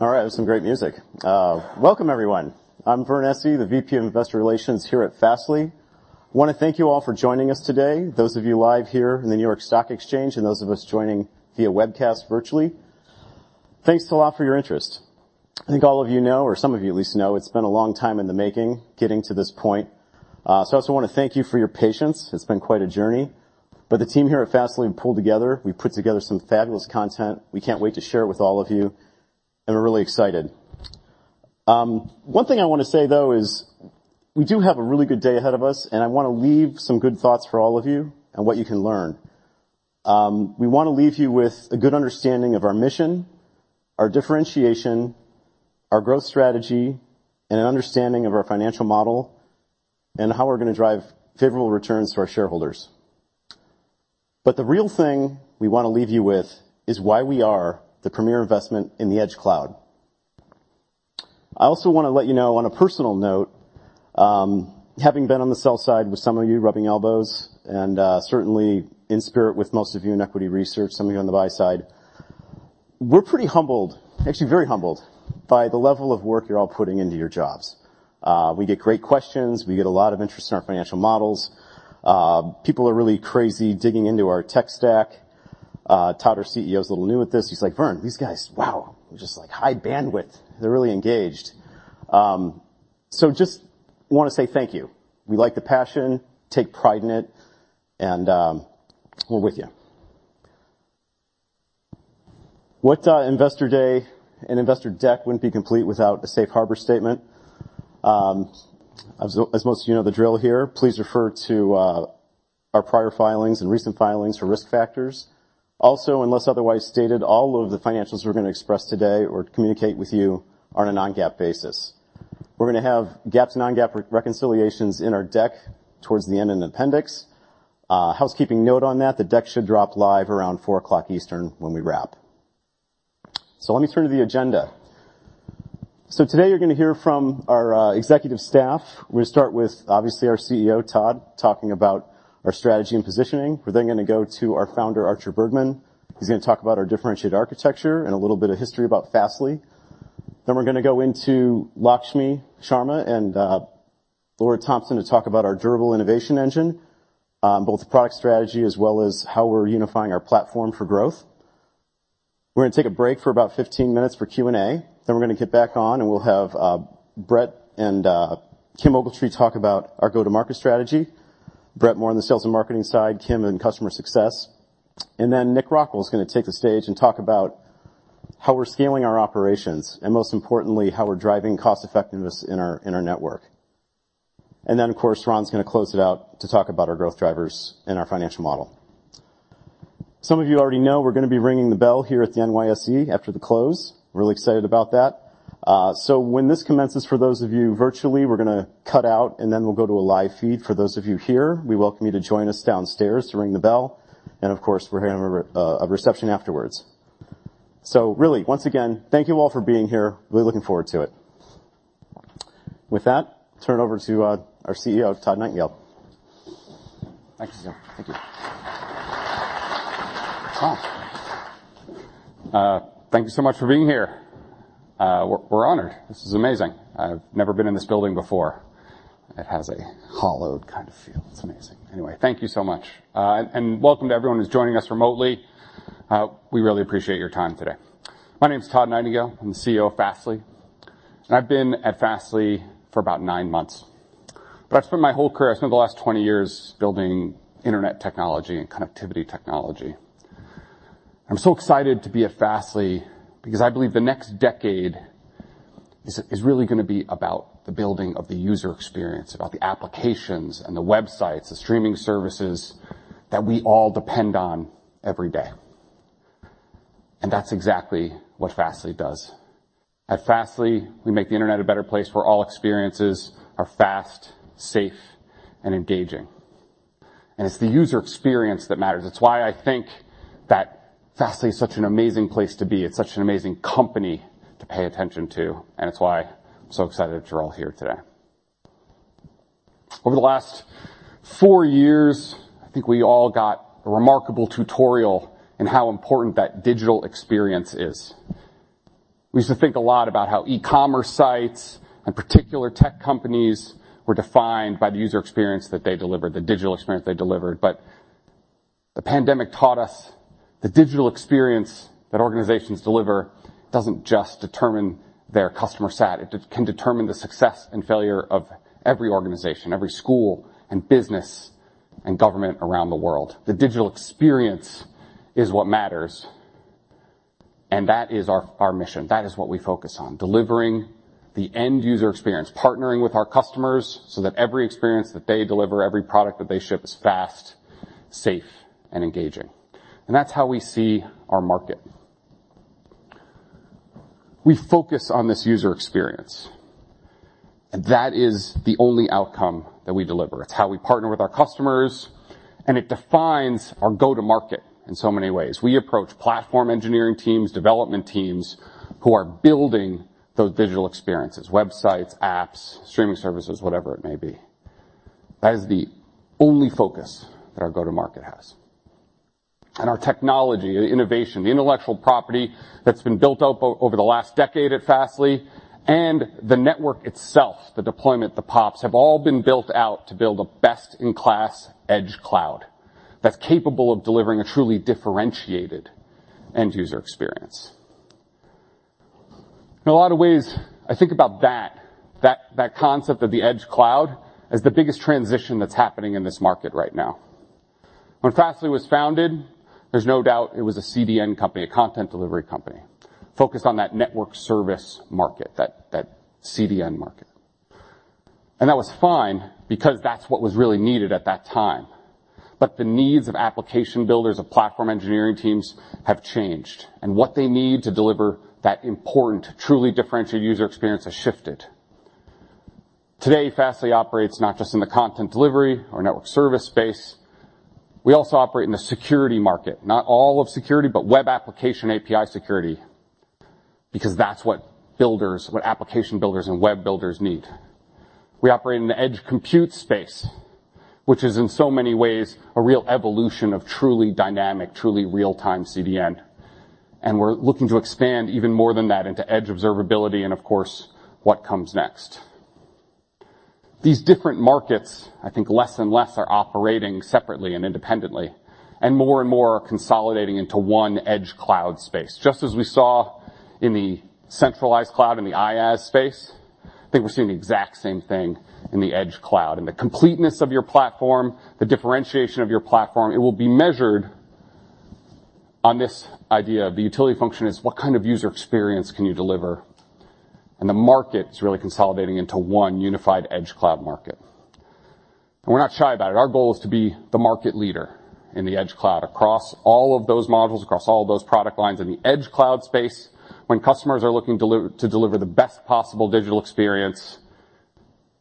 All right, that was some great music. Welcome, everyone. I'm Vern Essi, the VP of Investor Relations here at Fastly. I want to thank you all for joining us today, those of you live here in the New York Stock Exchange, and those of us joining via webcast virtually. Thanks a lot for your interest. I think all of you know, or some of you at least know, it's been a long time in the making, getting to this point. I also want to thank you for your patience. It's been quite a journey. The team here at Fastly pulled together. We put together some fabulous content. We can't wait to share it with all of you, and we're really excited. One thing I wanna say, though, is we do have a really good day ahead of us, and I wanna leave some good thoughts for all of you on what you can learn. We wanna leave you with a good understanding of our mission, our differentiation, our growth strategy, and an understanding of our financial model, and how we're gonna drive favorable returns to our shareholders. The real thing we wanna leave you with is why we are the premier investment in the edge cloud. I also wanna let you know, on a personal note, having been on the sell side with some of you, rubbing elbows, and certainly in spirit with most of you in equity research, some of you on the buy side, we're pretty humbled, actually very humbled, by the level of work you're all putting into your jobs. We get great questions. We get a lot of interest in our financial models. People are really crazy, digging into our tech stack. Todd, our CEO, is a little new at this. He's like, "Vern, these guys, wow, they're just like high bandwidth. They're really engaged." Just wanna say thank you. We like the passion, take pride in it, and we're with you. What Investor Day and investor deck wouldn't be complete without a safe harbor statement? As most of you know the drill here, please refer to our prior filings and recent filings for risk factors. Unless otherwise stated, all of the financials we're gonna express today or communicate with you are on a non-GAAP basis. We're gonna have GAAP to non-GAAP reconciliations in our deck towards the end in Appendix. Housekeeping note on that, the deck should drop live around 4:00 P.M. Eastern when we wrap. Let me turn to the agenda. Today you're gonna hear from our executive staff. We'll start with, obviously, our CEO Todd, talking about our strategy and positioning. We're then gonna go to our founder, Artur Bergman. He's gonna talk about our differentiated architecture and a little bit of history about Fastly. We're gonna go into Lakshmi Sharma and Laura Thomson to talk about our durable innovation engine, both the product strategy as well as how we're unifying our platform for growth. We're gonna take a break for about 15 minutes for Q&A. We're gonna get back on, and we'll have Brett and Kim Ogletree talk about our go-to-market strategy. Brett, more on the sales and marketing side, Kim in customer success. Nick Rockwell is gonna take the stage and talk about how we're scaling our operations, and most importantly, how we're driving cost effectiveness in our network. Of course, Ron's gonna close it out to talk about our growth drivers and our financial model. Some of you already know we're gonna be ringing the bell here at the NYSE after the close. Really excited about that. When this commences, for those of you virtually, we're gonna cut out, and then we'll go to a live feed. For those of you here, we welcome you to join us downstairs to ring the bell, and of course, we're having a reception afterwards. Really, once again, thank you all for being here. Really looking forward to it. With that, turn it over to our CEO, Todd Nightingale. Thank you, sir. Thank you. Thank you so much for being here. We're honored. This is amazing. I've never been in this building before. It has a hallowed kind of feel. It's amazing. Anyway, thank you so much. Welcome to everyone who's joining us remotely. We really appreciate your time today. My name is Todd Nightingale. I'm the CEO of Fastly, I've been at Fastly for about nine months. I've spent my whole career, I spent the last 20 years building internet technology and connectivity technology. I'm so excited to be at Fastly because I believe the next decade is really gonna be about the building of the user experience, about the applications and the websites, the streaming services that we all depend on every day. That's exactly what Fastly does. At Fastly, we make the internet a better place where all experiences are fast, safe, and engaging. It's the user experience that matters. It's why I think that Fastly is such an amazing place to be. It's such an amazing company to pay attention to, and it's why I'm so excited that you're all here today. Over the last four years, I think we all got a remarkable tutorial in how important that digital experience is. We used to think a lot about how e-commerce sites and particular tech companies were defined by the user experience that they delivered, the digital experience they delivered. The pandemic taught us the digital experience that organizations deliver doesn't just determine their customer sat. It can determine the success and failure of every organization, every school, and business, and government around the world. The digital experience is what matters, and that is our mission. That is what we focus on, delivering the end-user experience, partnering with our customers so that every experience that they deliver, every product that they ship, is fast, safe, and engaging. That's how we see our market. We focus on this user experience, and that is the only outcome that we deliver. It's how we partner with our customers, and it defines our go-to-market in so many ways. We approach platform engineering teams, development teams, who are building those digital experiences, websites, apps, streaming services, whatever it may be. That is the only focus that our go-to-market has. Our technology, the innovation, the intellectual property that's been built out over the last decade at Fastly and the network itself, the deployment, the POPs, have all been built out to build a best-in-class edge cloud that's capable of delivering a truly differentiated end-user experience. In a lot of ways, I think about that concept of the edge cloud, as the biggest transition that's happening in this market right now. When Fastly was founded, there's no doubt it was a CDN company, a content delivery company, focused on that network service market, that CDN market. That was fine because that's what was really needed at that time. The needs of application builders, of platform engineering teams, have changed, and what they need to deliver that important, truly differentiated user experience has shifted. Today, Fastly operates not just in the content delivery or network service space, we also operate in the Security market. Not all of Security, but Web Application and API security, because that's what application builders and web builders need. We operate in the edge compute space, which is, in so many ways, a real evolution of truly dynamic, truly real-time CDN, and we're looking to expand even more than that into edge Observability, and of course, what comes next. These different markets, I think, less and less are operating separately and independently, and more and more are consolidating into one edge cloud space. Just as we saw in the centralized cloud, in the IaaS space, I think we're seeing the exact same thing in the edge cloud. The completeness of your platform, the differentiation of your platform, it will be measured on this idea of the utility function, is what kind of user experience can you deliver? The market is really consolidating into one unified edge cloud market. We're not shy about it. Our goal is to be the market leader in the edge cloud. Across all of those modules, across all of those product lines in the edge cloud space, when customers are looking to deliver the best possible digital experience,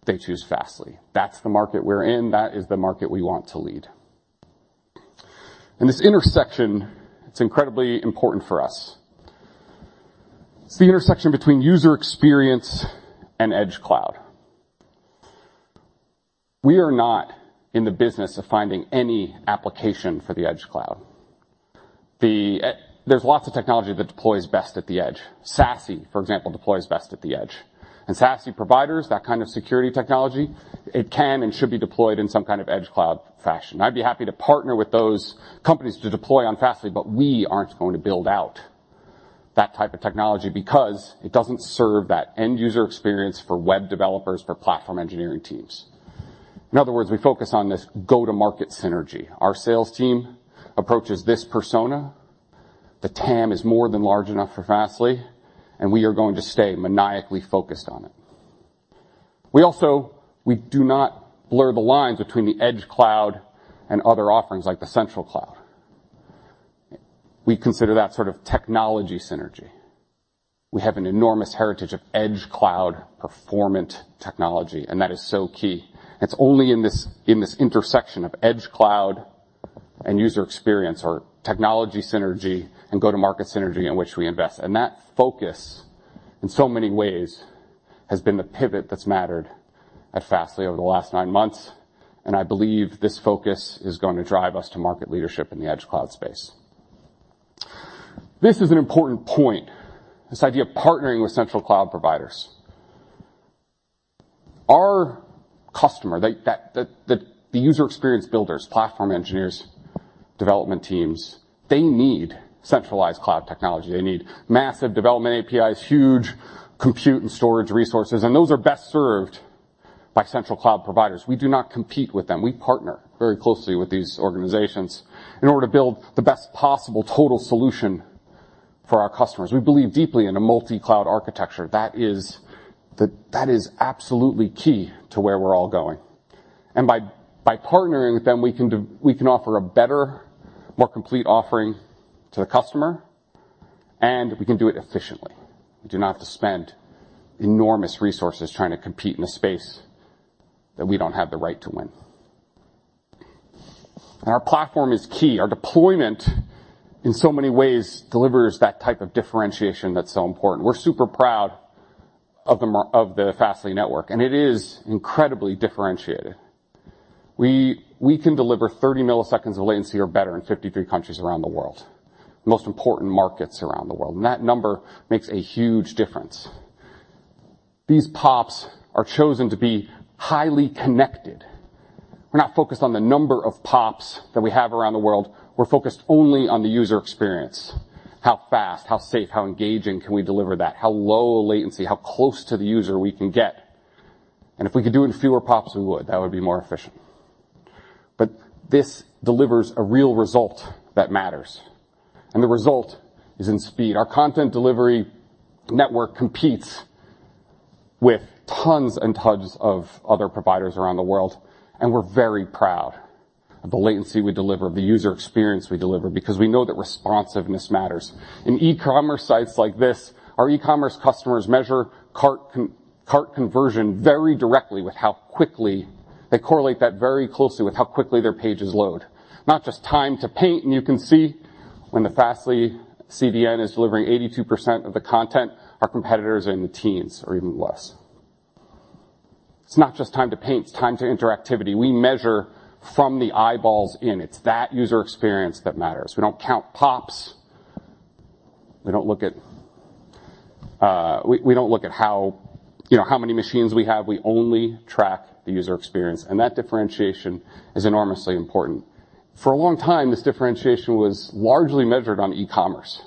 they choose Fastly. That's the market we're in. That is the market we want to lead. This intersection, it's incredibly important for us. It's the intersection between user experience and edge cloud. We are not in the business of finding any application for the edge cloud. There's lots of technology that deploys best at the edge. SASE, for example, deploys best at the edge. SASE providers, that kind of Security technology, it can and should be deployed in some kind of edge cloud fashion. I'd be happy to partner with those companies to deploy on Fastly, we aren't going to build out that type of technology because it doesn't serve that end-user experience for web developers, for platform engineering teams. In other words, we focus on this go-to-market synergy. Our sales team approaches this persona. The TAM is more than large enough for Fastly, we are going to stay maniacally focused on it. We do not blur the lines between the edge cloud and other offerings like the central cloud. We consider that sort of technology synergy. We have an enormous heritage of edge cloud performant technology, that is so key. It's only in this intersection of edge cloud and user experience or technology synergy and go-to-market synergy in which we invest. That focus, in so many ways, has been the pivot that's mattered at Fastly over the last nine months, and I believe this focus is going to drive us to market leadership in the edge cloud space. This is an important point, this idea of partnering with central cloud providers. Our customer, the user experience builders, platform engineers, development teams, they need centralized cloud technology. They need massive development APIs, huge Compute and storage resources, and those are best served by central cloud providers. We do not compete with them. We partner very closely with these organizations in order to build the best possible total solution for our customers. We believe deeply in a multi-cloud architecture. That is absolutely key to where we're all going. By partnering with them, we can offer a better, more complete offering to the customer, and we can do it efficiently. We do not have to spend enormous resources trying to compete in a space that we don't have the right to win. Our platform is key. Our deployment, in so many ways, delivers that type of differentiation that's so important. We're super proud of the Fastly network, and it is incredibly differentiated. We can deliver 30 milliseconds of latency or better in 53 countries around the world, the most important markets around the world, and that number makes a huge difference. These POPs are chosen to be highly connected. We're not focused on the number of POPs that we have around the world. We're focused only on the user experience. How fast, how safe, how engaging can we deliver that? How low latency, how close to the user we can get. If we could do it in fewer POPs, we would. That would be more efficient. This delivers a real result that matters, and the result is in speed. Our content delivery network competes with tons and tons of other providers around the world, and we're very proud of the latency we deliver, the user experience we deliver, because we know that responsiveness matters. In e-commerce sites like this, our e-commerce customers measure cart conversion very directly with how quickly. They correlate that very closely with how quickly their pages load. Not just time to paint, you can see when the Fastly CDN is delivering 82% of the content, our competitors are in the teens or even less. It's not just time to paint, it's time to interactivity. We measure from the eyeballs in. It's that user experience that matters. We don't count POPs. We don't look at, we don't look at how, you know, how many machines we have. We only track the user experience, and that differentiation is enormously important. For a long time, this differentiation was largely measured on e-commerce.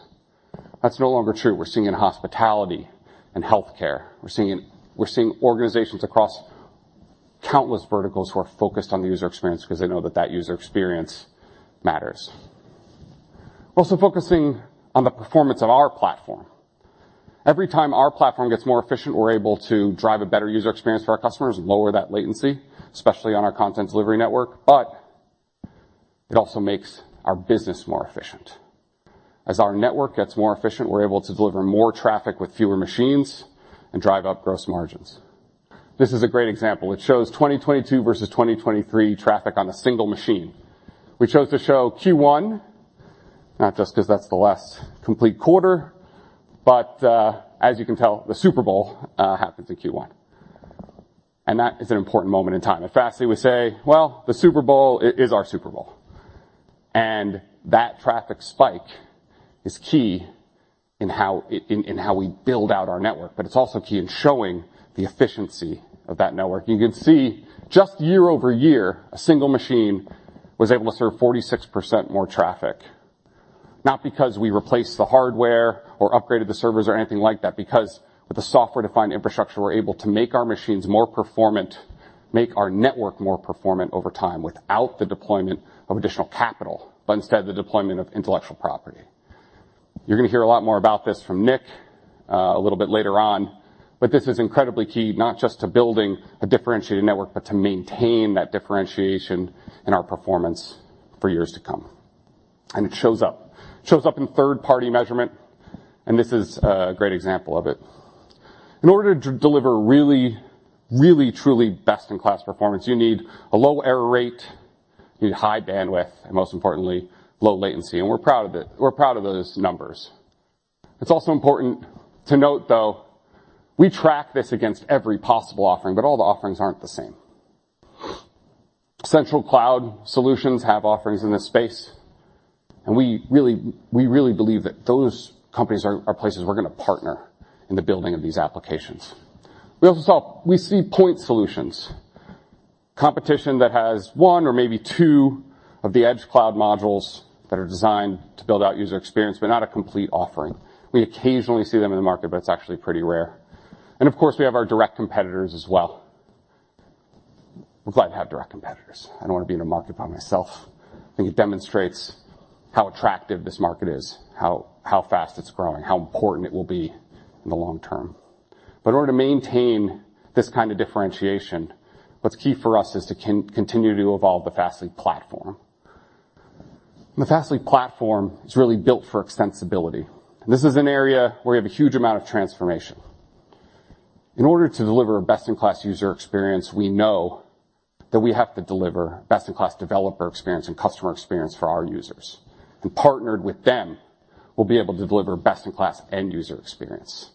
That's no longer true. We're seeing it in hospitality and healthcare. We're seeing organizations across countless verticals who are focused on the user experience because they know that that user experience matters. Focusing on the performance of our platform. Every time our platform gets more efficient, we're able to drive a better user experience for our customers and lower that latency, especially on our content delivery network. It also makes our business more efficient. As our network gets more efficient, we're able to deliver more traffic with fewer machines and drive up gross margins. This is a great example. It shows 2022 versus 2023 traffic on a single machine. We chose to show Q1, not just because that's the last complete quarter. As you can tell, the Super Bowl happens in Q1, that is an important moment in time. At Fastly, we say, "Well, the Super Bowl is our Super Bowl." That traffic spike is key in how we build out our network. It's also key in showing the efficiency of that network. You can see just year-over-year, a single machine was able to serve 46% more traffic, not because we replaced the hardware or upgraded the servers or anything like that, because with the software-defined infrastructure, we're able to make our machines more performant, make our network more performant over time, without the deployment of additional capital, but instead, the deployment of intellectual property. You're gonna hear a lot more about this from Nick, a little bit later on. This is incredibly key, not just to building a differentiated network, but to maintain that differentiation in our performance for years to come. It shows up. It shows up in third-party measurement. This is a great example of it. In order to deliver really, really, truly best-in-class performance, you need a low error rate, you need high bandwidth, and most importantly, low latency, and we're proud of it. We're proud of those numbers. It's also important to note, though, we track this against every possible offering. All the offerings aren't the same. central cloud solutions have offerings in this space. We really believe that those companies are places we're gonna partner in the building of these applications. We see point solutions, competition that has one or maybe two of the edge cloud modules that are designed to build out user experience, but not a complete offering. We occasionally see them in the market, but it's actually pretty rare. Of course, we have our direct competitors as well. We're glad to have direct competitors. I don't want to be in a market by myself. I think it demonstrates how attractive this market is, how fast it's growing, how important it will be in the long term. In order to maintain this kind of differentiation, what's key for us is to continue to evolve the Fastly platform. The Fastly platform is really built for extensibility. This is an area where we have a huge amount of transformation. In order to deliver a best-in-class user experience, we know that we have to deliver best-in-class developer experience and customer experience for our users. We partnered with them, we'll be able to deliver best-in-class end-user experience.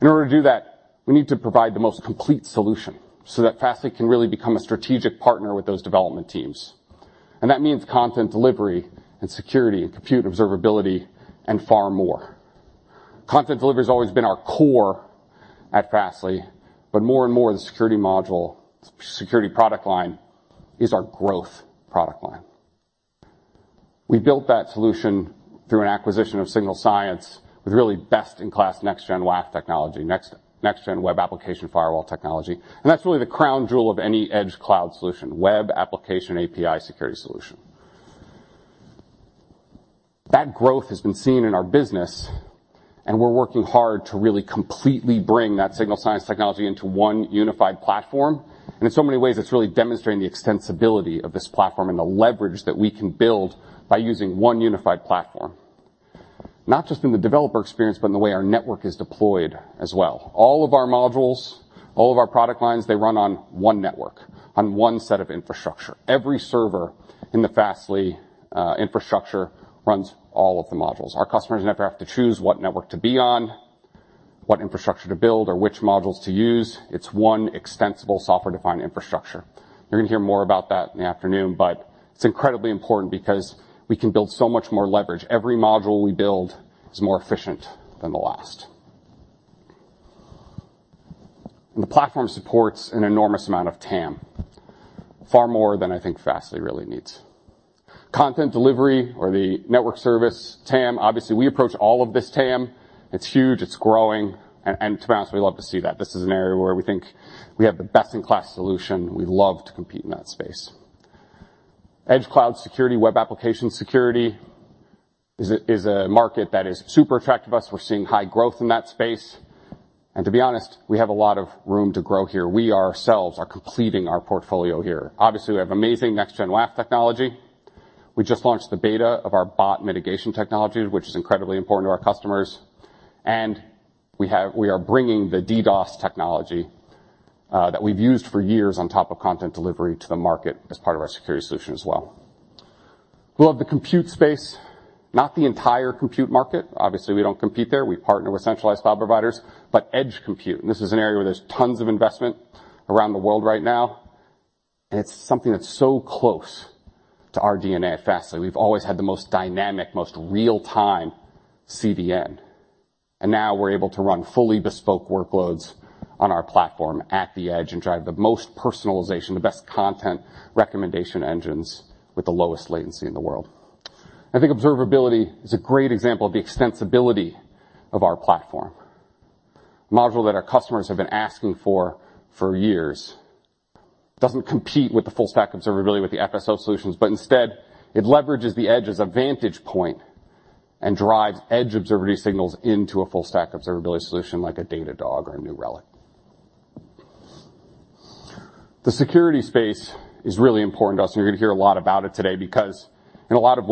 In order to do that, we need to provide the most complete solution so that Fastly can really become a strategic partner with those development teams. That means Content delivery, and Security, Compute, Observability, and far more. Content delivery has always been our core at Fastly, but more and more, the Security module, Security product line, is our growth product line. We built that solution through an acquisition of Signal Sciences, with really best-in-class Next-Gen WAF technology, Next-Gen Web Application Firewall technology. That's really the crown jewel of any edge cloud solution, Web Application and API security solution. That growth has been seen in our business. We're working hard to really completely bring that Signal Sciences technology into one unified platform. In so many ways, it's really demonstrating the extensibility of this platform and the leverage that we can build by using one unified platform, not just in the developer experience, but in the way our network is deployed as well. All of our modules, all of our product lines, they run on one network, on one set of infrastructure. Every server in the Fastly infrastructure runs all of the modules. Our customers never have to choose what network to be on, what infrastructure to build, or which modules to use. It's one extensible, software-defined infrastructure. You're gonna hear more about that in the afternoon, but it's incredibly important because we can build so much more leverage. Every module we build is more efficient than the last. The platform supports an enormous amount of TAM, far more than I think Fastly really needs. Content delivery or the network service, TAM, obviously, we approach all of this TAM. It's huge, it's growing, and to be honest, we love to see that. This is an area where we think we have the best-in-class solution. We love to compete in that space. Edge Cloud Security, Web Application Security is a market that is super attractive to us. We're seeing high growth in that space, and to be honest, we have a lot of room to grow here. We ourselves are completing our portfolio here. Obviously, we have amazing Next-Gen WAF technology. We just launched the beta of our bot mitigation technology, which is incredibly important to our customers, and we are bringing the DDoS technology that we've used for years on top of content delivery to the market as part of our Security solution as well. We'll have the Compute space, not the entire Compute market. Obviously, we don't compete there. We partner with centralized cloud providers, but edge Compute, and this is an area where there's tons of investment around the world right now, and it's something that's so close to our DNA at Fastly. We've always had the most dynamic, most real-time CDN, and now we're able to run fully bespoke workloads on our platform at the edge and drive the most personalization, the best content recommendation engines with the lowest latency in the world. I think Observability is a great example of the extensibility of our platform. Module that our customers have been asking for for years. Doesn't compete with the full stack Observability, with the FSO solutions, but instead, it leverages the edge as a vantage point and drives edge Observability signals into a full stack Observability solution, like a Datadog or a New Relic. The Security space is really important to us, and you're going to hear a lot about it today, because oops, in a lot of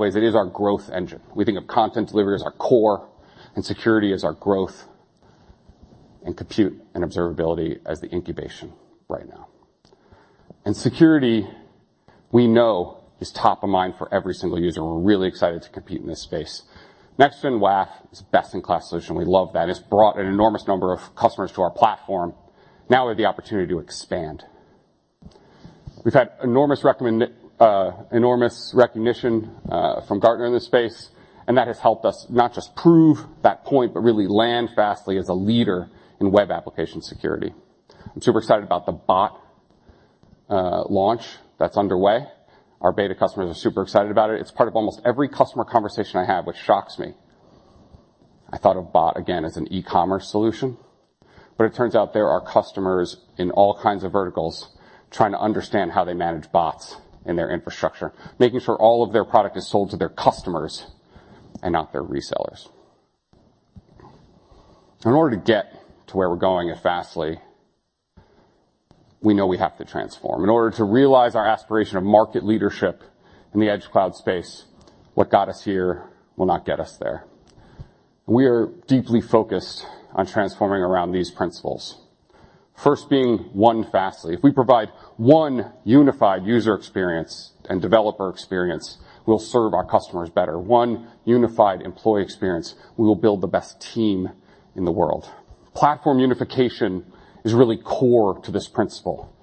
ways, it is our growth engine. We think of Content delivery as our core and Security as our growth, and Compute and Observability as the incubation right now. Security, we know, is top of mind for every single user, and we're really excited to compete in this space. Next-Gen WAF is best-in-class solution. We love that. It's brought an enormous number of customers to our platform. We have the opportunity to expand. We've had enormous recognition from Gartner in this space, and that has helped us not just prove that point, but really land Fastly as a Web Application Security. i'm super excited about the bot launch that's underway. Our beta customers are super excited about it. It's part of almost every customer conversation I have, which shocks me. I thought of bot, again, as an e-commerce solution, but it turns out there are customers in all kinds of verticals trying to understand how they manage bots in their infrastructure, making sure all of their product is sold to their customers and not their resellers. In order to get to where we're going at Fastly, we know we have to transform. In order to realize our aspiration of market leadership in the edge cloud space, what got us here will not get us there. We are deeply focused on transforming around these principles. First, being One Fastly. If we provide one unified user experience and developer experience, we'll serve our customers better. One unified employee experience, we will build the best team in the world. Platform unification is really core to this principle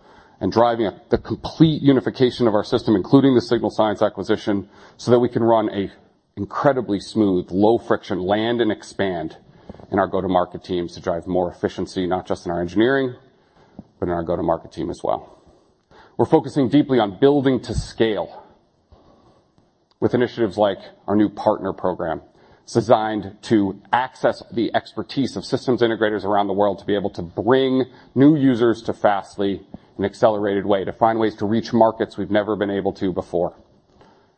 and driving the complete unification of our system, including the Signal Sciences acquisition, so that we can run a incredibly smooth, low-friction land and expand in our go-to-market teams to drive more efficiency, not just in our engineering, but in our go-to-market team as well. We're focusing deeply on building to scale with initiatives like our new partner program. It's designed to access the expertise of systems integrators around the world to be able to bring new users to Fastly in an accelerated way, to find ways to reach markets we've never been able to before.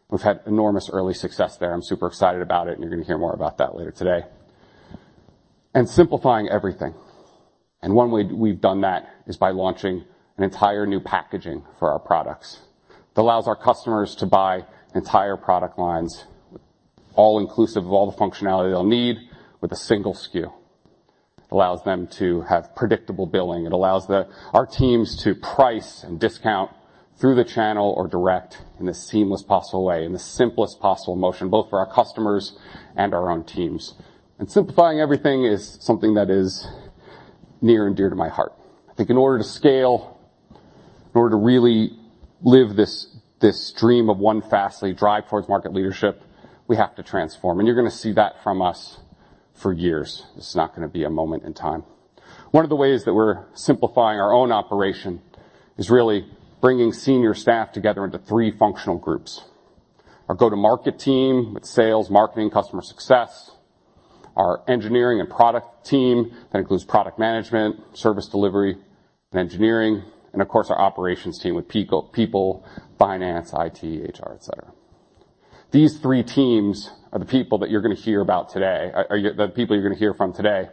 We've had enormous early success there. I'm super excited about it. You're going to hear more about that later today. Simplifying everything, and one way we've done that is by launching an entire new packaging for our products that allows our customers to buy entire product lines, all inclusive of all the functionality they'll need, with a single SKU. Allows them to have predictable billing. It allows our teams to price and discount through the channel or direct in the seamless possible way, in the simplest possible motion, both for our customers and our own teams. Simplifying everything is something that is near and dear to my heart. I think in order to scale, in order to really live this dream of One Fastly, drive towards market leadership, we have to transform. You're gonna see that from us for years. This is not gonna be a moment in time. One of the ways that we're simplifying our own operation is really bringing senior staff together into three functional groups. Our go-to-market team with Sales, Marketing, Customer Success, our Engineering and Product team, that includes Product Management, Service Delivery, and Engineering, and of course, our Operations team with People, Finance, IT, HR, et cetera. These three teams are the people that you're gonna hear about today, the people you're gonna hear from today.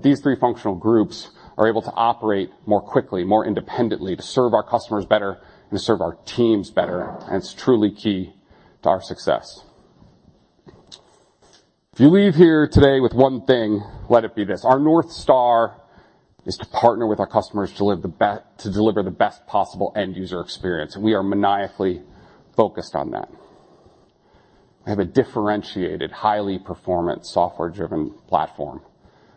These three functional groups are able to operate more quickly, more independently, to serve our customers better and to serve our teams better, and it's truly key to our success. If you leave here today with one thing, let it be this: Our North Star is to partner with our customers to deliver the best possible end-user experience, and we are maniacally focused on that. We have a differentiated, highly performant, software-driven platform,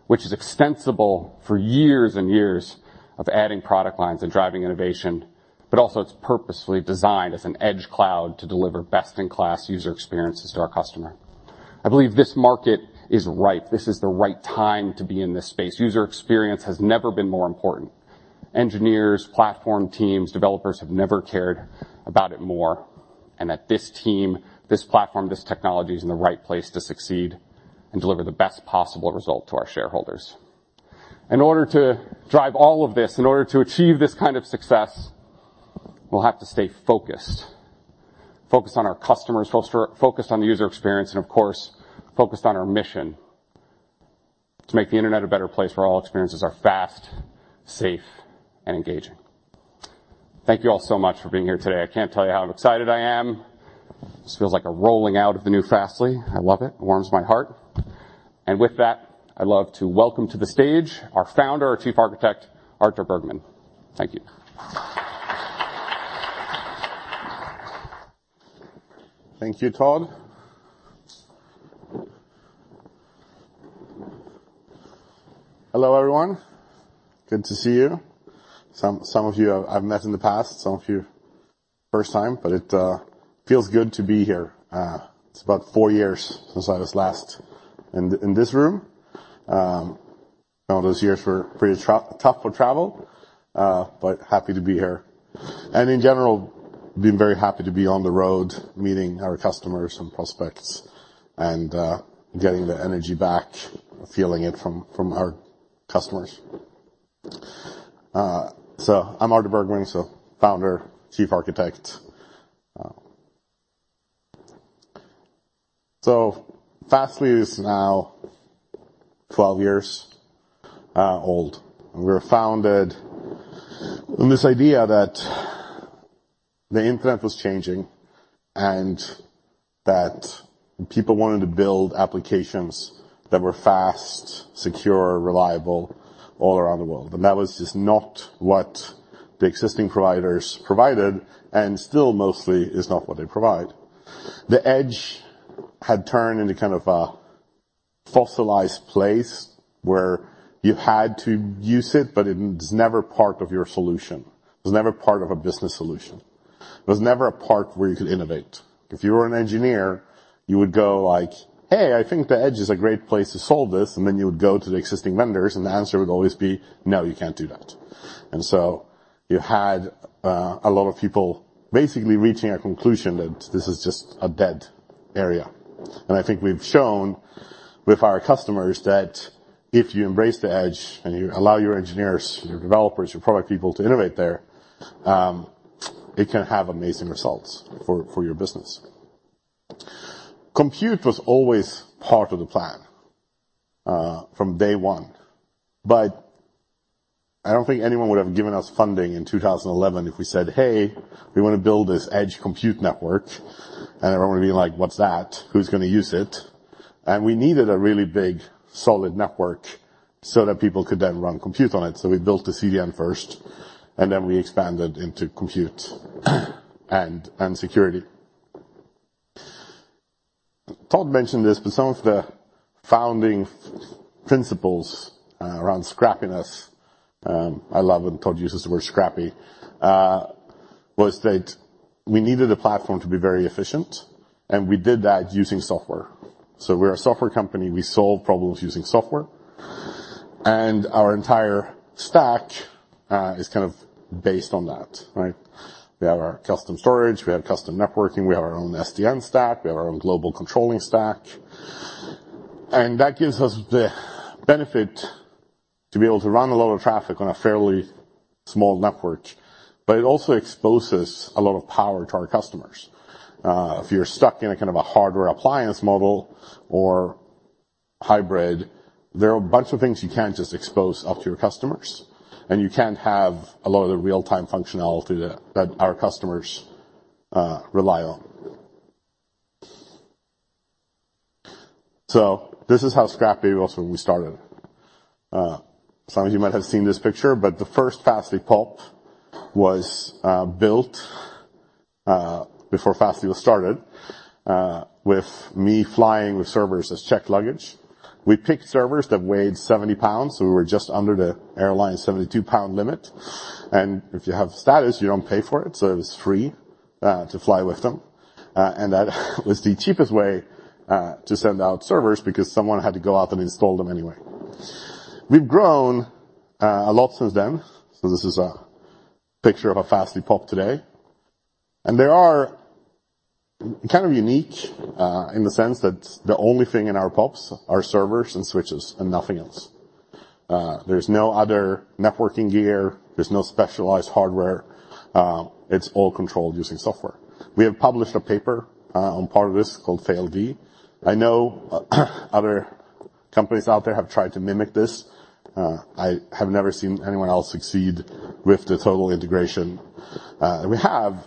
which is extensible for years and years of adding product lines and driving innovation, but also it's purposefully designed as an edge cloud to deliver best-in-class user experiences to our customer. I believe this market is ripe. This is the right time to be in this space. User experience has never been more important. Engineers, platform teams, developers, have never cared about it more, and that this team, this platform, this technology, is in the right place to succeed and deliver the best possible result to our shareholders. In order to drive all of this, in order to achieve this kind of success, we'll have to stay focused. Focused on our customers, focused on the user experience, and of course, focused on our mission to make the internet a better place where all experiences are fast, safe, and engaging. Thank you all so much for being here today. I can't tell you how excited I am. This feels like a rolling out of the new Fastly. I love it. It warms my heart. With that, I'd love to welcome to the stage our founder, our Chief Architect, Artur Bergman. Thank you. Thank you, Todd. Hello, everyone. Good to see you. Some of you I've met in the past, some of you first time, it feels good to be here. It's about four years since I was last in this room. All those years were pretty tough for travel, happy to be here. In general, been very happy to be on the road, meeting our customers and prospects and getting the energy back, feeling it from our customers. I'm Artur Bergman, Founder, Chief Architect. Fastly is now 12 years old. We were founded on this idea that the internet was changing and that people wanted to build applications that were fast, secure, reliable all around the world. That was just not what the existing providers provided, and still mostly is not what they provide. The edge had turned into kind of a fossilized place where you had to use it, but it was never part of your solution. It was never part of a business solution. It was never a part where you could innovate. If you were an engineer, you would go like, "Hey, I think the edge is a great place to solve this." Then you would go to the existing vendors, and the answer would always be, "No, you can't do that." You had a lot of people basically reaching a conclusion that this is just a dead area. I think we've shown with our customers that if you embrace the edge and you allow your engineers, your developers, your product people to innovate there, it can have amazing results for your business. Compute was always part of the plan from day one, but I don't think anyone would have given us funding in 2011 if we said, "Hey, we wanna build this edge compute network." Everyone would be like: What's that? Who's gonna use it? We needed a really big, solid network so that people could then run Compute on it. We built the CDN first, then we expanded into Compute and Security. Todd mentioned this. Some of the founding principles around scrappiness, I love when Todd uses the word scrappy, was that we needed the platform to be very efficient, and we did that using software. We're a software company. We solve problems using software. Our entire stack is kind of based on that, right? We have our custom storage, we have custom networking, we have our own SDN stack, we have our own global controlling stack. That gives us the benefit to be able to run a lot of traffic on a fairly small network. It also exposes a lot of power to our customers. If you're stuck in a kind of a hardware appliance model or hybrid, there are a bunch of things you can't just expose out to your customers, and you can't have a lot of the real-time functionality that our customers rely on. This is how scrappy it was when we started. Some of you might have seen this picture, but the first Fastly POP was built before Fastly was started with me flying with servers as checked luggage. We picked servers that weighed 70 pounds, so we were just under the airline's 72-pound limit. If you have status, you don't pay for it, so it was free to fly with them. That was the cheapest way to send out servers because someone had to go out and install them anyway. We've grown a lot since then. This is a picture of a Fastly POP today, and they are kind of unique in the sense that the only thing in our POPs are servers and switches and nothing else. There's no other networking gear, there's no specialized hardware. It's all controlled using software. We have published a paper on part of this called Faild. I know other companies out there have tried to mimic this. I have never seen anyone else succeed with the total integration we have.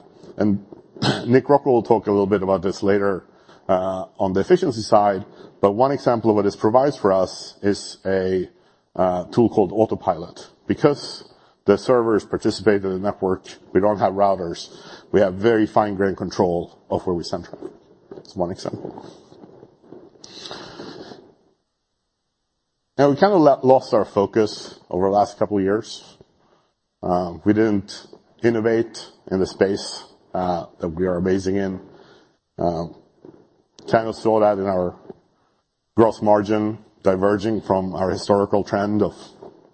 Nick Rockwell will talk a little bit about this later on the efficiency side, but one example of what this provides for us is a tool called Autopilot. Because the servers participate in the network, we don't have routers, we have very fine-grained control of where we send traffic. That's one example. We kind of lost our focus over the last couple of years. We didn't innovate in the space that we are basing in. Kind of saw that in our gross margin, diverging from our historical trend of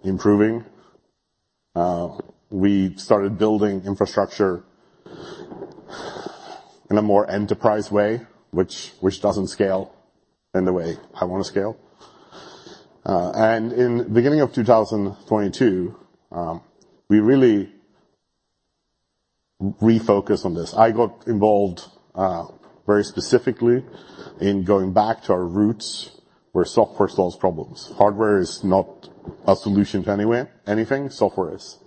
improving. We started building infrastructure in a more enterprise way, which doesn't scale in the way I want to scale. In the beginning of 2022, we really refocused on this. I got involved very specifically in going back to our roots. Where software solves problems. Hardware is not a solution to anything, software is.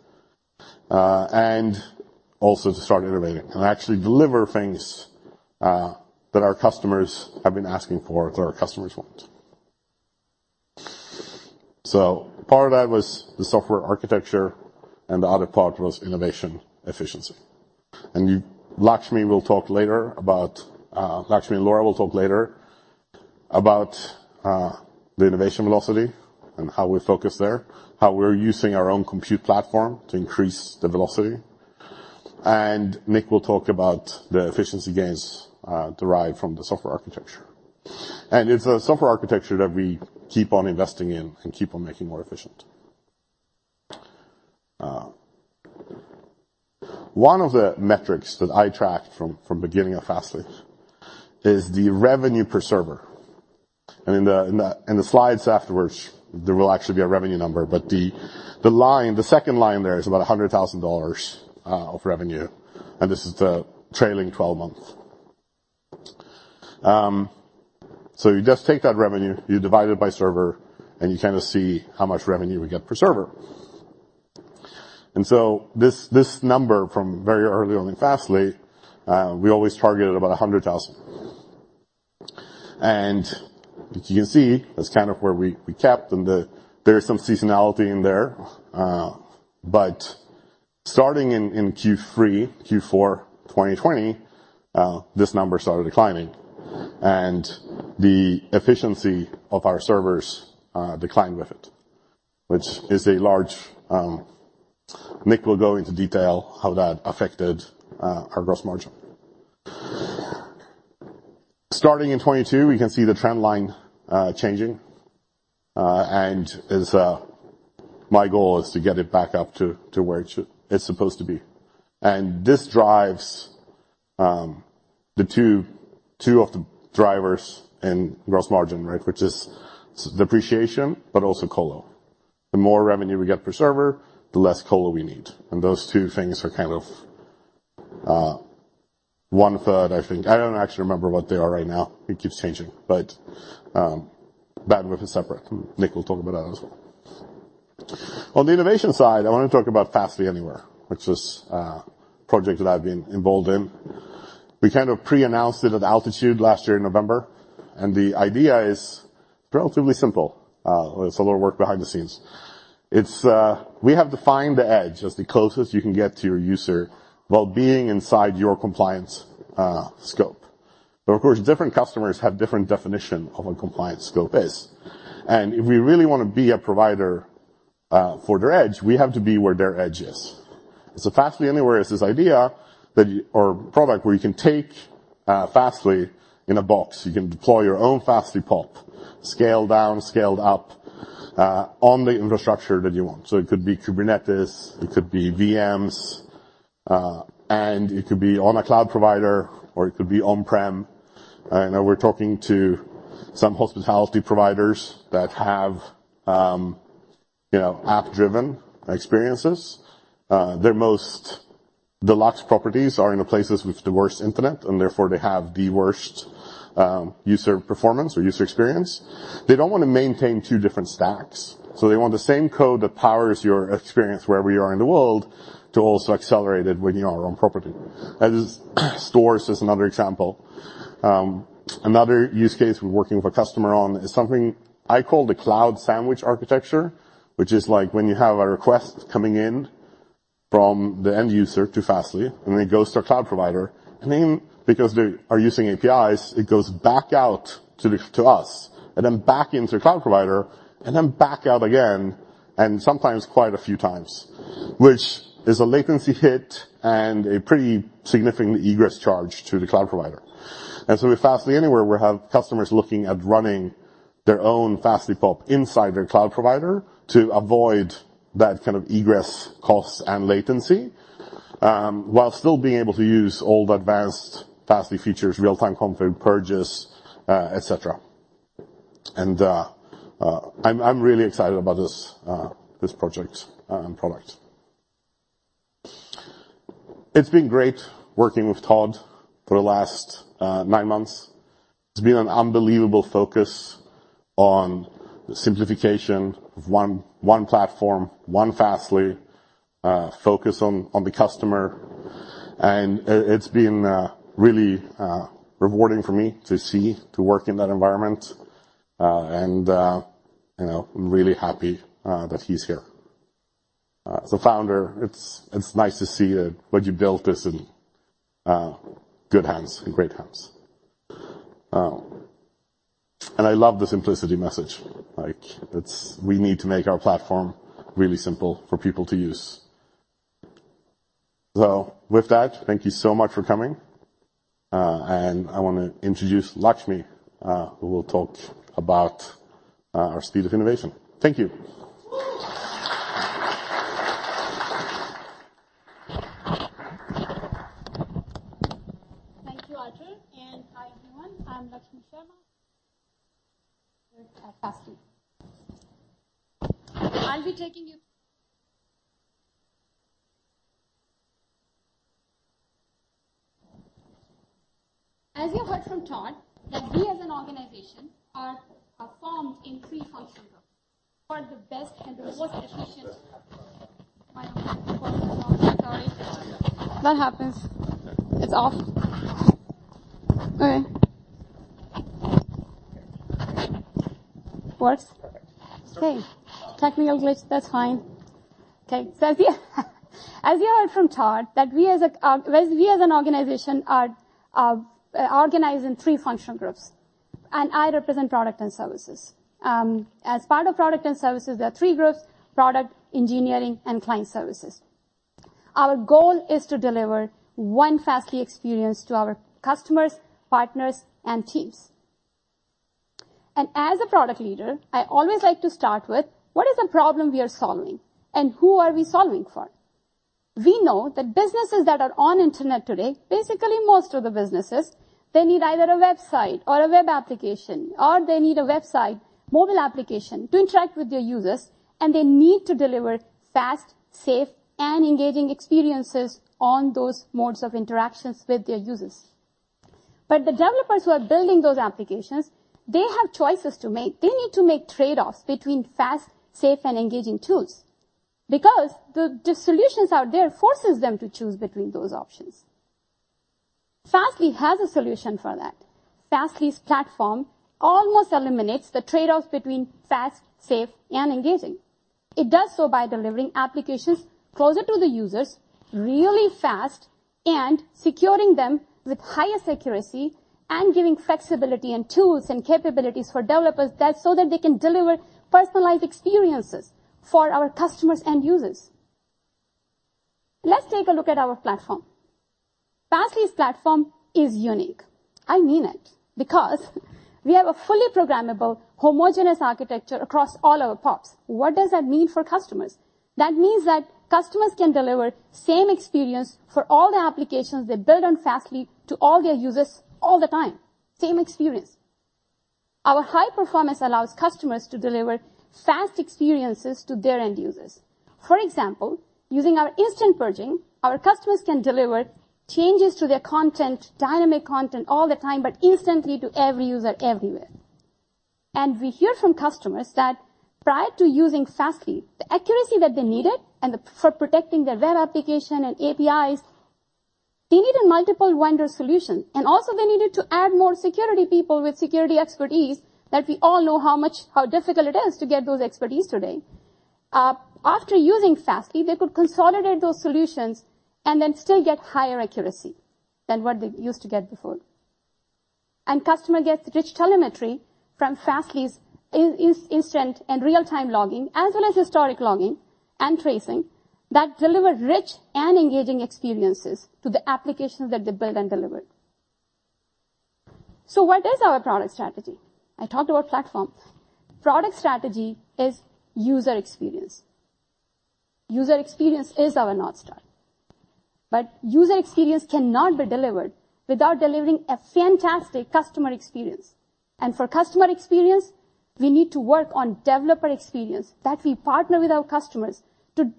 Also to start innovating and actually deliver things that our customers have been asking for, that our customers want. Part of that was the software architecture, and the other part was innovation efficiency. Lakshmi will talk later about. Lakshmi and Laura will talk later about the innovation velocity and how we focus there, how we're using our own Compute platform to increase the velocity. Nick will talk about the efficiency gains derived from the software architecture. It's a software architecture that we keep on investing in and keep on making more efficient. One of the metrics that I tracked from beginning of Fastly is the revenue per server. In the slides afterwards, there will actually be a revenue number, but the second line there is about $100,000 of revenue, and this is the trailing 12 month. You just take that revenue, you divide it by server, and you kind of see how much revenue we get per server. This number from very early on in Fastly, we always targeted about 100,000. As you can see, that's kind of where we kept, and there is some seasonality in there, but starting in Q3, Q4 2020, this number started declining, and the efficiency of our servers declined with it, which is a large. Nick will go into detail how that affected our gross margin. Starting in 2022, we can see the trend line changing. My goal is to get it back up to where it's supposed to be. This drives the two of the drivers in gross margin, right, which is depreciation, but also colo. The more revenue we get per server, the less colo we need. Those two things are kind of one third, I think. I don't actually remember what they are right now. It keeps changing. Bandwidth is separate. Nick will talk about that as well. On the innovation side, I want to talk about Fastly Anywhere, which is a project that I've been involved in. We kind of pre-announced it at Altitude last year in November. The idea is relatively simple. It's a lot of work behind the scenes. We have defined the edge as the closest you can get to your user while being inside your compliance scope. Of course, different customers have different definition of what compliance scope is. If we really want to be a provider for their edge, we have to be where their edge is. Fastly Anywhere is this idea or product where you can take Fastly in a box. You can deploy your own Fastly POP, scale down, scaled up on the infrastructure that you want. It could be Kubernetes, it could be VMs, and it could be on a cloud provider, or it could be on-prem. I know we're talking to some hospitality providers that have, you know, app-driven experiences. Their most deluxe properties are in the places with the worst internet, and therefore, they have the worst user performance or user experience. They don't want to maintain two different stacks, so they want the same code that powers your experience wherever you are in the world, to also accelerate it when you are on property. That is, stores, just another example. Another use case we're working with a customer on is something I call the cloud sandwich architecture, which is like when you have a request coming in from the end user to Fastly, and it goes to a cloud provider. Because they are using APIs, it goes back out to the, to us, and then back into the cloud provider, and then back out again, and sometimes quite a few times, which is a latency hit and a pretty significant egress charge to the cloud provider. With Fastly Anywhere, we have customers looking at running their own Fastly POP inside their cloud provider to avoid that kind of egress costs and latency, while still being able to use all the advanced Fastly features, real-time config, purges, et cetera. I'm really excited about this project and product. It's been great working with Todd for the last nine months. It's been an unbelievable focus on simplification of one platform, one Fastly, focus on the customer, and it's been really rewarding for me to see, to work in that environment. You know, I'm really happy that he's here. As a founder, it's nice to see that what you built is in good hands and great hands. I love the simplicity message. Like, it's, we need to make our platform really simple for people to use. With that, thank you so much for coming. And I want to introduce Lakshmi, who will talk about our speed of innovation. Thank you. Thank you, Artur, and hi, everyone. I'm Lakshmi Sharma with Fastly. As you heard from Todd, that we as an organization are formed in three functional groups. For the best and the most Sorry, that happens. It's off? Okay. Works? Okay. Technical glitch, that's fine. As you heard from Todd, that we as an organization are organized in three functional groups, and I represent product and services. As part of product and services, there are three groups: product, engineering, and client services. Our goal is to deliver One Fastly experience to our customers, partners, and teams. As a product leader, I always like to start with: What is the problem we are solving, and who are we solving for? We know that businesses that are on internet today, basically, most of the businesses, they need either a website or a web application, or they need a website mobile application to interact with their users, and they need to deliver fast, safe, and engaging experiences on those modes of interactions with their users. The developers who are building those applications, they have choices to make. They need to make trade-offs between fast, safe, and engaging tools because the solutions out there forces them to choose between those options. Fastly has a solution for that. Fastly's platform almost eliminates the trade-offs between fast, safe, and engaging. It does so by delivering applications closer to the users, really fast, and securing them with highest accuracy, and giving flexibility and tools and capabilities for developers so that they can deliver personalized experiences for our customers and users. Let's take a look at our platform. Fastly's platform is unique. I mean it. We have a fully programmable, homogeneous architecture across all our POPs. What does that mean for customers? That means that customers can deliver same experience for all the applications they build on Fastly to all their users all the time. Same experience. Our high performance allows customers to deliver fast experiences to their end users. For example, using our instant purging, our customers can deliver changes to their content, dynamic content all the time, but instantly to every user, everywhere. We hear from customers that prior to using Fastly, the accuracy that they needed and the for protecting their Web Application and APIs, they needed a multiple vendor solution, and also they needed to add more security people with security expertise that we all know how difficult it is to get those expertise today. After using Fastly, they could consolidate those solutions and then still get higher accuracy than what they used to get before. Customer gets rich telemetry from Fastly's instant and real-time logging, as well as historic logging and tracing, that deliver rich and engaging experiences to the applications that they build and deliver. What is our product strategy? I talked about platform. Product strategy is user experience. User experience is our North Star, but user experience cannot be delivered without delivering a fantastic customer experience. For customer experience, we need to work on developer experience, that we partner with our customers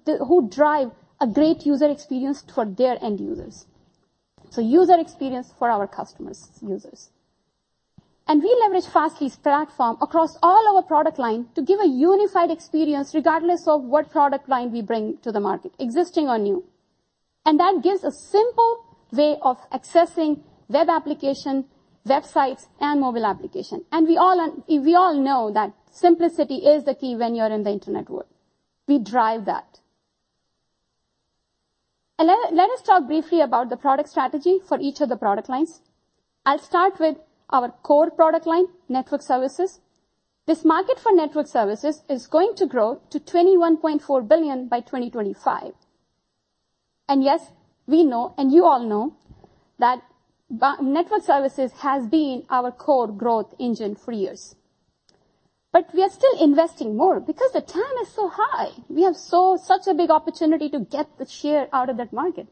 Who drive a great user experience for their end users. User experience for our customers' users. We leverage Fastly's platform across all our product line to give a unified experience, regardless of what product line we bring to the market, existing or new. That gives a simple way of accessing web application, websites, and mobile application. We all know that simplicity is the key when you're in the internet world. We drive that. Let us talk briefly about the product strategy for each of the product lines. I'll start with our core product line, network services. This market for network services is going to grow to $21.4 billion by 2025. Yes, we know, and you all know, that network services has been our core growth engine for years. We are still investing more because the TAM is so high. We have such a big opportunity to get the share out of that market.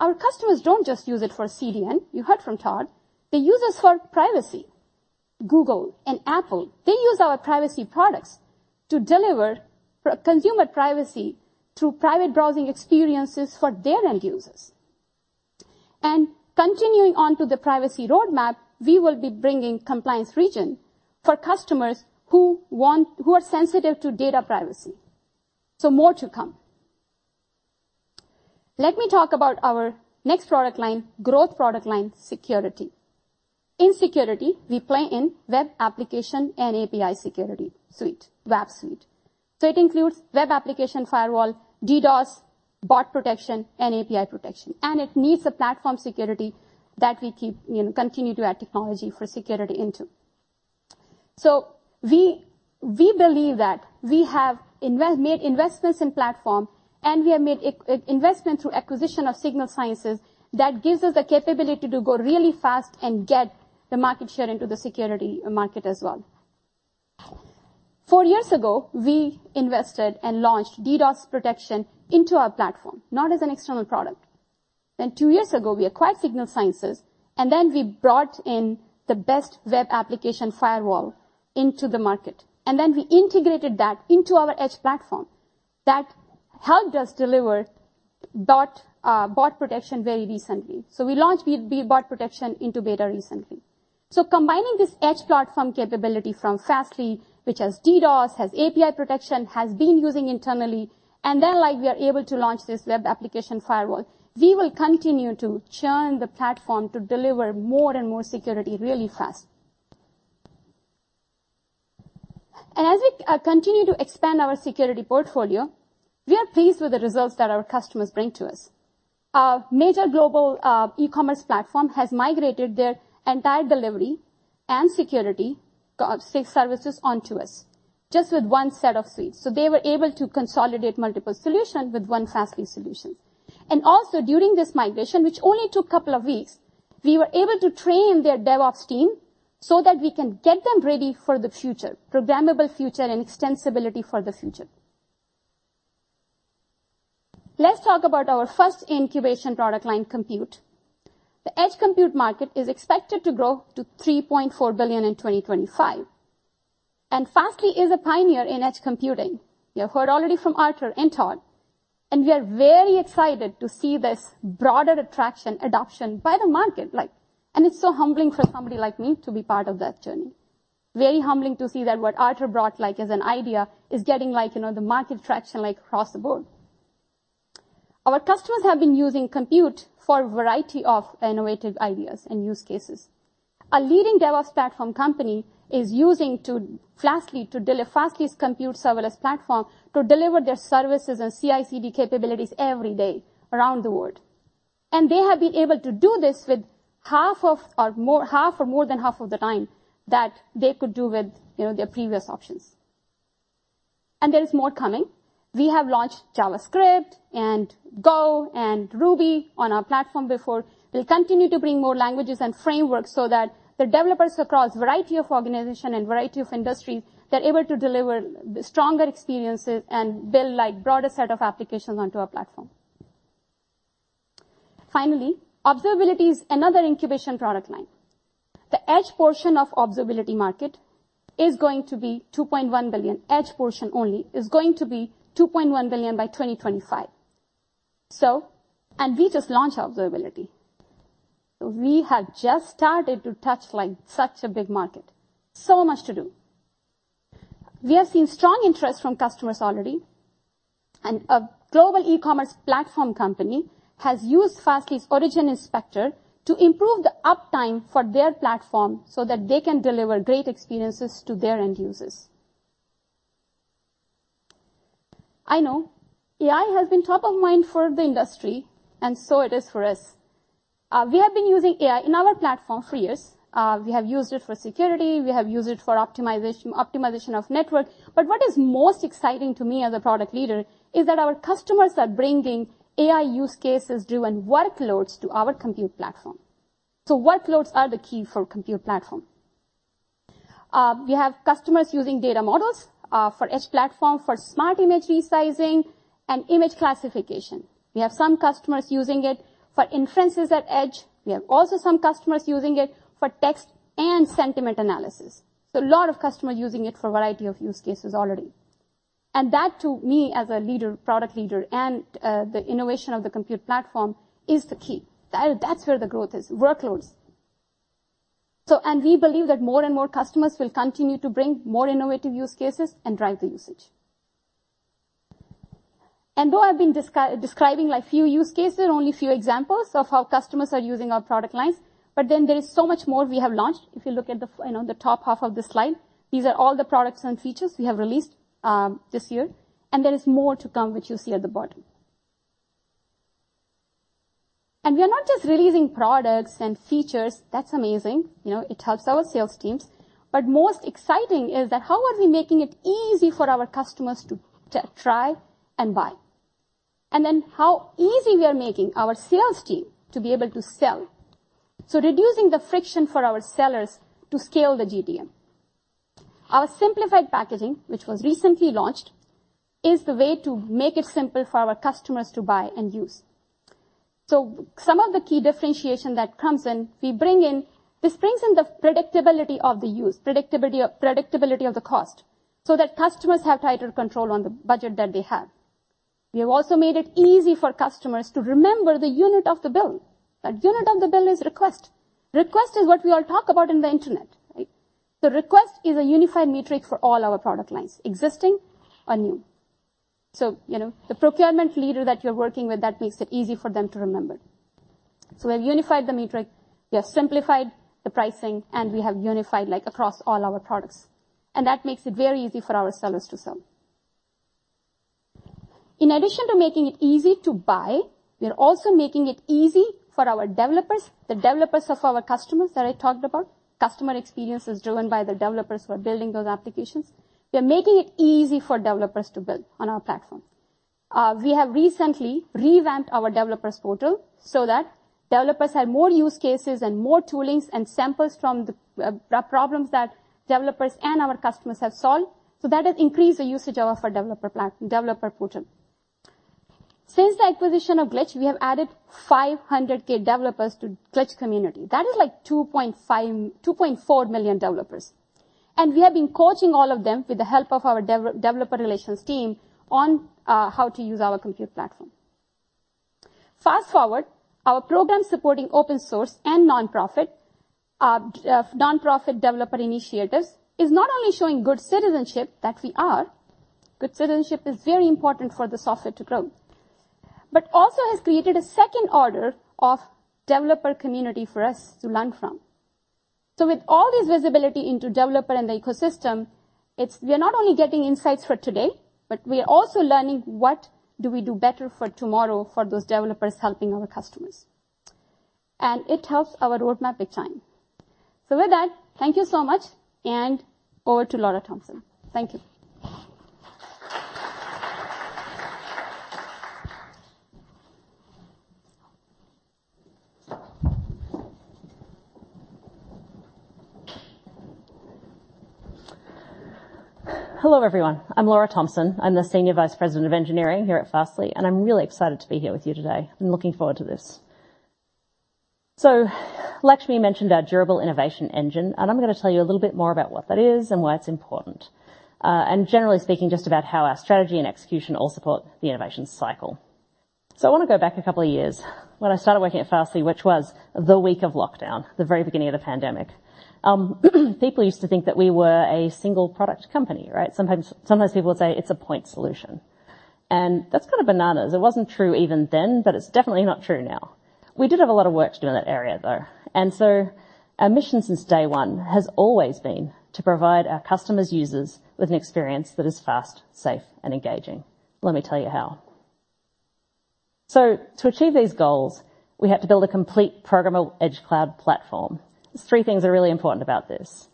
Our customers don't just use it for CDN. You heard from Todd. They use us for privacy. Google and Apple, they use our privacy products to deliver consumer privacy through private browsing experiences for their end users. Continuing on to the privacy roadmap, we will be bringing compliance region for customers who are sensitive to data privacy. More to come. Let me talk about our next product line, growth product line, Security. In Security, we play in Web Application and API security suite, WAAP suite. It includes Web Application Firewall, DDoS, bot protection, and API protection, and it needs a platform Security that we keep, you know, continue to add technology for Security into. We believe that we have made investments in platform, and we have made investment through acquisition of Signal Sciences that gives us the capability to go really fast and get the market share into the Security market as well. Four years ago, we invested and launched DDoS protection into our platform, not as an external product. Two years ago, we acquired Signal Sciences, and then we brought in the best Web Application Firewall into the market, and then we integrated that into our Edge platform. That helped us deliver bot protection very recently. We launched bot protection into beta recently. Combining this Edge platform capability from Fastly, which has DDoS, has API protection, has been using internally, and then, like, we are able to launch this Web Application Firewall. We will continue to churn the platform to deliver more and more security really fast. As we continue to expand our Security portfolio, we are pleased with the results that our customers bring to us. A major global e-commerce platform has migrated their entire delivery and Security services onto us, just with one set of suites. They were able to consolidate multiple solutions with one Fastly solution. Also during this migration, which only took a couple of weeks, we were able to train their DevOps team so that we can get them ready for the future, programmable future and extensibility for the future. Let's talk about our first incubation product line, Compute. The edge compute market is expected to grow to $3.4 billion in 2025, and Fastly is a pioneer in edge computing. You have heard already from Artur and Todd, and we are very excited to see this broader attraction adoption by the market. Like, and it's so humbling for somebody like me to be part of that journey. Very humbling to see that what Artur brought, like as an idea, is getting like, you know, the market traction, like, across the board. Our customers have been using Compute for a variety of innovative ideas and use cases. A leading DevOps platform company is using Fastly's Compute serverless platform to deliver their services and CI/CD capabilities every day around the world. They have been able to do this with half or more than half of the time that they could do with, you know, their previous options. There is more coming. We have launched JavaScript, and Go, and Ruby on our platform before. We'll continue to bring more languages and frameworks so that the developers across a variety of organizations and variety of industries are able to deliver stronger experiences and build, like, broader set of applications onto our platform. Finally, Observability is another incubation product line. The edge portion of Observability market is going to be $2.1 billion. Edge portion only is going to be $2.1 billion by 2025. We just launched Observability. We have just started to touch, like, such a big market. So much to do. We have seen strong interest from customers already, and a global e-commerce platform company has used Fastly's Origin Inspector to improve the uptime for their platform, so that they can deliver great experiences to their end users. I know AI has been top of mind for the industry, and so it is for us. We have been using AI in our platform for years. We have used it for Security. We have used it for optimization of network. What is most exciting to me as a product leader is that our customers are bringing AI use cases, driven workloads to our Compute Platform. Workloads are the key for Compute Platform. We have customers using data models for edge platform, for smart image resizing and image classification. We have some customers using it for inferences at edge. We have also some customers using it for text and sentiment analysis. A lot of customers using it for a variety of use cases already. That, to me, as a leader, product leader, and the innovation of the Compute Platform is the key. That's where the growth is, workloads. We believe that more and more customers will continue to bring more innovative use cases and drive the usage. Though I've been describing like few use cases, only a few examples of how customers are using our product lines, there is so much more we have launched. If you look at the, you know, the top half of the slide, these are all the products and features we have released this year. There is more to come, which you see at the bottom. We are not just releasing products and features. That's amazing. You know, it helps our sales teams, but most exciting is that how are we making it easy for our customers to try and buy? Then how easy we are making our sales team to be able to sell. Reducing the friction for our sellers to scale the GDM. Our simplified packaging, which was recently launched, is the way to make it simple for our customers to buy and use. Some of the key differentiation that comes in, this brings in the predictability of the use, predictability of the cost, so that customers have tighter control on the budget that they have. We have also made it easy for customers to remember the unit of the bill. The unit of the bill is request. Request is what we all talk about in the internet, right? Request is a unified metric for all our product lines, existing or new. You know, the procurement leader that you're working with, that makes it easy for them to remember. We have unified the metric, we have simplified the pricing, and we have unified, like, across all our products, and that makes it very easy for our sellers to sell. In addition to making it easy to buy, we are also making it easy for our developers, the developers of our customers that I talked about. Customer experience is driven by the developers who are building those applications. We are making it easy for developers to build on our platform. We have recently revamped our developers portal so that developers have more use cases and more toolings and samples from the problems that developers and our customers have solved. That has increased the usage of our developer portal. Since the acquisition of Glitch, we have added 500K developers to Glitch community. That is like 2.4 million developers. We have been coaching all of them with the help of our developer relations team on how to use our Compute platform. Fast Forward, our program supporting open source and nonprofit developer initiatives is not only showing good citizenship, that we are. Good citizenship is very important for the software to grow, but also has created a second order of developer community for us to learn from. With all this visibility into developer and the ecosystem, we are not only getting insights for today, but we are also learning what do we do better for tomorrow for those developers helping our customers? It helps our roadmap big time. With that, thank you so much, and over to Laura Thomson. Thank you. Hello, everyone. I'm Laura Thomson. I'm the Senior Vice President of Engineering here at Fastly, and I'm really excited to be here with you today. I'm looking forward to this. Lakshmi mentioned our durable innovation engine, and I'm going to tell you a little bit more about what that is and why it's important, and generally speaking, just about how our strategy and execution all support the innovation cycle. I want to go back a couple of years. When I started working at Fastly, which was the week of lockdown, the very beginning of the pandemic, people used to think that we were a single product company, right? Sometimes people would say it's a point solution, and that's kind of bananas. It wasn't true even then, but it's definitely not true now. We did have a lot of work to do in that area, though, our mission since day one has always been to provide our customers' users with an experience that is fast, safe, and engaging. Let me tell you how. To achieve these goals, we had to build a complete programmable edge cloud platform. There's three things that are really important about this.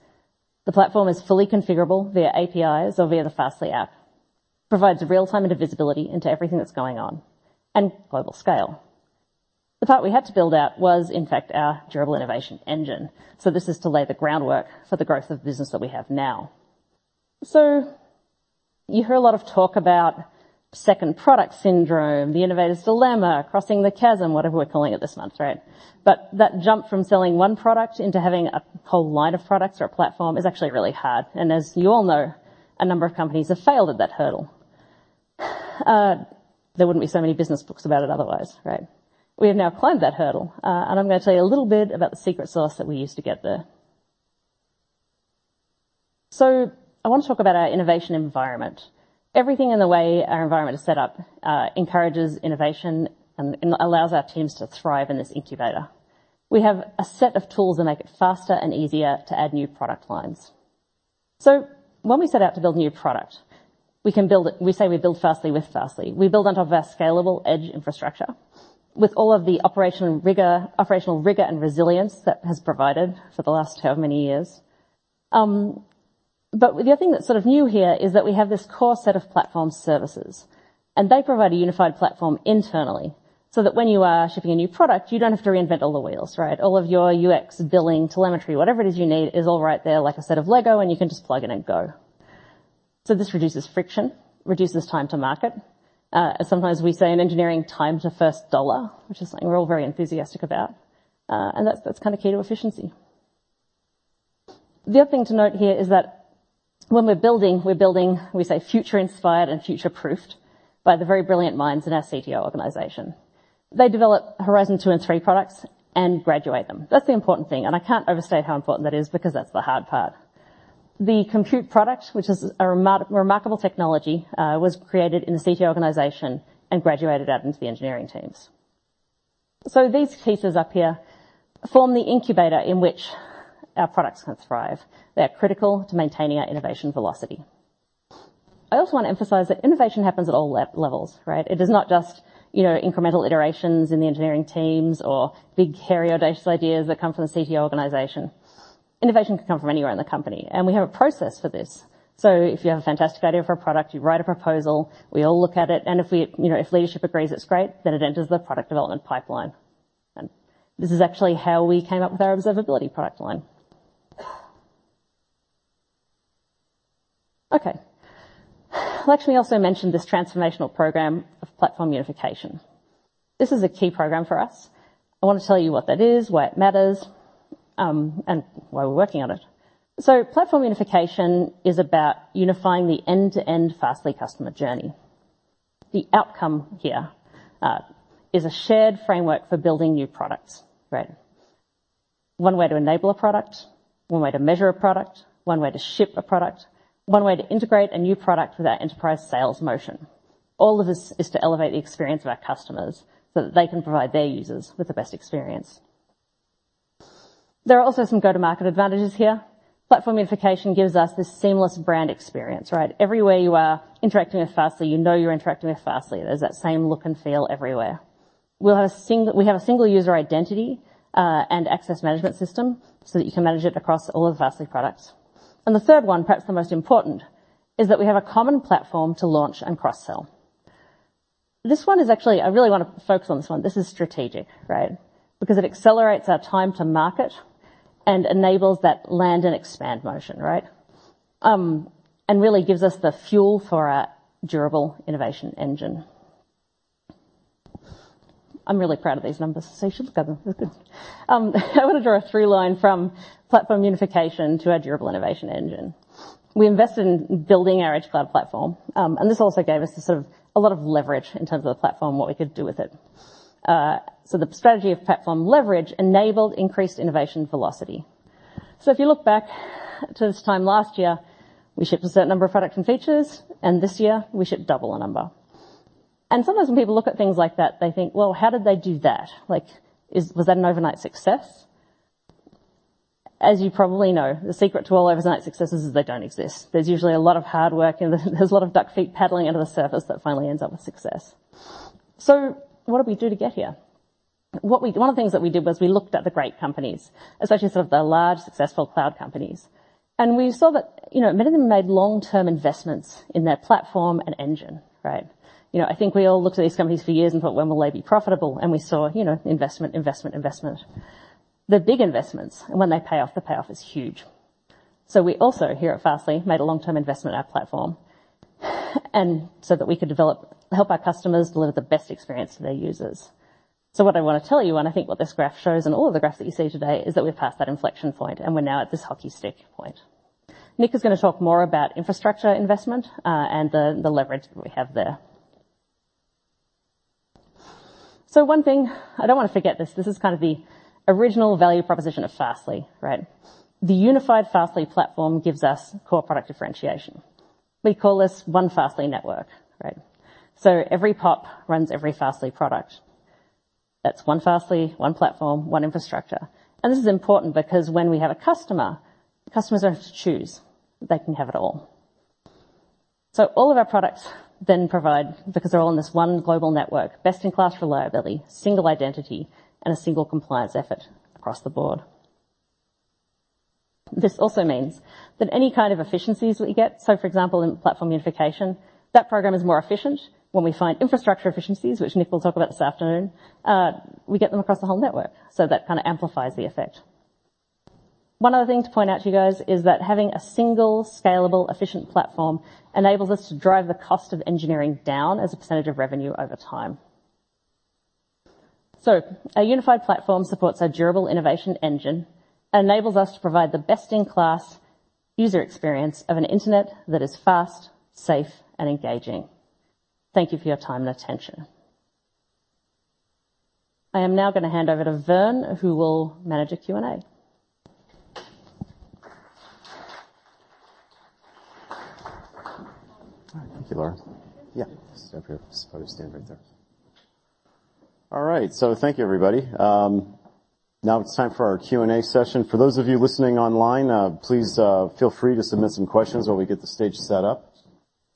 The platform is fully configurable via APIs or via the Fastly app, provides real-time into visibility into everything that's going on, and global scale. The part we had to build out was, in fact, our durable innovation engine. This is to lay the groundwork for the growth of the business that we have now. You hear a lot of talk about second product syndrome, the innovator's dilemma, crossing the chasm, whatever we're calling it this month, right? That jump from selling one product into having a whole line of products or a platform is actually really hard. As you all know, a number of companies have failed at that hurdle. There wouldn't be so many business books about it otherwise, right? We have now climbed that hurdle, and I'm going to tell you a little bit about the secret sauce that we use to get there. I want to talk about our innovation environment. Everything in the way our environment is set up, encourages innovation and allows our teams to thrive in this incubator. We have a set of tools that make it faster and easier to add new product lines. When we set out to build new product, we can build it. We say we build Fastly with Fastly. We build on top of our scalable edge infrastructure with all of the operational rigor, and resilience that has provided for the last however many years. The other thing that's sort of new here is that we have this core set of platform services, and they provide a unified platform internally so that when you are shipping a new product, you don't have to reinvent all the wheels, right? All of your UX, billing, telemetry, whatever it is you need, is all right there, like a set of LEGO, and you can just plug in and go. This reduces friction, reduces time to market. Sometimes we say in engineering, time to first dollar, which is something we're all very enthusiastic about, and that's kind of key to efficiency. The other thing to note here is that when we're building, we say, future-inspired and future-proofed by the very brilliant minds in our CTO organization. They develop horizon two and three products and graduate them. That's the important thing, and I can't overstate how important that is because that's the hard part. The Compute product, which is a remarkable technology, was created in the CTO organization and graduated out into the engineering teams. These features up here form the incubator in which our products can thrive. They are critical to maintaining our innovation velocity. I also want to emphasize that innovation happens at all levels, right? It is not just, you know, incremental iterations in the engineering teams or big, hairy, audacious ideas that come from the CTO organization. Innovation can come from anywhere in the company, and we have a process for this. If you have a fantastic idea for a product, you write a proposal, we all look at it, and if we, you know, if leadership agrees, it's great, then it enters the product development pipeline. This is actually how we came up with our Observability product line. Okay. Lakshmi also mentioned this transformational program of Platform Unification. This is a key program for us. I want to tell you what that is, why it matters, and why we're working on it. Platform Unification is about unifying the end-to-end Fastly customer journey. The outcome here is a shared framework for building new products, right? One way to enable a product, one way to measure a product, one way to ship a product, one way to integrate a new product with our enterprise sales motion. All of this is to elevate the experience of our customers so that they can provide their users with the best experience. There are also some go-to-market advantages here. Platform unification gives us this seamless brand experience, right? Everywhere you are interacting with Fastly, you know you're interacting with Fastly. There's that same look and feel everywhere. We have a single user identity and access management system so that you can manage it across all of the Fastly products. The third one, perhaps the most important, is that we have a common platform to launch and cross-sell. This one is actually, I really want to focus on this one. This is strategic, right? Because it accelerates our time to market and enables that land and expand motion, right? Really gives us the fuel for our durable innovation engine. I'm really proud of these numbers, so you should look at them. I want to draw a through line from platform unification to our durable innovation engine. We invested in building our edge cloud platform, and this also gave us a sort of a lot of leverage in terms of the platform, what we could do with it. The strategy of platform leverage enabled increased innovation velocity. If you look back to this time last year, we shipped a certain number of products and features, and this year we shipped double the number. Sometimes when people look at things like that, they think, "Well, how did they do that? Like, was that an overnight success?" As you probably know, the secret to all overnight successes is they don't exist. There's usually a lot of hard work, and there's a lot of duck feet paddling under the surface that finally ends up with success. What did we do to get here? One of the things that we did was we looked at the great companies, especially sort of the large, successful cloud companies, and we saw that, you know, many of them made long-term investments in their platform and engine, right? You know, I think we all looked at these companies for years and thought, "When will they be profitable?" We saw, you know, investment, investment. They're big investments, and when they pay off, the payoff is huge. We also, here at Fastly, made a long-term investment in our platform, that we could help our customers deliver the best experience to their users. What I want to tell you, and I think what this graph shows, and all of the graphs that you see today, is that we've passed that inflection point, and we're now at this hockey stick point. Nick is going to talk more about infrastructure investment, and the leverage that we have there. One thing, I don't want to forget this. This is kind of the original value proposition of Fastly, right? The unified Fastly platform gives us core product differentiation. We call this One Fastly Network, right? Every POP runs every Fastly product. That's one Fastly, one platform, one infrastructure. This is important because when we have a customer, customers don't have to choose. They can have it all. All of our products then provide, because they're all on this one global network, best-in-class reliability, single identity, and a single compliance effort across the board. This also means that any kind of efficiencies that we get, so for example, in platform unification, that program is more efficient. When we find infrastructure efficiencies, which Nick will talk about this afternoon, we get them across the whole network, so that kind of amplifies the effect. One other thing to point out to you guys is that having a single, scalable, efficient platform enables us to drive the cost of engineering down as a percentage of revenue over time. Our unified platform supports our durable innovation engine and enables us to provide the best-in-class user experience of an internet that is fast, safe, and engaging. Thank you for your time and attention. I am now going to hand over to Vern, who will manage the Q&A. All right. Thank you, Laura. Yeah, step here. You're supposed to stand right there. All right. Thank you, everybody. Now it's time for our Q&A session. For those of you listening online, please feel free to submit some questions while we get the stage set up.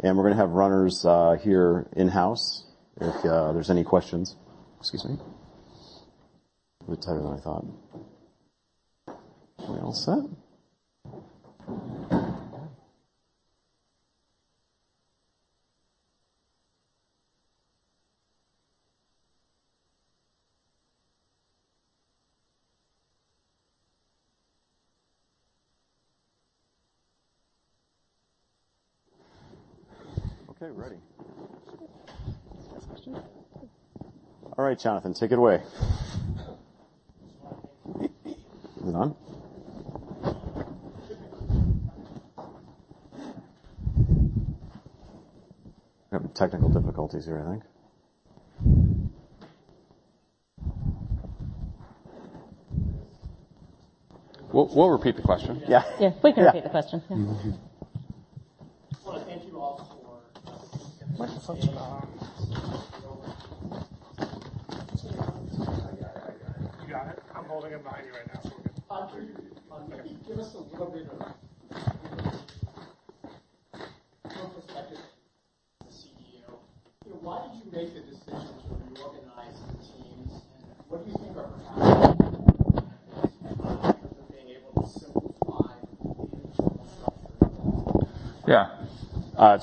We're going to have runners here in-house if there's any questions. Excuse me. A bit tighter than I thought. We all set? Ready. First question. All right, Jonathan, take it away. Is it on? We have technical difficulties here, I think. We'll repeat the question. Yeah. Yeah, we can repeat the question. Mm-hmm. Well, thank you all. Microphone's still on. I got it. I got it. You got it? I'm holding it behind you right now, so. Can you maybe give us a little bit of your perspective as CEO? You know, why did you make the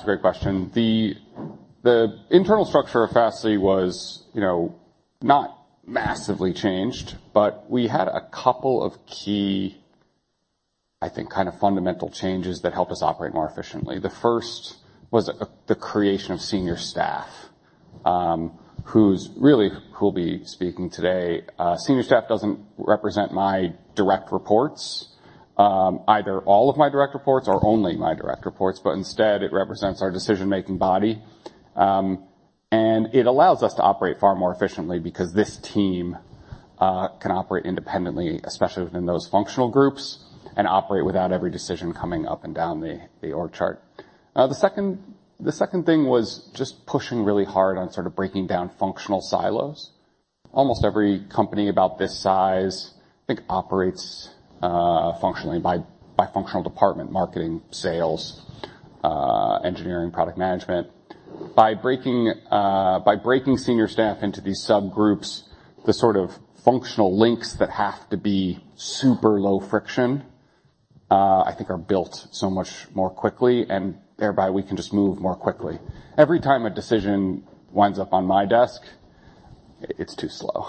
decision to reorganize the teams, and what do you think of in terms of being able to simplify the internal structure? Yeah. It's a great question. The internal structure of Fastly was, you know, not massively changed, but we had a couple of key, I think, kind of fundamental changes that helped us operate more efficiently. The first was the creation of senior staff, who will be speaking today. Senior staff doesn't represent my direct reports, either all of my direct reports or only my direct reports, but instead, it represents our decision-making body. It allows us to operate far more efficiently because this team can operate independently, especially within those functional groups, and operate without every decision coming up and down the org chart. The second thing was just pushing really hard on sort of breaking down functional silos. Almost every company about this size, I think, operates functionally by functional department: marketing, sales, engineering, product management. By breaking senior staff into these subgroups, the sort of functional links that have to be super low friction, I think are built so much more quickly, and thereby we can just move more quickly. Every time a decision winds up on my desk. It's too slow.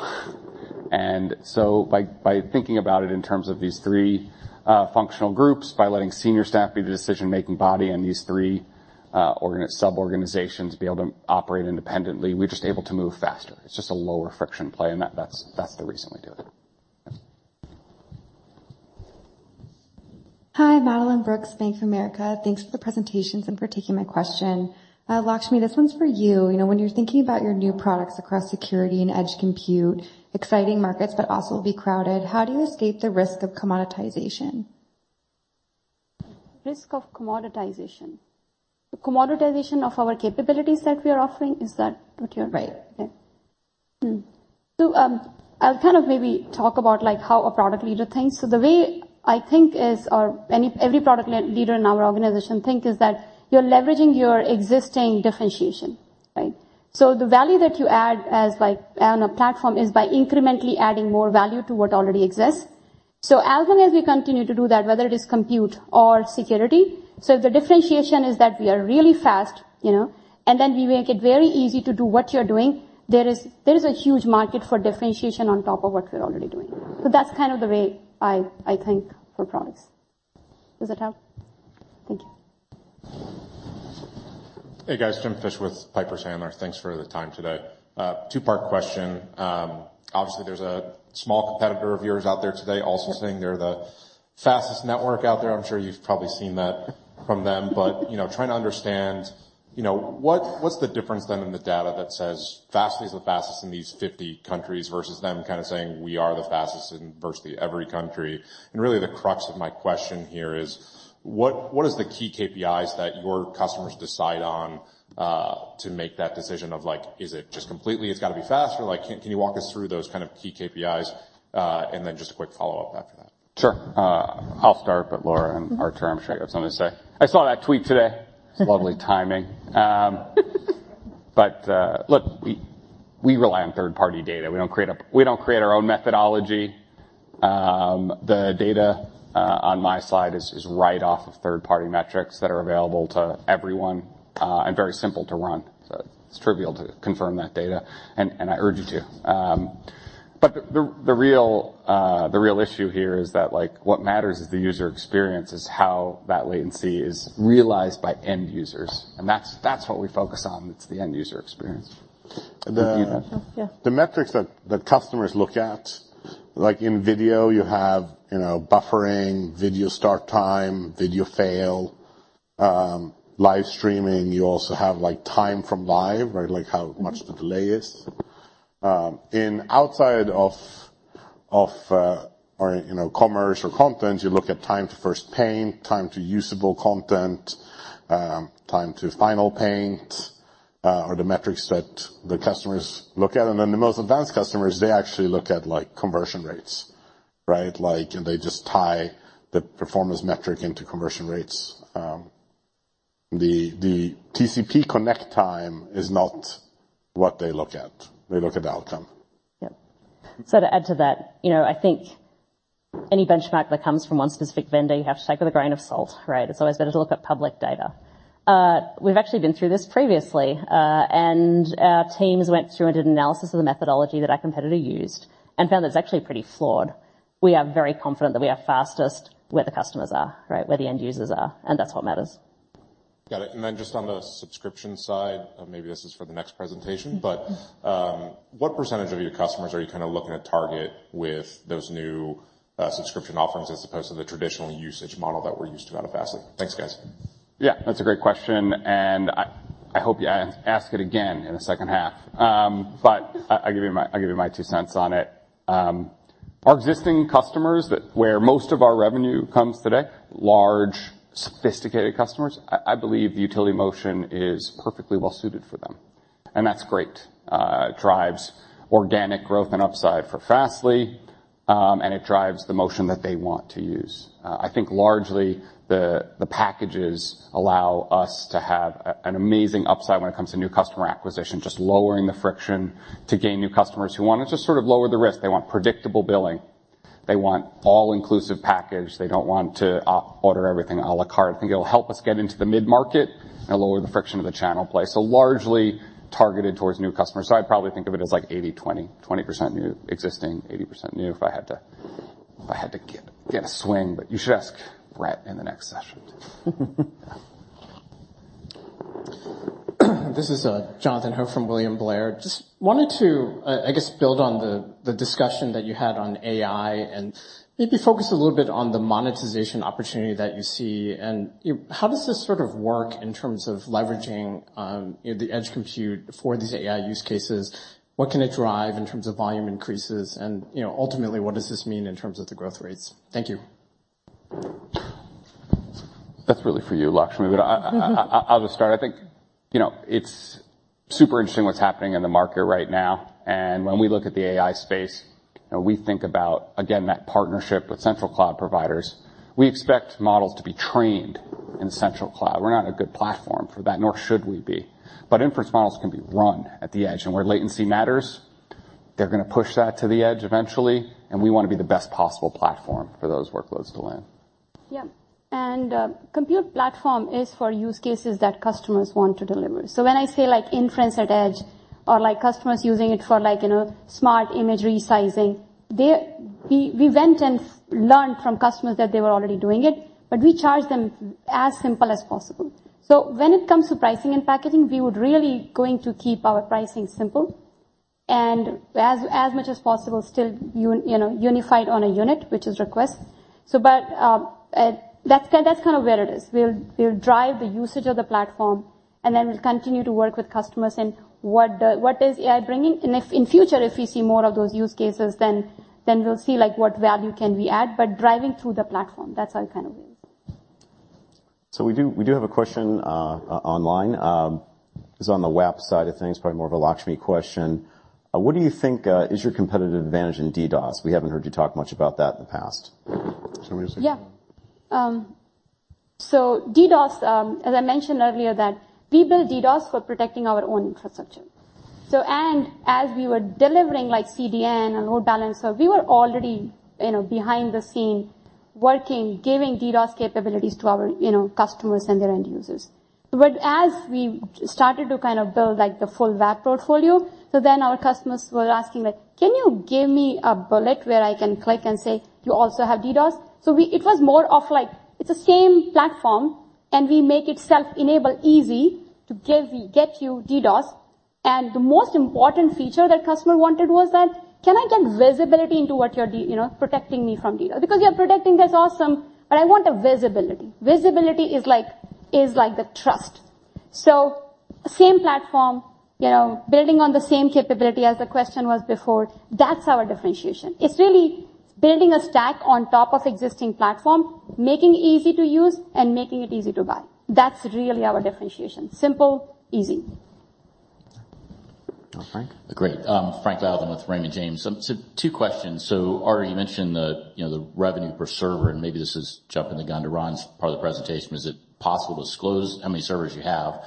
By thinking about it in terms of these three functional groups, by letting senior staff be the decision-making body in these three sub-organizations be able to operate independently, we're just able to move faster. It's just a lower friction play, and that's the reason we do it. Hi, Madeline Brooks, Bank of America. Thanks for the presentations and for taking my question. Lakshmi, this one's for you. You know, when you're thinking about your new products across Security and edge Compute, exciting markets, but also will be crowded, how do you escape the risk of commoditization? Risk of commoditization? The commoditization of our capabilities that we are offering, is that what you're- Right. Okay. I'll kind of maybe talk about like, how a product leader thinks. The way I think is, or every product leader in our organization think, is that you're leveraging your existing differentiation, right? The value that you add as like, on a platform, is by incrementally adding more value to what already exists. As long as we continue to do that, whether it is Compute or Security, so if the differentiation is that we are really fast, you know, and then we make it very easy to do what you're doing, there is a huge market for differentiation on top of what we're already doing. That's kind of the way I think for products. Does that help? Thank you. Hey, guys, Jim Fish with Piper Sandler. Thanks for the time today. Two-part question. Obviously, there's a small competitor of yours out there today, also saying they're the fastest network out there. I'm sure you've probably seen that from them, but, you know, trying to understand, you know, what's the difference then in the data that says Fastly is the fastest in these 50 countries, versus them kind of saying, "We are the fastest in virtually every country." Really, the crux of my question here is: what is the key KPIs that your customers decide on, to make that decision of, like, is it just completely, it's got to be fast? Or can you walk us through those kind of key KPIs, and then just a quick follow-up after that? Sure. I'll start, but Laura and Artur, I'm sure you have something to say. I saw that tweet today. It's lovely timing. Look, we rely on third-party data. We don't create our own methodology. The data on my slide is right off of third-party metrics that are available to everyone and very simple to run. It's trivial to confirm that data, and I urge you to. The real issue here is that, like, what matters is the user experience, is how that latency is realized by end users, and that's what we focus on. It's the end user experience. Yeah. The metrics that customers look at, like in video, you have, you know, buffering, video start time, video fail, live streaming. You also have like, time from live, right? Like, how much the delay is. In outside of, or, you know, commerce or content, you look at time to first paint, time to usable content, time to final paint, are the metrics that the customers look at. The most advanced customers, they actually look at like, conversion rates, right? Like, they just tie the performance metric into conversion rates. The TCP connect time is not what they look at. They look at the outcome. Yep. To add to that, you know, I think any benchmark that comes from one specific vendor, you have to take it with a grain of salt, right? It's always better to look at public data. We've actually been through this previously, and our teams went through and did an analysis of the methodology that our competitor used and found that it's actually pretty flawed. We are very confident that we are fastest where the customers are, right, where the end users are, and that's what matters. Got it. Then just on the subscription side, maybe this is for the next presentation, but what % of your customers are you kind of looking to target with those new subscription offerings as opposed to the traditional usage model that we're used to out of Fastly? Thanks, guys. That's a great question, and I hope you ask it again in the second half. I'll give you my two cents on it. Our existing customers, that where most of our revenue comes today, large, sophisticated customers, I believe the utility motion is perfectly well suited for them, and that's great. It drives organic growth and upside for Fastly, it drives the motion that they want to use. I think largely the packages allow us to have an amazing upside when it comes to new customer acquisition, just lowering the friction to gain new customers who want to just sort of lower the risk. They want predictable billing. They want all-inclusive package. They don't want to order everything à la carte. I think it'll help us get into the mid-market and lower the friction of the channel play. Largely targeted towards new customers. I'd probably think of it as like 80/20. 20% new... Existing, 80% new, if I had to get a swing. You should ask Brett in the next session. This is Jonathan Ho from William Blair. Just wanted to, I guess, build on the discussion that you had on AI and maybe focus a little bit on the monetization opportunity that you see. How does this sort of work in terms of leveraging, you know, the edge compute for these AI use cases? What can it drive in terms of volume increases and, you know, ultimately, what does this mean in terms of the growth rates? Thank you. That's really for you, Lakshmi, I will start. I think, you know, it's super interesting what's happening in the market right now. When we look at the AI space, you know, we think about, again, that partnership with central cloud providers. We expect models to be trained in central cloud. We're not a good platform for that, nor should we be. Inference models can be run at the edge. Where latency matters, they're gonna push that to the edge eventually. We want to be the best possible platform for those workloads to land. Yep, Compute platform is for use cases that customers want to deliver. When I say like inference at edge or like customers using it for like, you know, smart image resizing, we went and learned from customers that they were already doing it, but we charge them as simple as possible. When it comes to pricing and packaging, we would really going to keep our pricing simple and as much as possible, still you know, unified on a unit, which is request. That's kind of where it is. We'll drive the usage of the platform. We'll continue to work with customers and what is AI bringing. If in future, if we see more of those use cases, then we'll see, like, what value can we add. Driving through the platform, that's how it kind of is. We do have a question online. It's on the WAAP side of things. Probably more of a Lakshmi question. What do you think is your competitive advantage in DDoS? We haven't heard you talk much about that in the past. Do you want me to say? DDoS, as I mentioned earlier, that we built DDoS for protecting our own infrastructure. As we were delivering, like CDN and load balancer, we were already, you know, behind the scene working, giving DDoS capabilities to our, you know, customers and their end users. As we started to kind of build, like, the full WAAP portfolio, our customers were asking like, "Can you give me a bullet where I can click and say, you also have DDoS?" It was more of like, it's the same platform, and we make it self-enable easy to get you DDoS. The most important feature that customer wanted was that: Can I get visibility into what you're, you know, protecting me from DDoS? You're protecting, that's awesome, but I want the visibility. Visibility is like the trust. Same platform, you know, building on the same capability as the question was before, that's our differentiation. It's really building a stack on top of existing platform, making it easy to use and making it easy to buy. That's really our differentiation. Simple, easy. Frank? Great. Frank Louthan with Raymond James. Two questions. Artur, you mentioned the, you know, the revenue per server, and maybe this is jumping the gun to Ron's part of the presentation. Is it possible to disclose how many servers you have,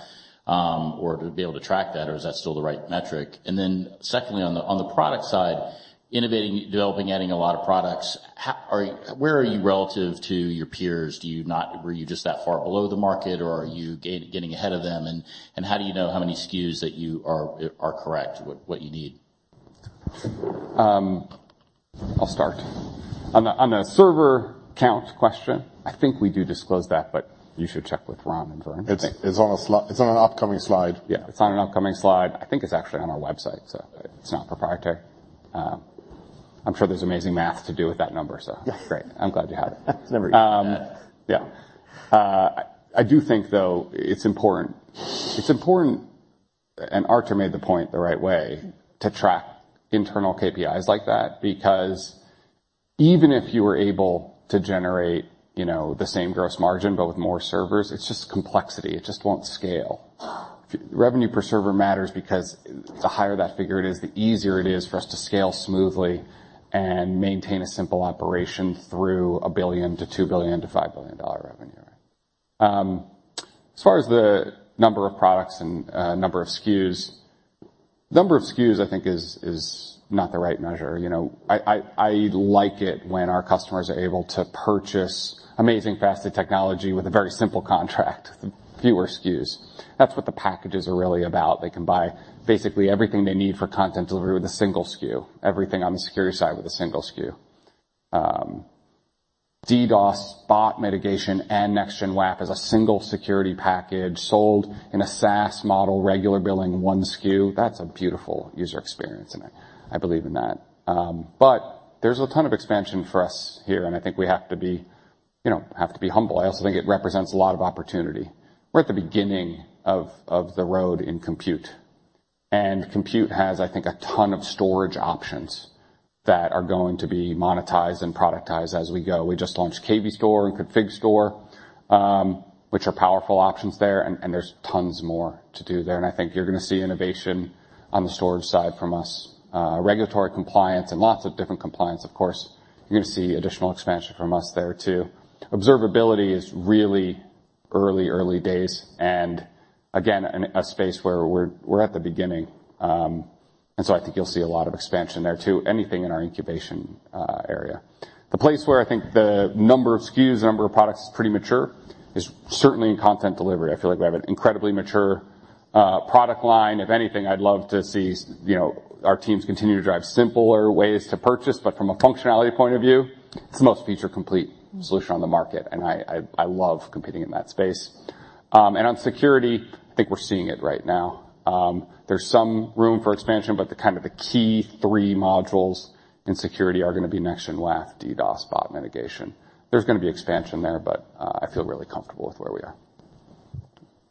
or to be able to track that, or is that still the right metric? Secondly, on the, on the product side, innovating, developing, adding a lot of products, Where are you relative to your peers? Were you just that far below the market, or are you getting ahead of them? How do you know how many SKUs that you are correct, what you need? I'll start. On the server count question, I think we do disclose that, but you should check with Ron and Vernon. It's on an upcoming slide. Yeah, it's on an upcoming slide. I think it's actually on our website, so it's not proprietary. I'm sure there's amazing math to do with that number, so. Yeah. Great, I'm glad you had it. It's never easy. Yeah. I do think, though, it's important. It's important, and Artur made the point the right way, to track internal KPIs like that, because even if you were able to generate, you know, the same gross margin, but with more servers, it's just complexity. It just won't scale. Revenue per server matters because the higher that figure is, the easier it is for us to scale smoothly and maintain a simple operation through $1 billion to $2 billion to $5 billion revenue. As far as the number of products and, number of SKUs, I think is not the right measure. You know, I like it when our customers are able to purchase amazing, faster technology with a very simple contract, fewer SKUs. That's what the packages are really about. They can buy basically everything they need for content delivery with a single SKU, everything on the security side with a single SKU. DDoS, Bot mitigation, and Next-Gen WAF is a single security package sold in a SaaS model, regular billing, 1 SKU. That's a beautiful user experience, and I believe in that. But there's a ton of expansion for us here, and I think we have to be, you know, have to be humble. I also think it represents a lot of opportunity. We're at the beginning of the road in Compute, and Compute has, I think, a ton of storage options that are going to be monetized and productized as we go. We just launched KV Store and Config Store, which are powerful options there, and there's tons more to do there, and I think you're gonna see innovation on the storage side from us. Regulatory compliance and lots of different compliance, of course, you're gonna see additional expansion from us there, too. Observability is really early days and again, in a space where we're at the beginning. I think you'll see a lot of expansion there, too. Anything in our incubation area. The place where I think the number of SKUs, number of products is pretty mature, is certainly in content delivery. I feel like we have an incredibly mature product line. If anything, I'd love to see, you know, our teams continue to drive simpler ways to purchase, but from a functionality point of view, it's the most feature-complete solution on the market, I love competing in that space. On Security, I think we're seeing it right now. There's some room for expansion, the kind of the key three modules in Security are gonna be Next-Gen WAF, DDoS, Bot Management. There's gonna be expansion there, I feel really comfortable with where we are.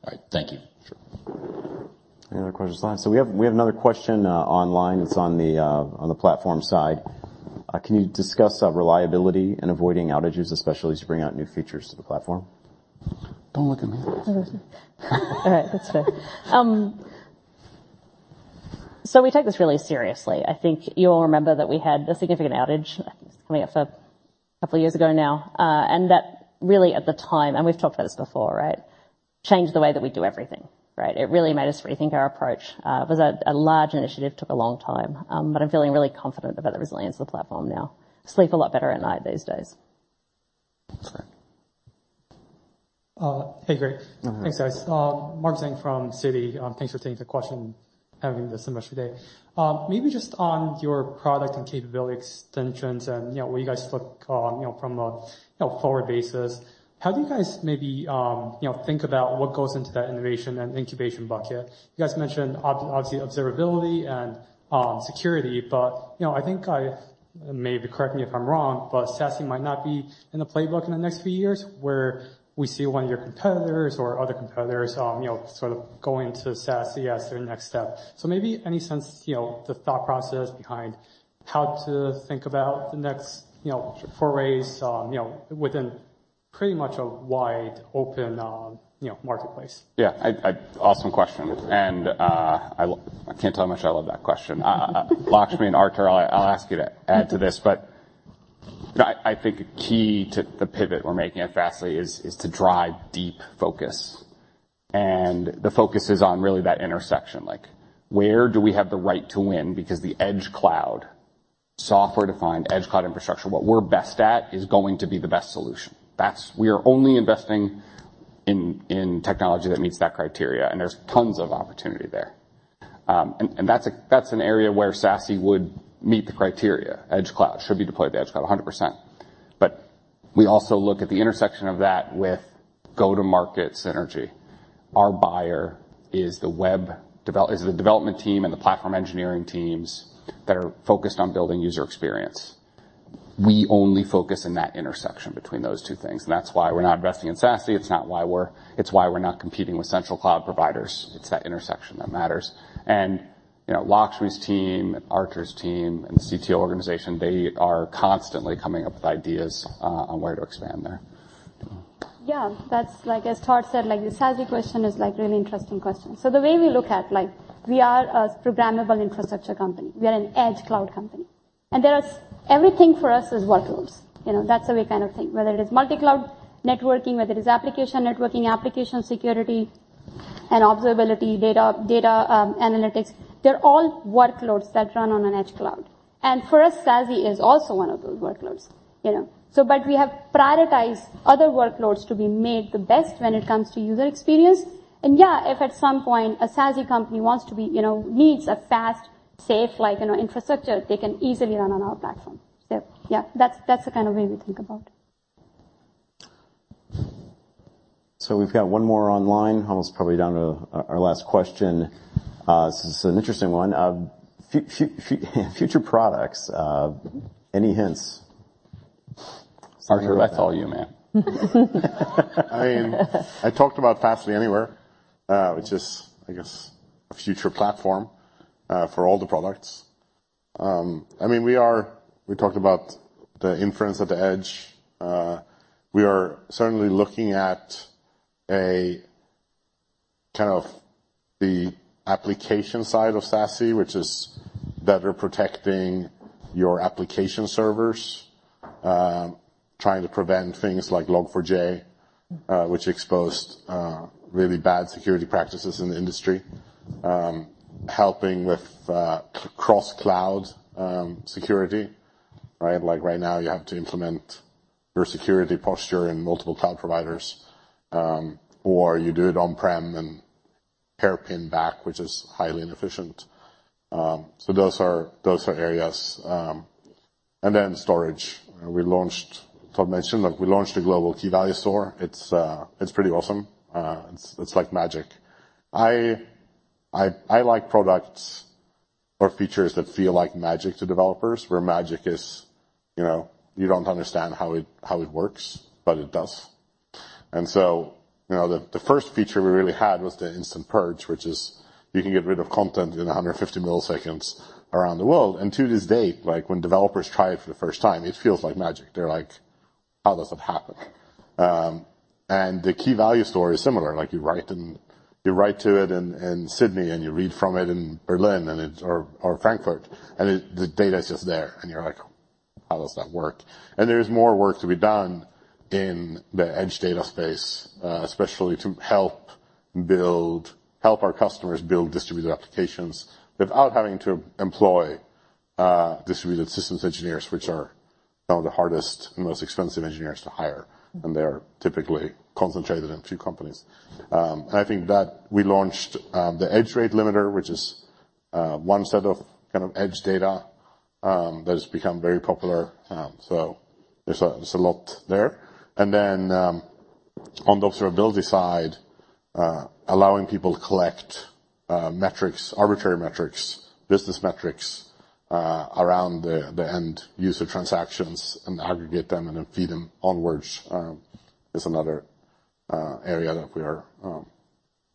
All right. Thank you. Sure. Any other questions? We have another question online. It's on the platform side. Can you discuss reliability and avoiding outages, especially as you bring out new features to the platform? Don't look at me. All right, that's fair. We take this really seriously. I think you all remember that we had a significant outage coming up for a couple of years ago now, and that really, at the time. We've talked about this before, right? Changed the way that we do everything, right? It really made us rethink our approach. It was a large initiative, took a long time, but I'm feeling really confident about the resilience of the platform now. Sleep a lot better at night these days. Great. Hey, great. Mm-hmm. Thanks, guys. Mark Zhang from Citi. Thanks for taking the question, having this semester today. Maybe just on your product and capability extensions and, you know, where you guys look, you know, from a, you know, forward basis, how do you guys maybe, you know, think about what goes into that innovation and incubation bucket? You guys mentioned obviously, Observability and, Security, but, you know, I think I maybe, correct me if I'm wrong, but SASE might not be in the playbook in the next few years, where we see one of your competitors or other competitors, you know, sort of going to SASE as their next step. Maybe any sense, you know, the thought process behind how to think about the next, you know, forays, you know, within pretty much a wide open, you know, marketplace. Yeah, awesome question. I can't tell how much I love that question. Lakshmi and Artur, I'll ask you to add to this, but I think a key to the pivot we're making at Fastly is to drive deep focus, and the focus is on really that intersection, like, where do we have the right to win? Because the edge cloud, software-defined edge cloud infrastructure, what we're best at, is going to be the best solution. That's. We are only investing in technology that meets that criteria, and there's tons of opportunity there. That's an area where SASE would meet the criteria. Edge cloud. Should we deploy the edge cloud? 100%. We also look at the intersection of that with go-to-market synergy. Our buyer is the development team and the platform engineering teams that are focused on building user experience. We only focus in that intersection between those two things. That's why we're not investing in SASE. It's why we're not competing with central cloud providers. It's that intersection that matters. You know, Lakshmi's team, Artur's team, and the CTO organization, they are constantly coming up with ideas on where to expand there. Yeah, that's as Todd said, the SASE question is really interesting question. The way we look at, we are a programmable infrastructure company. We are an edge cloud company, and there is Everything for us is workloads. You know, that's the way we kind of think. Whether it is multi-cloud networking, whether it is application networking, application Security and Observability, data analytics, they're all workloads that run on an edge cloud. For us, SASE is also one of those workloads, you know? But we have prioritized other workloads to be made the best when it comes to user experience. Yeah, if at some point a SASE company wants to be, you know, needs a fast, safe, you know, infrastructure, they can easily run on our platform. Yeah, that's the kind of way we think about it. We've got one more online, almost probably down to our last question. This is an interesting one. Future products, any hints? Artur, I call you, man. I mean, I talked about Fastly Anywhere, which is, I guess, a future platform for all the products. I mean, we talked about the inference at the edge. We are certainly looking at a kind of the application side of SASE, which is better protecting your application servers, trying to prevent things like Log4j, which exposed really bad security practices in the industry. Helping with cross-cloud security, right? Like right now, you have to implement your security posture in multiple cloud providers, or you do it on-prem and hairpin back, which is highly inefficient. Those are, those are areas. Then storage. We launched... Todd mentioned, like, we launched a global Key-Value Store. It's pretty awesome. It's, it's like magic. I like products or features that feel like magic to developers, where magic is, you know, you don't understand how it works, but it does. You know, the first feature we really had was the instant purge, which is you can get rid of content in 150 milliseconds around the world. To this date, like, when developers try it for the first time, it feels like magic. They're like: "How does that happen?" The KV Store is similar, like, you write to it in Sydney, and you read from it in Berlin, and it... Or Frankfurt, the data is just there, and you're like: "How does that work?" There is more work to be done in the edge data space, especially to help our customers build distributed applications without having to employ distributed systems engineers, which are some of the hardest and most expensive engineers to hire, and they are typically concentrated in a few companies. I think that we launched the Edge Rate Limiting, which is one set of kind of edge data that has become very popular. There's a lot there. Then, on the Observability side, allowing people to collect metrics, arbitrary metrics, business metrics, around the end user transactions and aggregate them and then feed them onwards, is another area that we are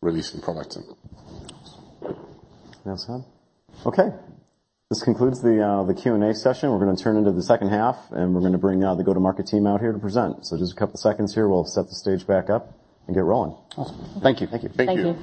releasing products in. Yeah, Sam? Okay, this concludes the Q&A session. We're gonna turn into the second half, and we're gonna bring now the go-to-market team out here to present. Just a couple of seconds here. We'll set the stage back up and get rolling. Awesome. Thank you. Thank you.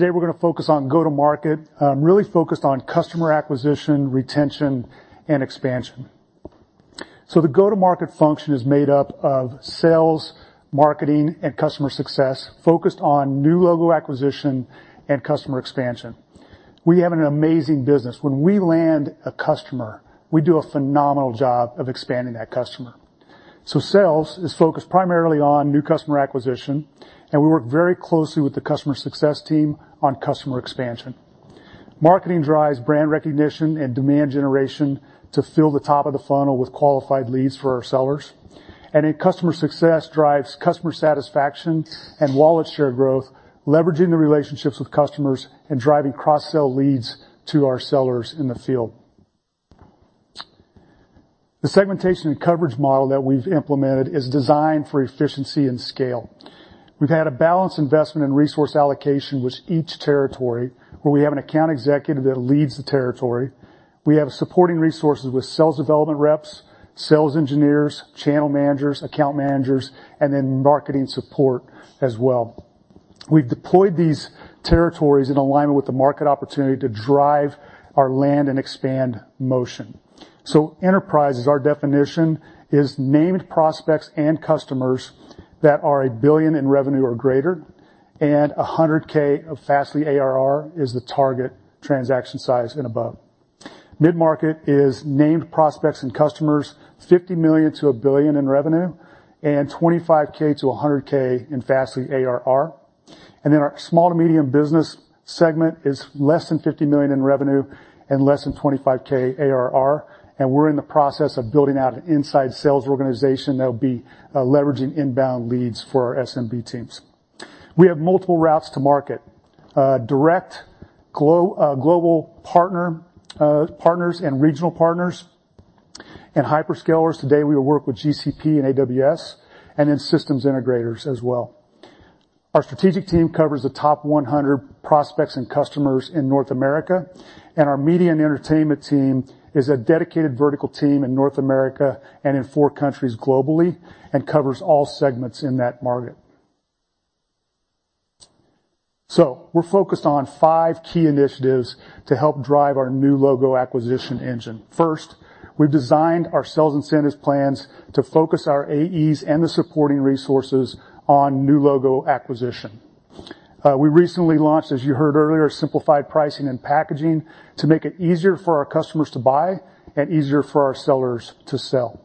Thank you Today, we're going to focus on go-to-market, really focused on customer acquisition, retention, and expansion. The go-to-market function is made up of sales, marketing, and customer success, focused on new logo acquisition and customer expansion. We have an amazing business. When we land a customer, we do a phenomenal job of expanding that customer. Sales is focused primarily on new customer acquisition, and we work very closely with the customer success team on customer expansion. Marketing drives brand recognition and demand generation to fill the top of the funnel with qualified leads for our sellers. Customer success drives customer satisfaction and wallet share growth, leveraging the relationships with customers and driving cross-sell leads to our sellers in the field. The segmentation and coverage model that we've implemented is designed for efficiency and scale. We've had a balanced investment in resource allocation, with each territory, where we have an account executive that leads the territory. We have supporting resources with sales development reps, sales engineers, channel managers, account managers, and then marketing support as well. We've deployed these territories in alignment with the market opportunity to drive our land and expand motion. Enterprise, as our definition, is named prospects and customers that are $1 billion in revenue or greater, and $100K of Fastly ARR is the target transaction size and above. Mid-market is named prospects and customers, $50 million-$1 billion in revenue, and $25K-$100K in Fastly ARR. Our small to medium business segment is less than $50 million in revenue and less than $25K ARR, and we're in the process of building out an inside sales organization that will be leveraging inbound leads for our SMB teams. We have multiple routes to market, direct global partners and regional partners and hyperscalers. Today, we work with GCP and AWS, and then systems integrators as well. Our strategic team covers the top 100 prospects and customers in North America, and our media and entertainment team is a dedicated vertical team in North America and in four countries globally, and covers all segments in that market. We're focused on five key initiatives to help drive our new logo acquisition engine. First, we've designed our sales incentives plans to focus our AEs and the supporting resources on new logo acquisition. We recently launched, as you heard earlier, simplified pricing and packaging to make it easier for our customers to buy and easier for our sellers to sell.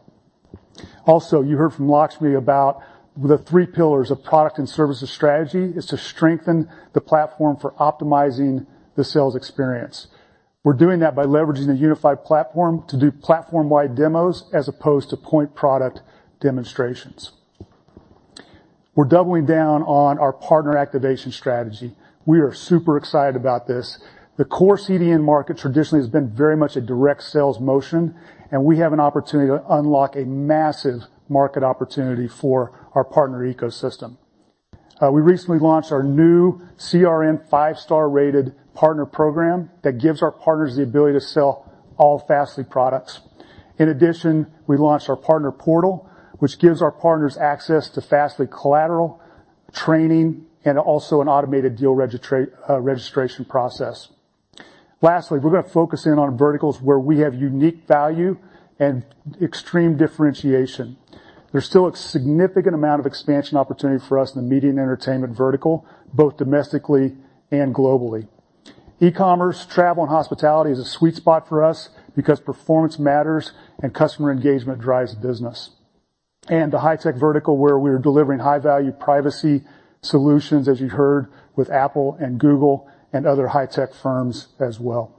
You heard from Lakshmi about the three pillars of product and services strategy, is to strengthen the platform for optimizing the sales experience. We're doing that by leveraging a unified platform to do platform-wide demos, as opposed to point product demonstrations. We're doubling down on our partner activation strategy. We are super excited about this. The core CDN market traditionally has been very much a direct sales motion, we have an opportunity to unlock a massive market opportunity for our partner ecosystem. We recently launched our new CRN 5-star rated partner program that gives our partners the ability to sell all Fastly products. In addition, we launched our partner portal, which gives our partners access to Fastly collateral, training, and also an automated deal registration process. Lastly, we're going to focus in on verticals where we have unique value and extreme differentiation. There's still a significant amount of expansion opportunity for us in the media and entertainment vertical, both domestically and globally. E-commerce, travel, and hospitality is a sweet spot for us because performance matters and customer engagement drives business. The high-tech vertical, where we are delivering high-value privacy solutions, as you heard, with Apple and Google and other high-tech firms as well.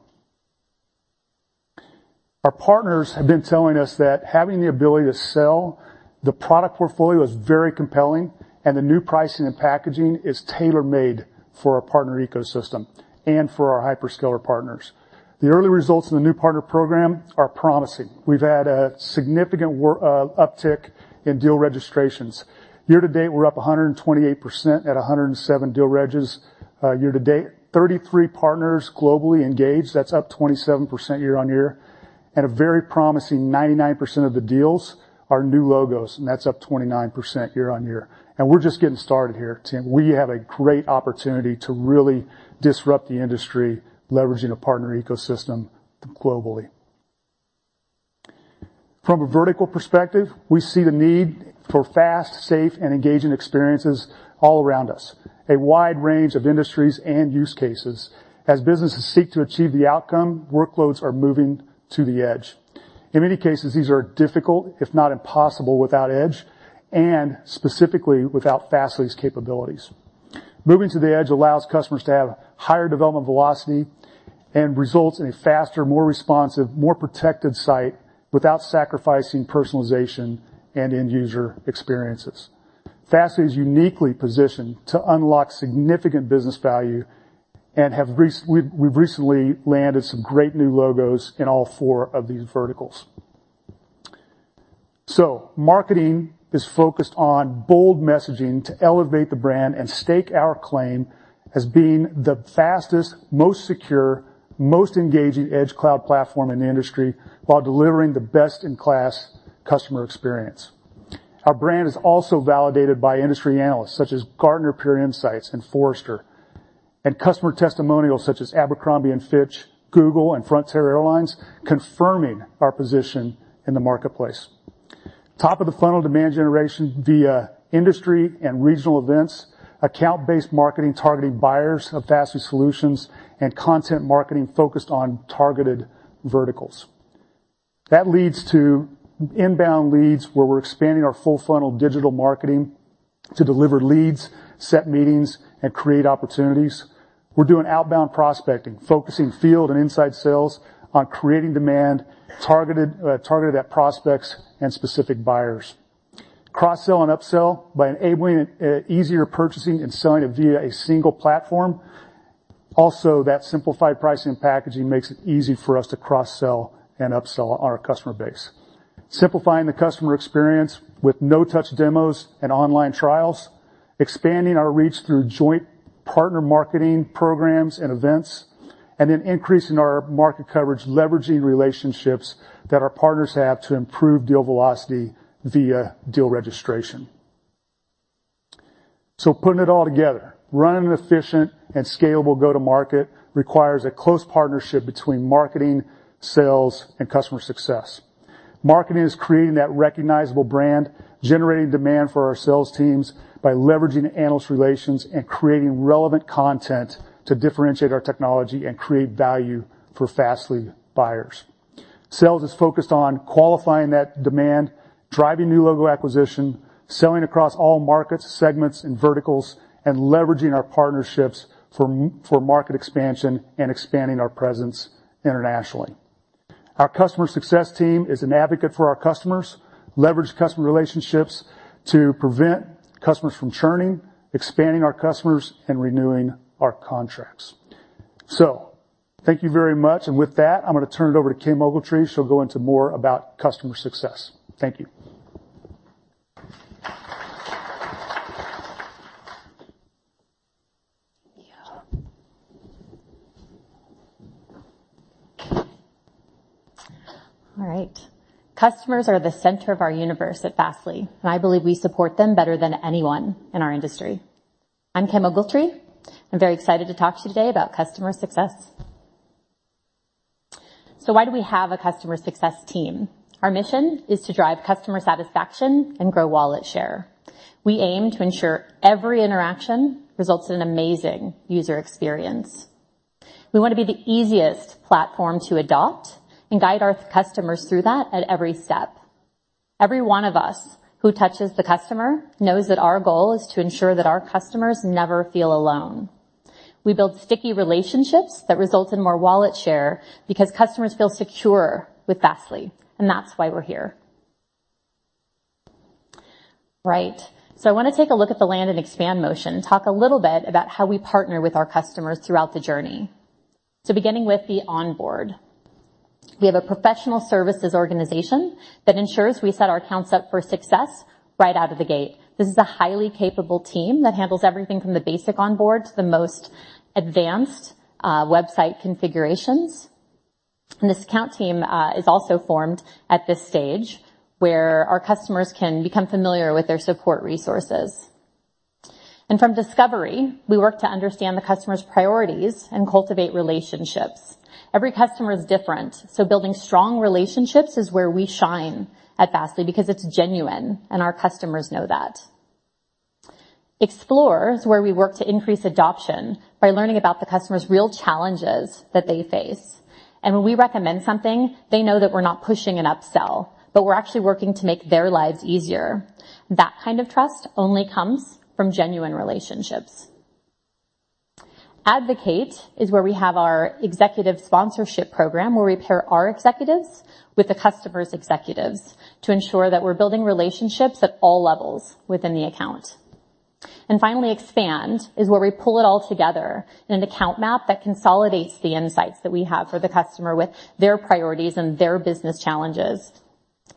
Our partners have been telling us that having the ability to sell the product portfolio is very compelling, and the new pricing and packaging is tailor-made for our partner ecosystem and for our hyperscaler partners. The early results in the new partner program are promising. We've had a significant uptick in deal registrations. Year to date, we're up 128% at 107 deal reges. Year to date, 33 partners globally engaged, that's up 27% year-on-year, and a very promising 99% of the deals are new logos, and that's up 29% year-on-year. We're just getting started here, team. We have a great opportunity to really disrupt the industry, leveraging a partner ecosystem globally. From a vertical perspective, we see the need for fast, safe, and engaging experiences all around us, a wide range of industries and use cases. As businesses seek to achieve the outcome, workloads are moving to the edge. In many cases, these are difficult, if not impossible, without edge, and specifically without Fastly's capabilities. Moving to the edge allows customers to have higher development velocity. Results in a faster, more responsive, more protected site without sacrificing personalization and end user experiences. Fastly is uniquely positioned to unlock significant business value and we've recently landed some great new logos in all four of these verticals. Marketing is focused on bold messaging to elevate the brand and stake our claim as being the fastest, most secure, most engaging edge cloud platform in the industry, while delivering the best-in-class customer experience. Our brand is also validated by industry analysts, such as Gartner, Peer Insights, and Forrester, and customer testimonials such as Abercrombie & Fitch, Google, and Frontier Airlines, confirming our position in the marketplace. Top of the funnel demand generation via industry and regional events, account-based marketing targeting buyers of Fastly solutions, and content marketing focused on targeted verticals. That leads to inbound leads, where we're expanding our full funnel digital marketing to deliver leads, set meetings, and create opportunities. We're doing outbound prospecting, focusing field and inside sales on creating demand, targeted at prospects and specific buyers. Cross-sell and upsell by enabling easier purchasing and selling it via a single platform. That simplified pricing and packaging makes it easy for us to cross-sell and upsell our customer base. Simplifying the customer experience with no-touch demos and online trials, expanding our reach through joint partner marketing programs and events, increasing our market coverage, leveraging relationships that our partners have to improve deal velocity via deal registration. Putting it all together, running an efficient and scalable go-to-market requires a close partnership between marketing, sales, and customer success. Marketing is creating that recognizable brand, generating demand for our sales teams by leveraging analyst relations and creating relevant content to differentiate our technology and create value for Fastly buyers. Sales is focused on qualifying that demand, driving new logo acquisition, selling across all markets, segments, and verticals, and leveraging our partnerships for market expansion and expanding our presence internationally. Our customer success team is an advocate for our customers, leverage customer relationships to prevent customers from churning, expanding our customers, and renewing our contracts. Thank you very much, and with that, I'm gonna turn it over to Kim Ogletree. She'll go into more about customer success. Thank you. All right. Customers are the center of our universe at Fastly. I believe we support them better than anyone in our industry. I'm Kim Ogletree. I'm very excited to talk to you today about Customer Success. Why do we have a Customer Success team? Our mission is to drive customer satisfaction and grow wallet share. We aim to ensure every interaction results in an amazing user experience. We want to be the easiest platform to adopt and guide our customers through that at every step. Every one of us who touches the customer knows that our goal is to ensure that our customers never feel alone. We build sticky relationships that result in more wallet share, because customers feel secure with Fastly. That's why we're here. Right. I want to take a look at the land and expand motion, talk a little bit about how we partner with our customers throughout the journey. Beginning with the onboard. We have a professional services organization that ensures we set our accounts up for success right out of the gate. This is a highly capable team that handles everything from the basic onboard to the most advanced website configurations. This account team is also formed at this stage, where our customers can become familiar with their support resources. From discovery, we work to understand the customer's priorities and cultivate relationships. Every customer is different, so building strong relationships is where we shine at Fastly, because it's genuine, and our customers know that. Explore is where we work to increase adoption by learning about the customer's real challenges that they face. When we recommend something, they know that we're not pushing an upsell, but we're actually working to make their lives easier. That kind of trust only comes from genuine relationships. Advocate is where we have our executive sponsorship program, where we pair our executives with the customer's executives to ensure that we're building relationships at all levels within the account. Finally, Expand is where we pull it all together in an account map that consolidates the insights that we have for the customer with their priorities and their business challenges.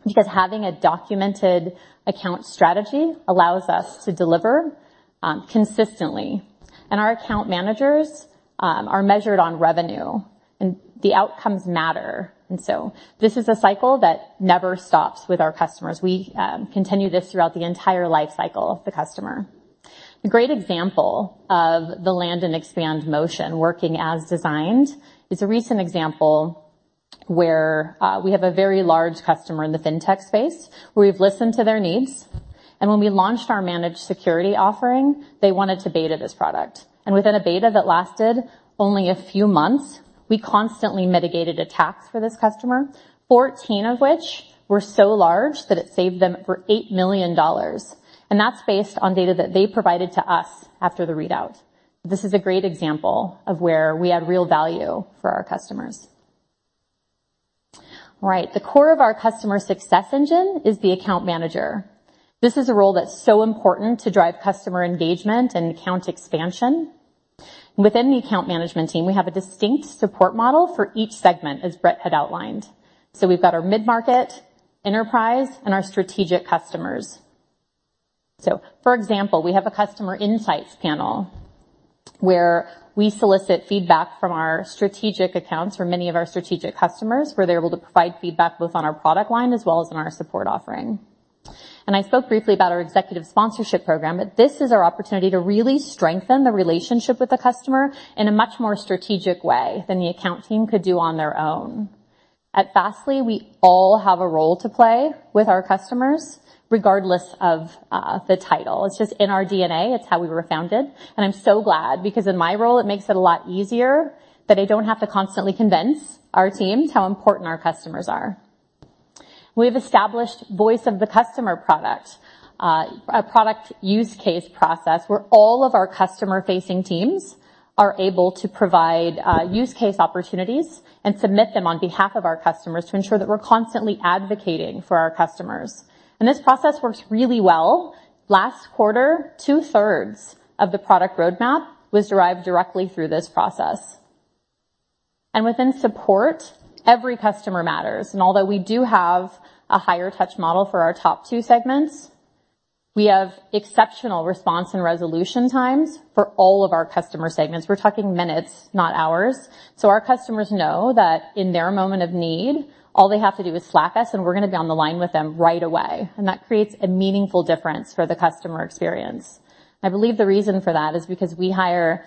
Because having a documented account strategy allows us to deliver consistently, and our account managers are measured on revenue and the outcomes matter. So this is a cycle that never stops with our customers. We continue this throughout the entire life cycle of the customer. A great example of the land and expand motion working as designed, is a recent example where, we have a very large customer in the fintech space, where we've listened to their needs, when we launched our managed Security offering, they wanted to beta this product. Within a beta that lasted only a few months, we constantly mitigated attacks for this customer, 14 of which were so large that it saved them over $8 million, that's based on data that they provided to us after the readout. This is a great example of where we add real value for our customers. All right, the core of our customer success engine is the account manager. This is a role that's so important to drive customer engagement and account expansion. Within the account management team, we have a distinct support model for each segment, as Brett had outlined. We've got our mid-market, enterprise, and our strategic customers. For example, we have a customer insights panel, where we solicit feedback from our strategic accounts for many of our strategic customers, where they're able to provide feedback both on our product line as well as on our support offering. I spoke briefly about our executive sponsorship program. This is our opportunity to really strengthen the relationship with the customer in a much more strategic way than the account team could do on their own. At Fastly, we all have a role to play with our customers, regardless of the title. It's just in our DNA, it's how we were founded. I'm so glad, because in my role, it makes it a lot easier that I don't have to constantly convince our teams how important our customers are. We've established voice of the customer product, a product use case process, where all of our customer-facing teams are able to provide use case opportunities and submit them on behalf of our customers to ensure that we're constantly advocating for our customers. This process works really well. Last quarter, two-thirds of the product roadmap was derived directly through this process. Within support, every customer matters. Although we do have a higher touch model for our top two segments, we have exceptional response and resolution times for all of our customer segments. We're talking minutes, not hours. Our customers know that in their moment of need, all they have to do is slap us, we're going to be on the line with them right away, that creates a meaningful difference for the customer experience. I believe the reason for that is because we hire,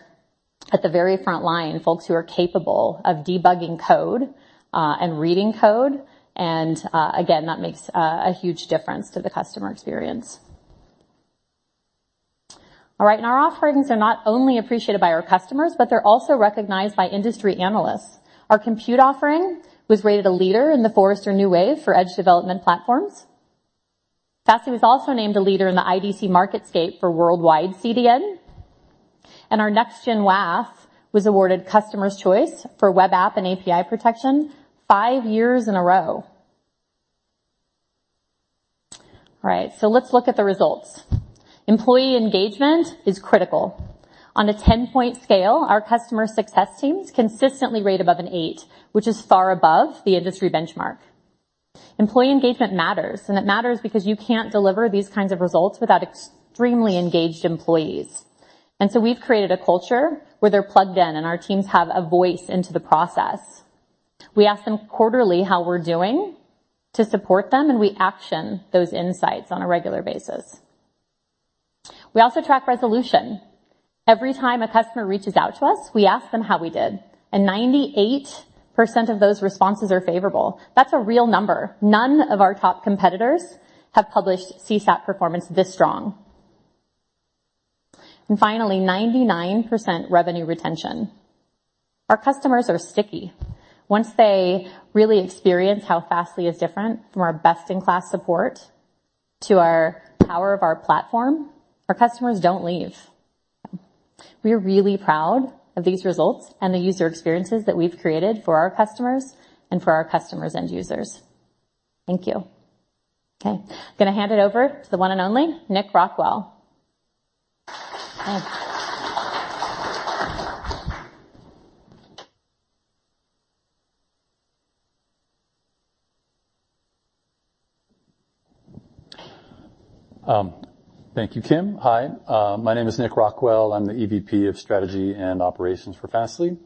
at the very front line, folks who are capable of debugging code, and reading code, and again, that makes a huge difference to the customer experience. Our offerings are not only appreciated by our customers, but they're also recognized by industry analysts. Our Compute offering was rated a leader in the Forrester New Wave for edge development platforms. Fastly was also named a leader in the IDC MarketScape for worldwide CDN, our Next-Gen WAF was awarded Customer's Choice for Web app and API Protection five years in a row. All right, let's look at the results. Employee engagement is critical. On a 10-point scale, our customer success teams consistently rate above an 8, which is far above the industry benchmark. Employee engagement matters, and it matters because you can't deliver these kinds of results without extremely engaged employees. We've created a culture where they're plugged in, and our teams have a voice into the process. We ask them quarterly how we're doing to support them, and we action those insights on a regular basis. We also track resolution. Every time a customer reaches out to us, we ask them how we did, and 98% of those responses are favorable. That's a real number. None of our top competitors have published CSAT performance this strong. Finally, 99% revenue retention. Our customers are sticky. Once they really experience how Fastly is different, from our best-in-class support to our power of our platform, our customers don't leave. We are really proud of these results and the user experiences that we've created for our customers and for our customers' end users. Thank you. Okay, I'm going to hand it over to the one and only Nick Rockwell. Thank you, Kim. Hi. My name is Nick Rockwell. I'm the EVP of Strategy and Operations for Fastly.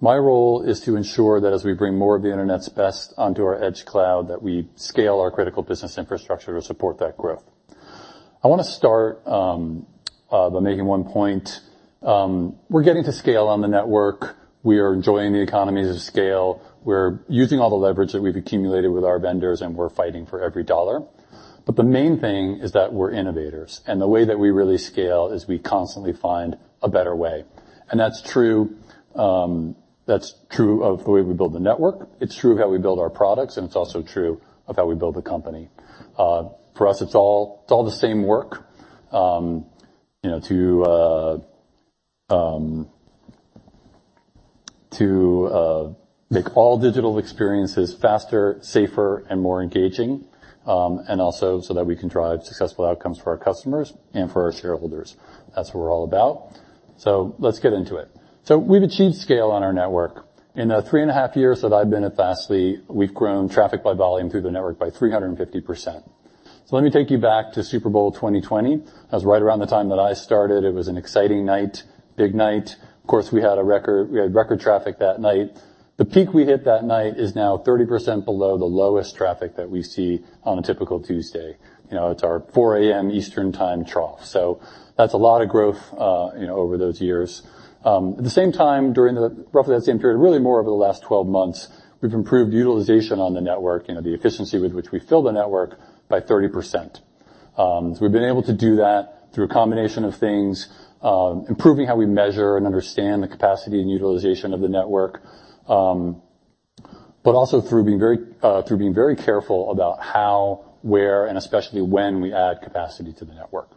My role is to ensure that as we bring more of the internet's best onto our edge cloud, that we scale our critical business infrastructure to support that growth. I want to start by making one point. We're getting to scale on the network. We are enjoying the economies of scale. We're using all the leverage that we've accumulated with our vendors, and we're fighting for every dollar. The main thing is that we're innovators, and the way that we really scale is we constantly find a better way. That's true, that's true of the way we build the network, it's true of how we build our products, and it's also true of how we build the company. For us, it's all the same work to make all digital experiences faster, safer, and more engaging, that we can drive successful outcomes for our customers and for our shareholders. That's what we're all about. Let's get into it. We've achieved scale on our network. In the three and a half years that I've been at Fastly, we've grown traffic by volume through the network by 350%. Let me take you back to Super Bowl 2020. That was right around the time that I started. It was an exciting night, big night. Of course, we had record traffic that night. The peak we hit that night is now 30% below the lowest traffic that we see on a typical Tuesday. You know, it's our 4 A.M. Eastern Time trough. That's a lot of growth, you know, over those years. At the same time, roughly that same period, really more over the last 12 months, we've improved utilization on the network, you know, the efficiency with which we fill the network, by 30%. We've been able to do that through a combination of things, improving how we measure and understand the capacity and utilization of the network, but also through being very careful about how, where, and especially when we add capacity to the network.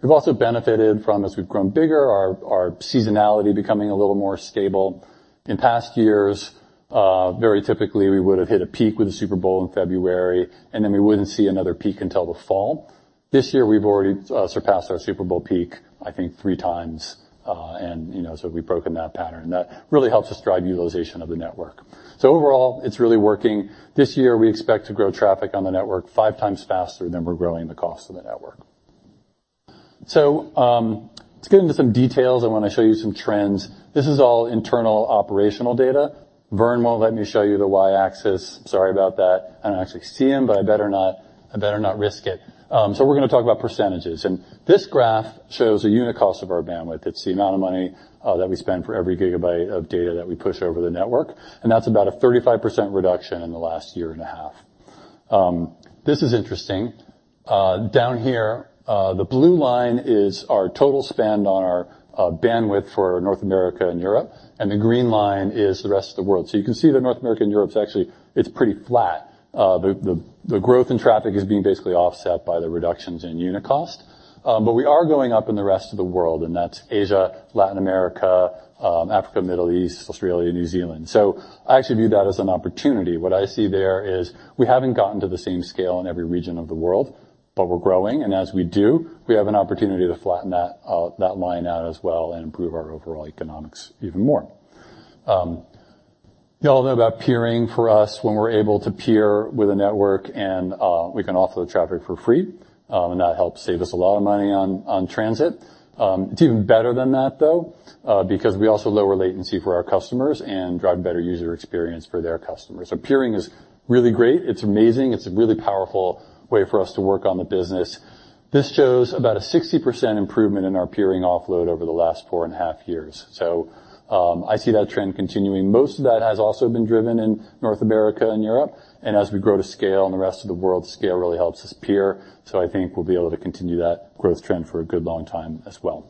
We've also benefited from, as we've grown bigger, our seasonality becoming a little more stable. In past years, very typically, we would have hit a peak with the Super Bowl in February, and then we wouldn't see another peak until the fall. This year, we've already surpassed our Super Bowl peak, I think, three times, and, you know, we've broken that pattern. That really helps us drive utilization of the network. Overall, it's really working. This year, we expect to grow traffic on the network five times faster than we're growing the cost of the network. To get into some details, I wanna show you some trends. This is all internal operational data. Vern won't let me show you the Y-axis. Sorry about that. I don't actually see him, but I better not risk it. We're gonna talk about percentages. This graph shows a unit cost of our bandwidth. It's the amount of money that we spend for every gigabyte of data that we push over the network. That's about a 35% reduction in the last year and a half. This is interesting. Down here, the blue line is our total spend on our bandwidth for North America and Europe. The green line is the rest of the world. You can see that North America and Europe, it's actually pretty flat. The growth in traffic is being basically offset by the reductions in unit cost. We are going up in the rest of the world. That's Asia, Latin America, Africa, Middle East, Australia, New Zealand. I actually view that as an opportunity. What I see there is we haven't gotten to the same scale in every region of the world, but we're growing, and as we do, we have an opportunity to flatten that line out as well and improve our overall economics even more. You all know about peering for us, when we're able to peer with a network and we can offload traffic for free, and that helps save us a lot of money on transit. It's even better than that, though, because we also lower latency for our customers and drive better user experience for their customers. Peering is really great. It's amazing. It's a really powerful way for us to work on the business. This shows about a 60% improvement in our peering offload over the last 4 and a half years. I see that trend continuing. Most of that has also been driven in North America and Europe. As we grow to scale in the rest of the world, scale really helps us peer. I think we'll be able to continue that growth trend for a good long time as well.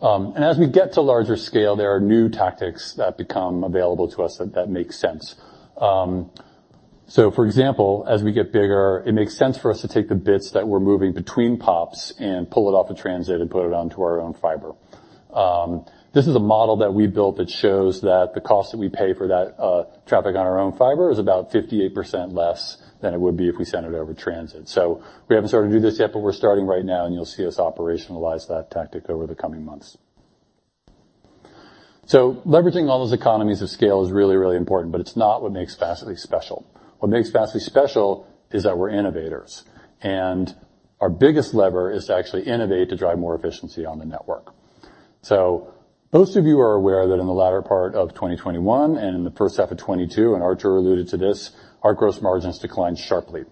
As we get to larger scale, there are new tactics that become available to us that make sense. For example, as we get bigger, it makes sense for us to take the bits that we're moving between POPs and pull it off of transit and put it onto our own fiber. This is a model that we built that shows that the cost that we pay for that traffic on our own fiber is about 58% less than it would be if we sent it over transit. We haven't started to do this yet, but we're starting right now, and you'll see us operationalize that tactic over the coming months. Leveraging all those economies of scale is really, really important, but it's not what makes Fastly special. What makes Fastly special is that we're innovators, and our biggest lever is to actually innovate, to drive more efficiency on the network. Most of you are aware that in the latter part of 2021 and in the first half of 2022, and Artur alluded to this, our gross margins declined sharply.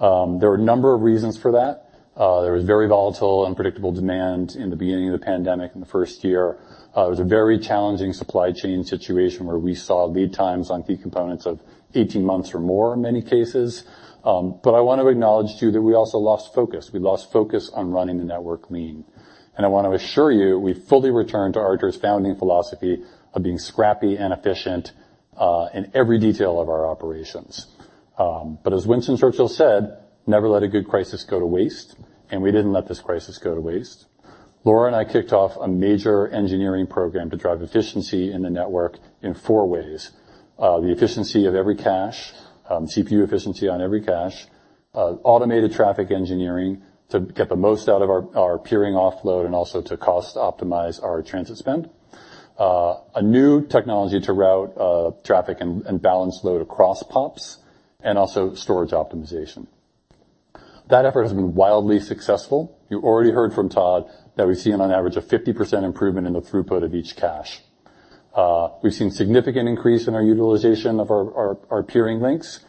There were a number of reasons for that. There was very volatile, unpredictable demand in the beginning of the pandemic in the first year. It was a very challenging supply chain situation, where we saw lead times on key components of 18 months or more in many cases. I want to acknowledge, too, that we also lost focus. We lost focus on running the network lean, and I want to assure you, we've fully returned to Artur's founding philosophy of being scrappy and efficient in every detail of our operations. As Winston Churchill said, "Never let a good crisis go to waste," and we didn't let this crisis go to waste. Laura and I kicked off a major engineering program to drive efficiency in the network in four ways: the efficiency of every cache, CPU efficiency on every cache, automated traffic engineering to get the most out of our peering offload and also to cost-optimize our transit spend, a new technology to route traffic and balance load across POPs, and also storage optimization. That effort has been wildly successful. You already heard from Todd that we've seen, on average, a 50% improvement in the throughput of each cache. We've seen significant increase in our utilization of our peering links,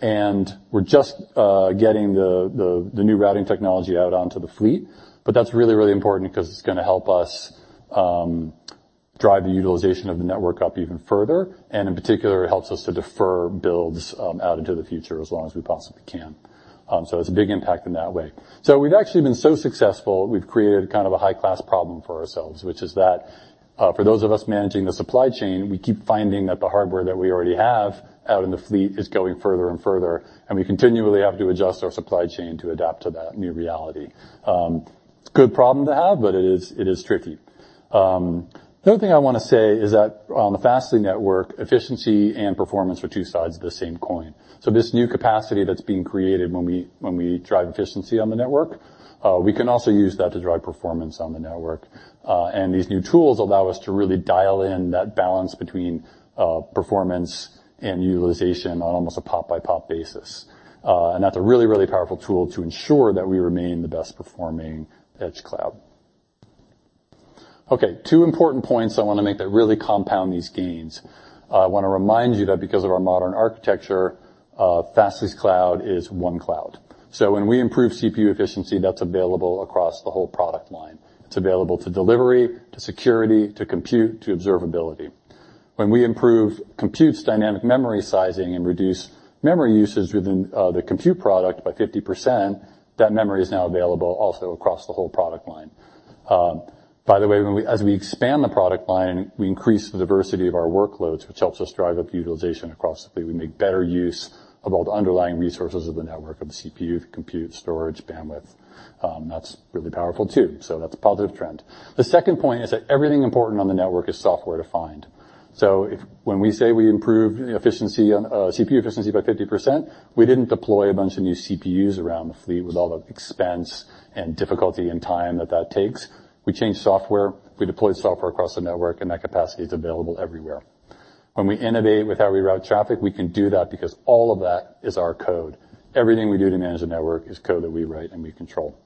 and we're just getting the new routing technology out onto the fleet, but that's really important because it's gonna help us drive the utilization of the network up even further, and in particular, it helps us to defer builds out into the future as long as we possibly can. It's a big impact in that way. We've actually been so successful, we've created kind of a high-class problem for ourselves, which is that, for those of us managing the supply chain, we keep finding that the hardware that we already have out in the fleet is going further and further, and we continually have to adjust our supply chain to adapt to that new reality. It's a good problem to have, but it is, it is tricky. The other thing I want to say is that on the Fastly network, efficiency and performance are two sides of the same coin. This new capacity that's being created when we drive efficiency on the network, we can also use that to drive performance on the network. These new tools allow us to really dial in that balance between performance and utilization on almost a POP-by-POP basis. That's a really, really powerful tool to ensure that we remain the best-performing edge cloud. Two important points I wanna make that really compound these gains. I want to remind you that because of our modern architecture, Fastly's cloud is one cloud. When we improve CPU efficiency, that's available across the whole product line. It's available to delivery, to Security, to Compute, to Observability. When we improve Compute's dynamic memory sizing and reduce memory usage within the Compute product by 50%, that memory is now available also across the whole product line. By the way, as we expand the product line, we increase the diversity of our workloads, which helps us drive up utilization across the fleet. We make better use of all the underlying resources of the network, of the CPU, the Compute, storage, bandwidth. That's really powerful, too, that's a positive trend. The second point is that everything important on the network is software-defined. When we say we improved efficiency on CPU efficiency by 50%, we didn't deploy a bunch of new CPUs around the fleet with all the expense and difficulty and time that that takes. We changed software. We deployed software across the network. That capacity is available everywhere. When we innovate with how we route traffic, we can do that because all of that is our code. Everything we do to manage the network is code that we write and we control.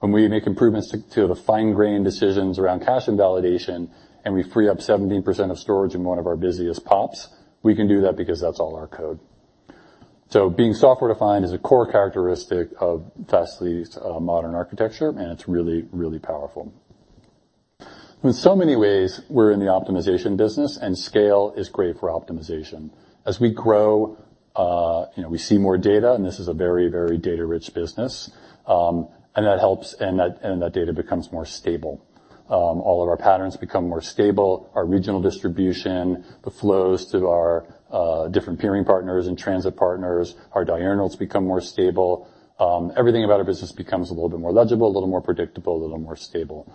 When we make improvements to the fine-grain decisions around cache invalidation, and we free up 17% of storage in one of our busiest POPs, we can do that because that's all our code. Being software-defined is a core characteristic of Fastly's modern architecture, and it's really, really powerful. In so many ways, we're in the optimization business, and scale is great for optimization. As we grow, you know, we see more data, and this is a very, very data-rich business, and that helps, and that data becomes more stable. All of our patterns become more stable, our regional distribution, the flows through our different peering partners and transit partners, our diurnals become more stable. Everything about our business becomes a little bit more legible, a little more predictable, a little more stable.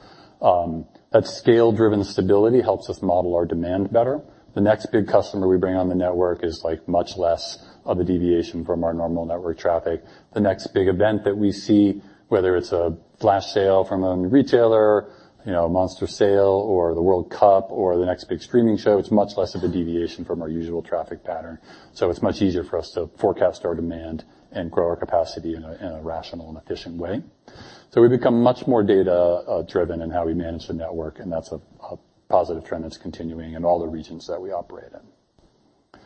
That scale-driven stability helps us model our demand better. The next big customer we bring on the network is, like, much less of a deviation from our normal network traffic. The next big event that we see, whether it's a flash sale from a retailer, you know, a monster sale, or the World Cup or the next big streaming show, it's much less of a deviation from our usual traffic pattern. It's much easier for us to forecast our demand and grow our capacity in a, in a rational and efficient way. We've become much more data driven in how we manage the network, and that's a positive trend that's continuing in all the regions that we operate in.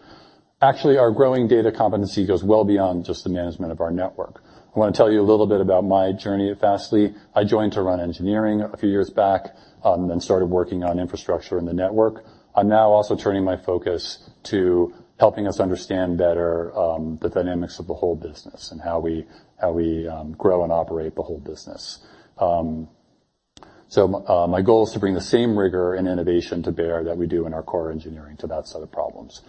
Actually, our growing data competency goes well beyond just the management of our network. I want to tell you a little bit about my journey at Fastly. I joined to run engineering a few years back and started working on infrastructure and the network. I'm now also turning my focus to helping us understand better the dynamics of the whole business and how we grow and operate the whole business. My goal is to bring the same rigor and innovation to bear that we do in our core engineering to that set of problems.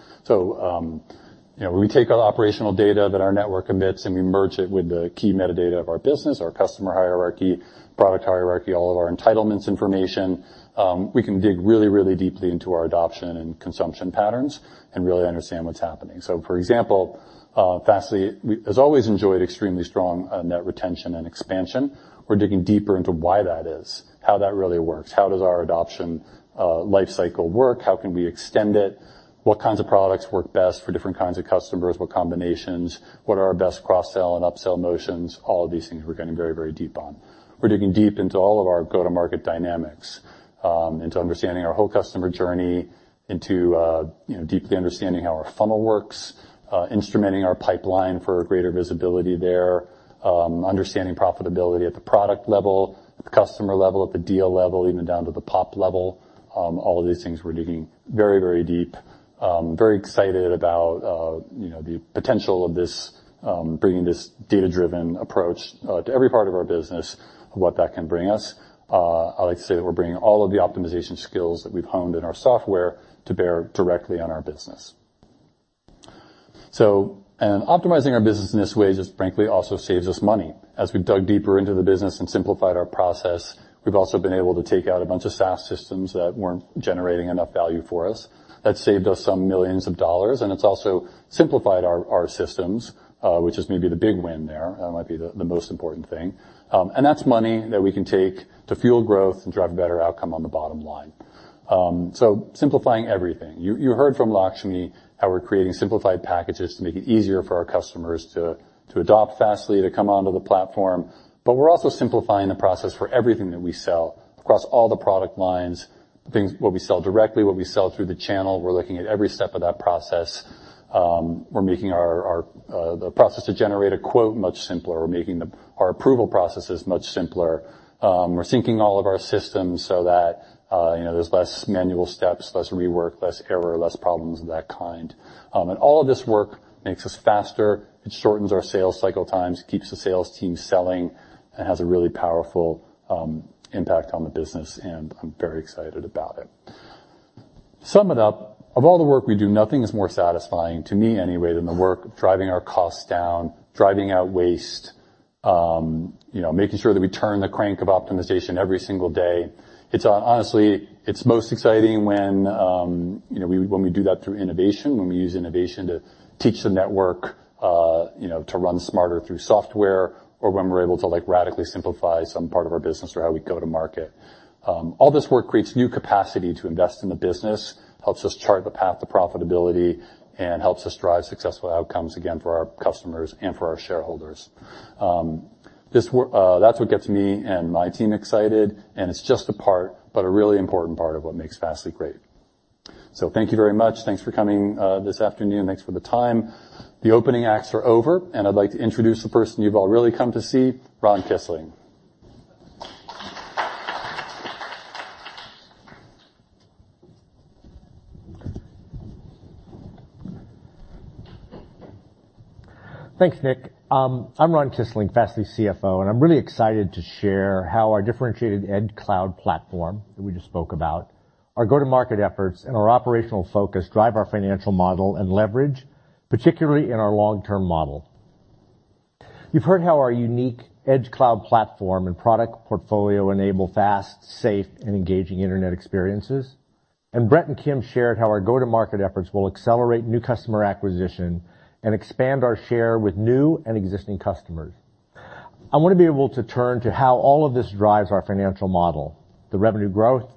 You know, we take our operational data that our network emits, and we merge it with the key metadata of our business, our customer hierarchy, product hierarchy, all of our entitlements information. We can dig really, really deeply into our adoption and consumption patterns and really understand what's happening. For example, Fastly has always enjoyed extremely strong net retention and expansion. We're digging deeper into why that is, how that really works, how does our adoption life cycle work? How can we extend it? What kinds of products work best for different kinds of customers? What combinations? What are our best cross-sell and upsell motions? All of these things we're getting very, very deep on. We're digging deep into all of our go-to-market dynamics, into understanding our whole customer journey, into, you know, deeply understanding how our funnel works, instrumenting our pipeline for greater visibility there, understanding profitability at the product level, at the customer level, at the deal level, even down to the POP level. All of these things, we're digging very, very deep. Very excited about, you know, the potential of this, bringing this data-driven approach to every part of our business and what that can bring us. I like to say that we're bringing all of the optimization skills that we've honed in our software to bear directly on our business. Optimizing our business in this way just frankly, also saves us money. As we've dug deeper into the business and simplified our process, we've also been able to take out a bunch of SaaS systems that weren't generating enough value for us. That saved us some millions of dollars, and it's also simplified our systems, which is maybe the big win there. That might be the most important thing. That's money that we can take to fuel growth and drive a better outcome on the bottom line. Simplifying everything. You heard from Lakshmi, how we're creating simplified packages to make it easier for our customers to adopt Fastly, to come onto the platform, but we're also simplifying the process for everything that we sell across all the product lines, what we sell directly, what we sell through the channel. We're looking at every step of that process. We're making our process to generate a quote much simpler. We're making our approval processes much simpler. We're syncing all of our systems so that, you know, there's less manual steps, less rework, less error, less problems of that kind. All of this work makes us faster, it shortens our sales cycle times, keeps the sales team selling, and has a really powerful impact on the business, and I'm very excited about it. To sum it up, of all the work we do, nothing is more satisfying, to me anyway, than the work of driving our costs down, driving out waste, you know, making sure that we turn the crank of optimization every single day. It's honestly, it's most exciting when, you know, when we do that through innovation, when we use innovation to teach the network, you know, to run smarter through software or when we're able to, like, radically simplify some part of our business or how we go to market. All this work creates new capacity to invest in the business, helps us chart the path to profitability, and helps us drive successful outcomes, again, for our customers and for our shareholders. This work, That's what gets me and my team excited, and it's just a part, but a really important part of what makes Fastly great. Thank you very much. Thanks for coming, this afternoon. Thanks for the time. The opening acts are over, I'd like to introduce the person you've all really come to see, Ron Kisling. Thanks, Nick. I'm Ron Kisling, Fastly CFO, I'm really excited to share how our differentiated edge cloud platform, that we just spoke about, our go-to-market efforts, and our operational focus drive our financial model and leverage, particularly in our long-term model. You've heard how our unique edge cloud platform and product portfolio enable fast, safe, and engaging internet experiences, Brett and Kim shared how our go-to-market efforts will accelerate new customer acquisition and expand our share with new and existing customers. I want to be able to turn to how all of this drives our financial model, the revenue growth,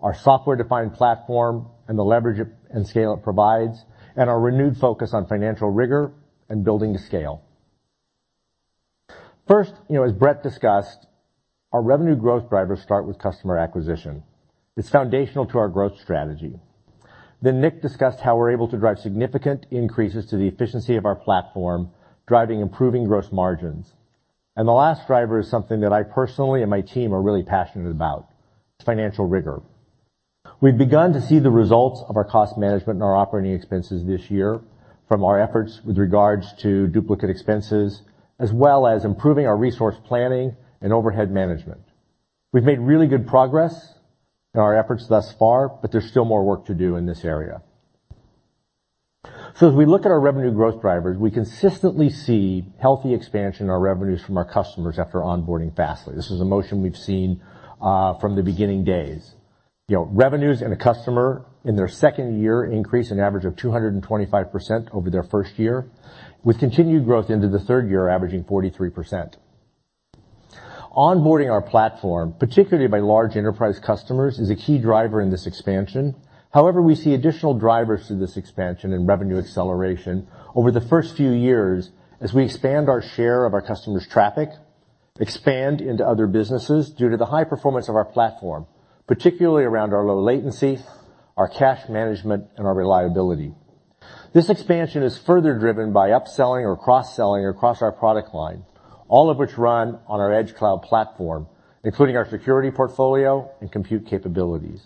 our software-defined platform, and the leverage it and scale it provides, and our renewed focus on financial rigor and building to scale. You know, as Brett discussed, our revenue growth drivers start with customer acquisition. It's foundational to our growth strategy. Nick discussed how we're able to drive significant increases to the efficiency of our platform, driving improving gross margins. The last driver is something that I personally and my team are really passionate about, it's financial rigor. We've begun to see the results of our cost management and our operating expenses this year from our efforts with regards to duplicate expenses, as well as improving our resource planning and overhead management. We've made really good progress in our efforts thus far, but there's still more work to do in this area. As we look at our revenue growth drivers, we consistently see healthy expansion in our revenues from our customers after onboarding Fastly. This is a motion we've seen from the beginning days. You know, revenues in a customer in their second year increase an average of 225% over their first year, with continued growth into the third year, averaging 43%. Onboarding our platform, particularly by large enterprise customers, is a key driver in this expansion. We see additional drivers to this expansion and revenue acceleration over the first few years as we expand our share of our customers' traffic, expand into other businesses due to the high performance of our platform, particularly around our low latency, our cache management, and our reliability. This expansion is further driven by upselling or cross-selling across our product line, all of which run on our edge cloud platform, including our Security portfolio and Compute capabilities.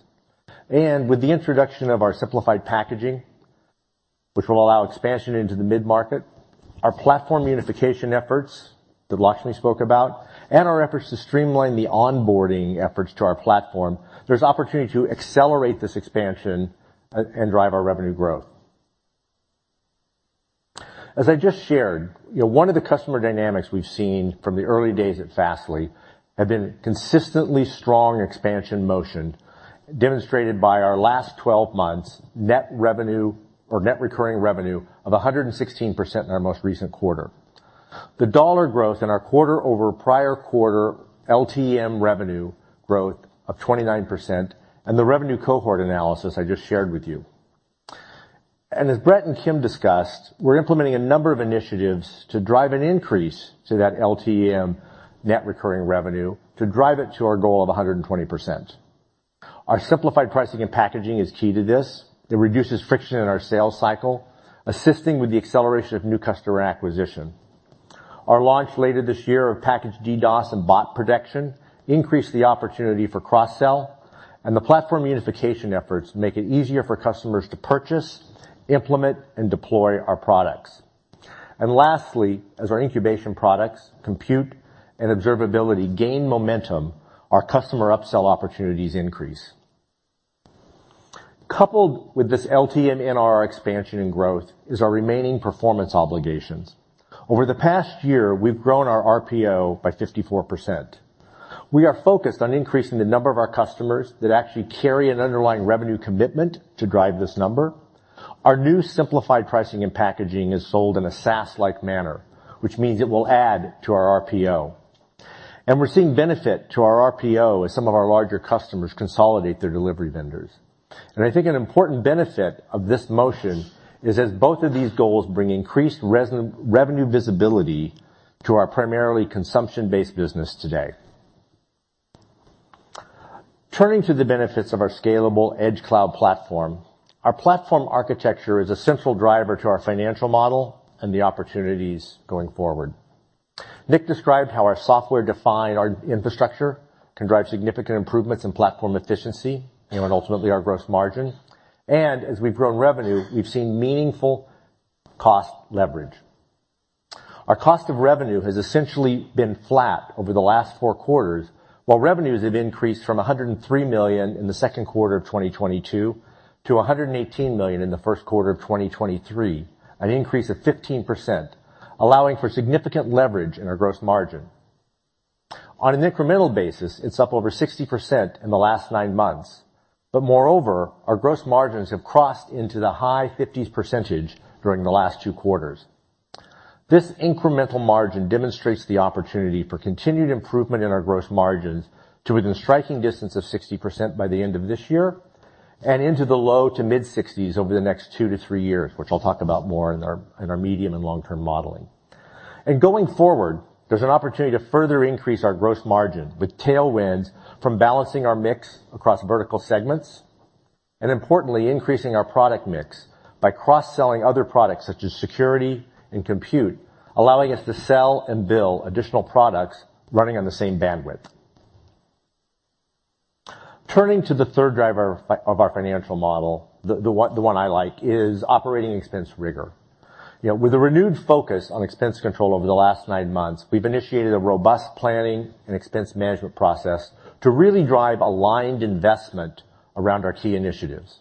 With the introduction of our simplified packaging, which will allow expansion into the mid-market, our platform unification efforts, that Lakshmi spoke about, and our efforts to streamline the onboarding efforts to our platform, there's opportunity to accelerate this expansion and drive our revenue growth. As I just shared, you know, one of the customer dynamics we've seen from the early days at Fastly have been consistently strong expansion motion, demonstrated by our last 12 months net revenue or net recurring revenue of 116% in our most recent quarter. The dollar growth in our quarter over prior quarter LTM revenue growth of 29%, and the revenue cohort analysis I just shared with you. As Brett and Kim discussed, we're implementing a number of initiatives to drive an increase to that LTM net recurring revenue, to drive it to our goal of 120%. Our simplified pricing and packaging is key to this. It reduces friction in our sales cycle, assisting with the acceleration of new customer acquisition. Our launch later this year of Package DDoS and Bot Management, increase the opportunity for cross-sell, and the platform unification efforts make it easier for customers to purchase, implement, and deploy our products. Lastly, as our incubation products, Compute and Observability gain momentum, our customer upsell opportunities increase. Coupled with this LTM NRR expansion and growth, is our remaining performance obligations. Over the past year, we've grown our RPO by 54%. We are focused on increasing the number of our customers that actually carry an underlying revenue commitment to drive this number. Our new simplified pricing and packaging is sold in a SaaS-like manner, which means it will add to our RPO. We're seeing benefit to our RPO as some of our larger customers consolidate their delivery vendors. I think an important benefit of this motion is as both of these goals bring increased revenue visibility to our primarily consumption-based business today. Turning to the benefits of our scalable Edge cloud platform, our platform architecture is a central driver to our financial model and the opportunities going forward. Nick described how our software-defined infrastructure can drive significant improvements in platform efficiency and ultimately our gross margin. As we've grown revenue, we've seen meaningful cost leverage. Our cost of revenue has essentially been flat over the last four quarters, while revenues have increased from $103 million in the second quarter of 2022 to $118 million in the first quarter of 2023, an increase of 15%, allowing for significant leverage in our gross margin. On an incremental basis, it's up over 60% in the last nine months. Moreover, our gross margins have crossed into the high 50s% during the last two quarters. This incremental margin demonstrates the opportunity for continued improvement in our gross margins to within striking distance of 60% by the end of this year, and into the low to mid-60s% over the next two to three years, which I'll talk about more in our medium and long-term modeling. Going forward, there's an opportunity to further increase our gross margin with tailwinds from balancing our mix across vertical segments, and importantly, increasing our product mix by cross-selling other products such as security and Compute, allowing us to sell and bill additional products running on the same bandwidth. Turning to the third driver of our financial model, the one I like, is operating expense rigor. You know, with a renewed focus on expense control over the last nine months, we've initiated a robust planning and expense management process to really drive aligned investment around our key initiatives.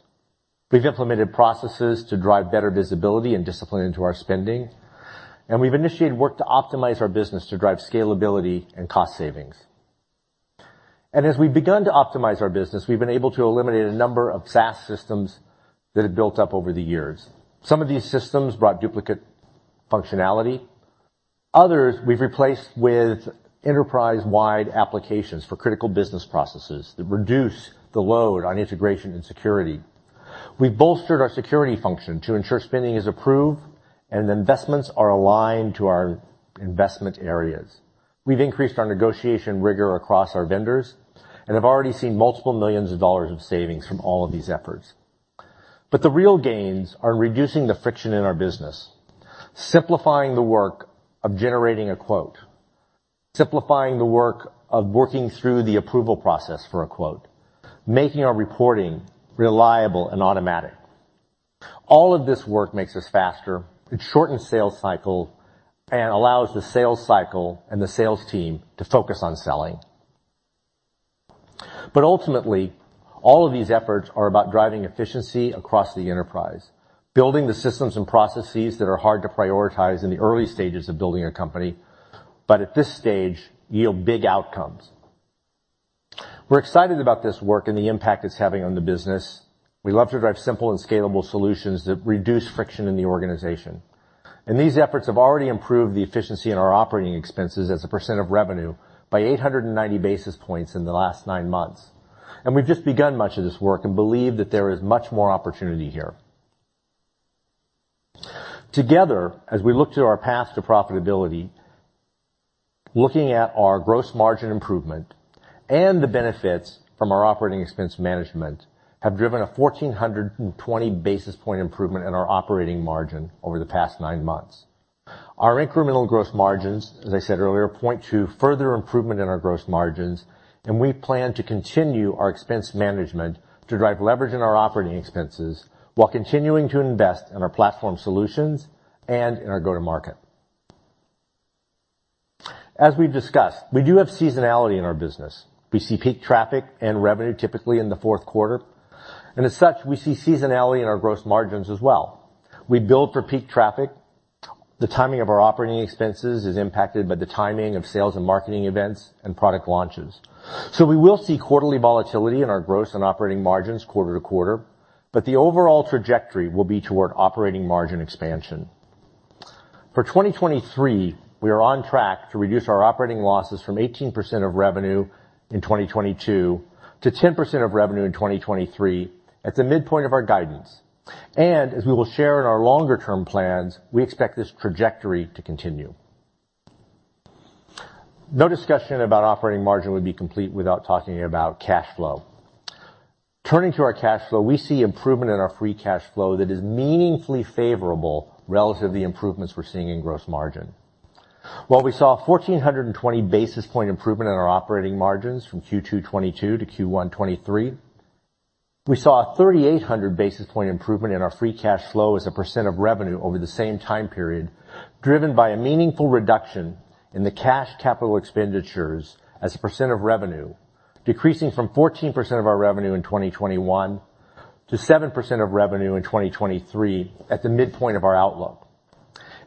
We've implemented processes to drive better visibility and discipline into our spending, and we've initiated work to optimize our business to drive scalability and cost savings. As we've begun to optimize our business, we've been able to eliminate a number of SaaS systems that had built up over the years. Some of these systems brought duplicate functionality, others we've replaced with enterprise-wide applications for critical business processes that reduce the load on integration and security. We've bolstered our Security function to ensure spending is approved and investments are aligned to our investment areas. We've increased our negotiation rigor across our vendors, and have already seen multiple millions of dollars of savings from all of these efforts. The real gains are in reducing the friction in our business, simplifying the work of generating a quote, simplifying the work of working through the approval process for a quote, making our reporting reliable and automatic. All of this work makes us faster, it shortens sales cycle, and allows the sales cycle and the sales team to focus on selling. Ultimately, all of these efforts are about driving efficiency across the enterprise, building the systems and processes that are hard to prioritize in the early stages of building a company, but at this stage, yield big outcomes. We're excited about this work and the impact it's having on the business. We love to drive simple and scalable solutions that reduce friction in the organization. These efforts have already improved the efficiency in our operating expenses as a % of revenue by 890 basis points in the last nine months. We've just begun much of this work and believe that there is much more opportunity here. Together, as we look to our path to profitability, looking at our gross margin improvement and the benefits from our operating expense management, have driven a 1,420 basis point improvement in our operating margin over the past nine months. Our incremental gross margins, as I said earlier, point to further improvement in our gross margins. We plan to continue our expense management to drive leverage in our operating expenses, while continuing to invest in our platform solutions and in our go-to-market. As we've discussed, we do have seasonality in our business. We see peak traffic and revenue typically in the fourth quarter. As such, we see seasonality in our gross margins as well. We build for peak traffic. The timing of our operating expenses is impacted by the timing of sales and marketing events and product launches. We will see quarterly volatility in our gross and operating margins quarter to quarter, but the overall trajectory will be toward operating margin expansion. For 2023, we are on track to reduce our operating losses from 18% of revenue in 2022 to 10% of revenue in 2023, at the midpoint of our guidance. As we will share in our longer-term plans, we expect this trajectory to continue. No discussion about operating margin would be complete without talking about cash flow. Turning to our cash flow, we see improvement in our free cash flow that is meaningfully favorable relative to the improvements we're seeing in gross margin. While we saw a 1,420 basis point improvement in our operating margins from Q2 2022 to Q1 2023, we saw a 3,800 basis point improvement in our free cash flow as a percent of revenue over the same time period, driven by a meaningful reduction in the cash CapEx as a percent of revenue, decreasing from 14% of our revenue in 2021 to 7% of revenue in 2023, at the midpoint of our outlook.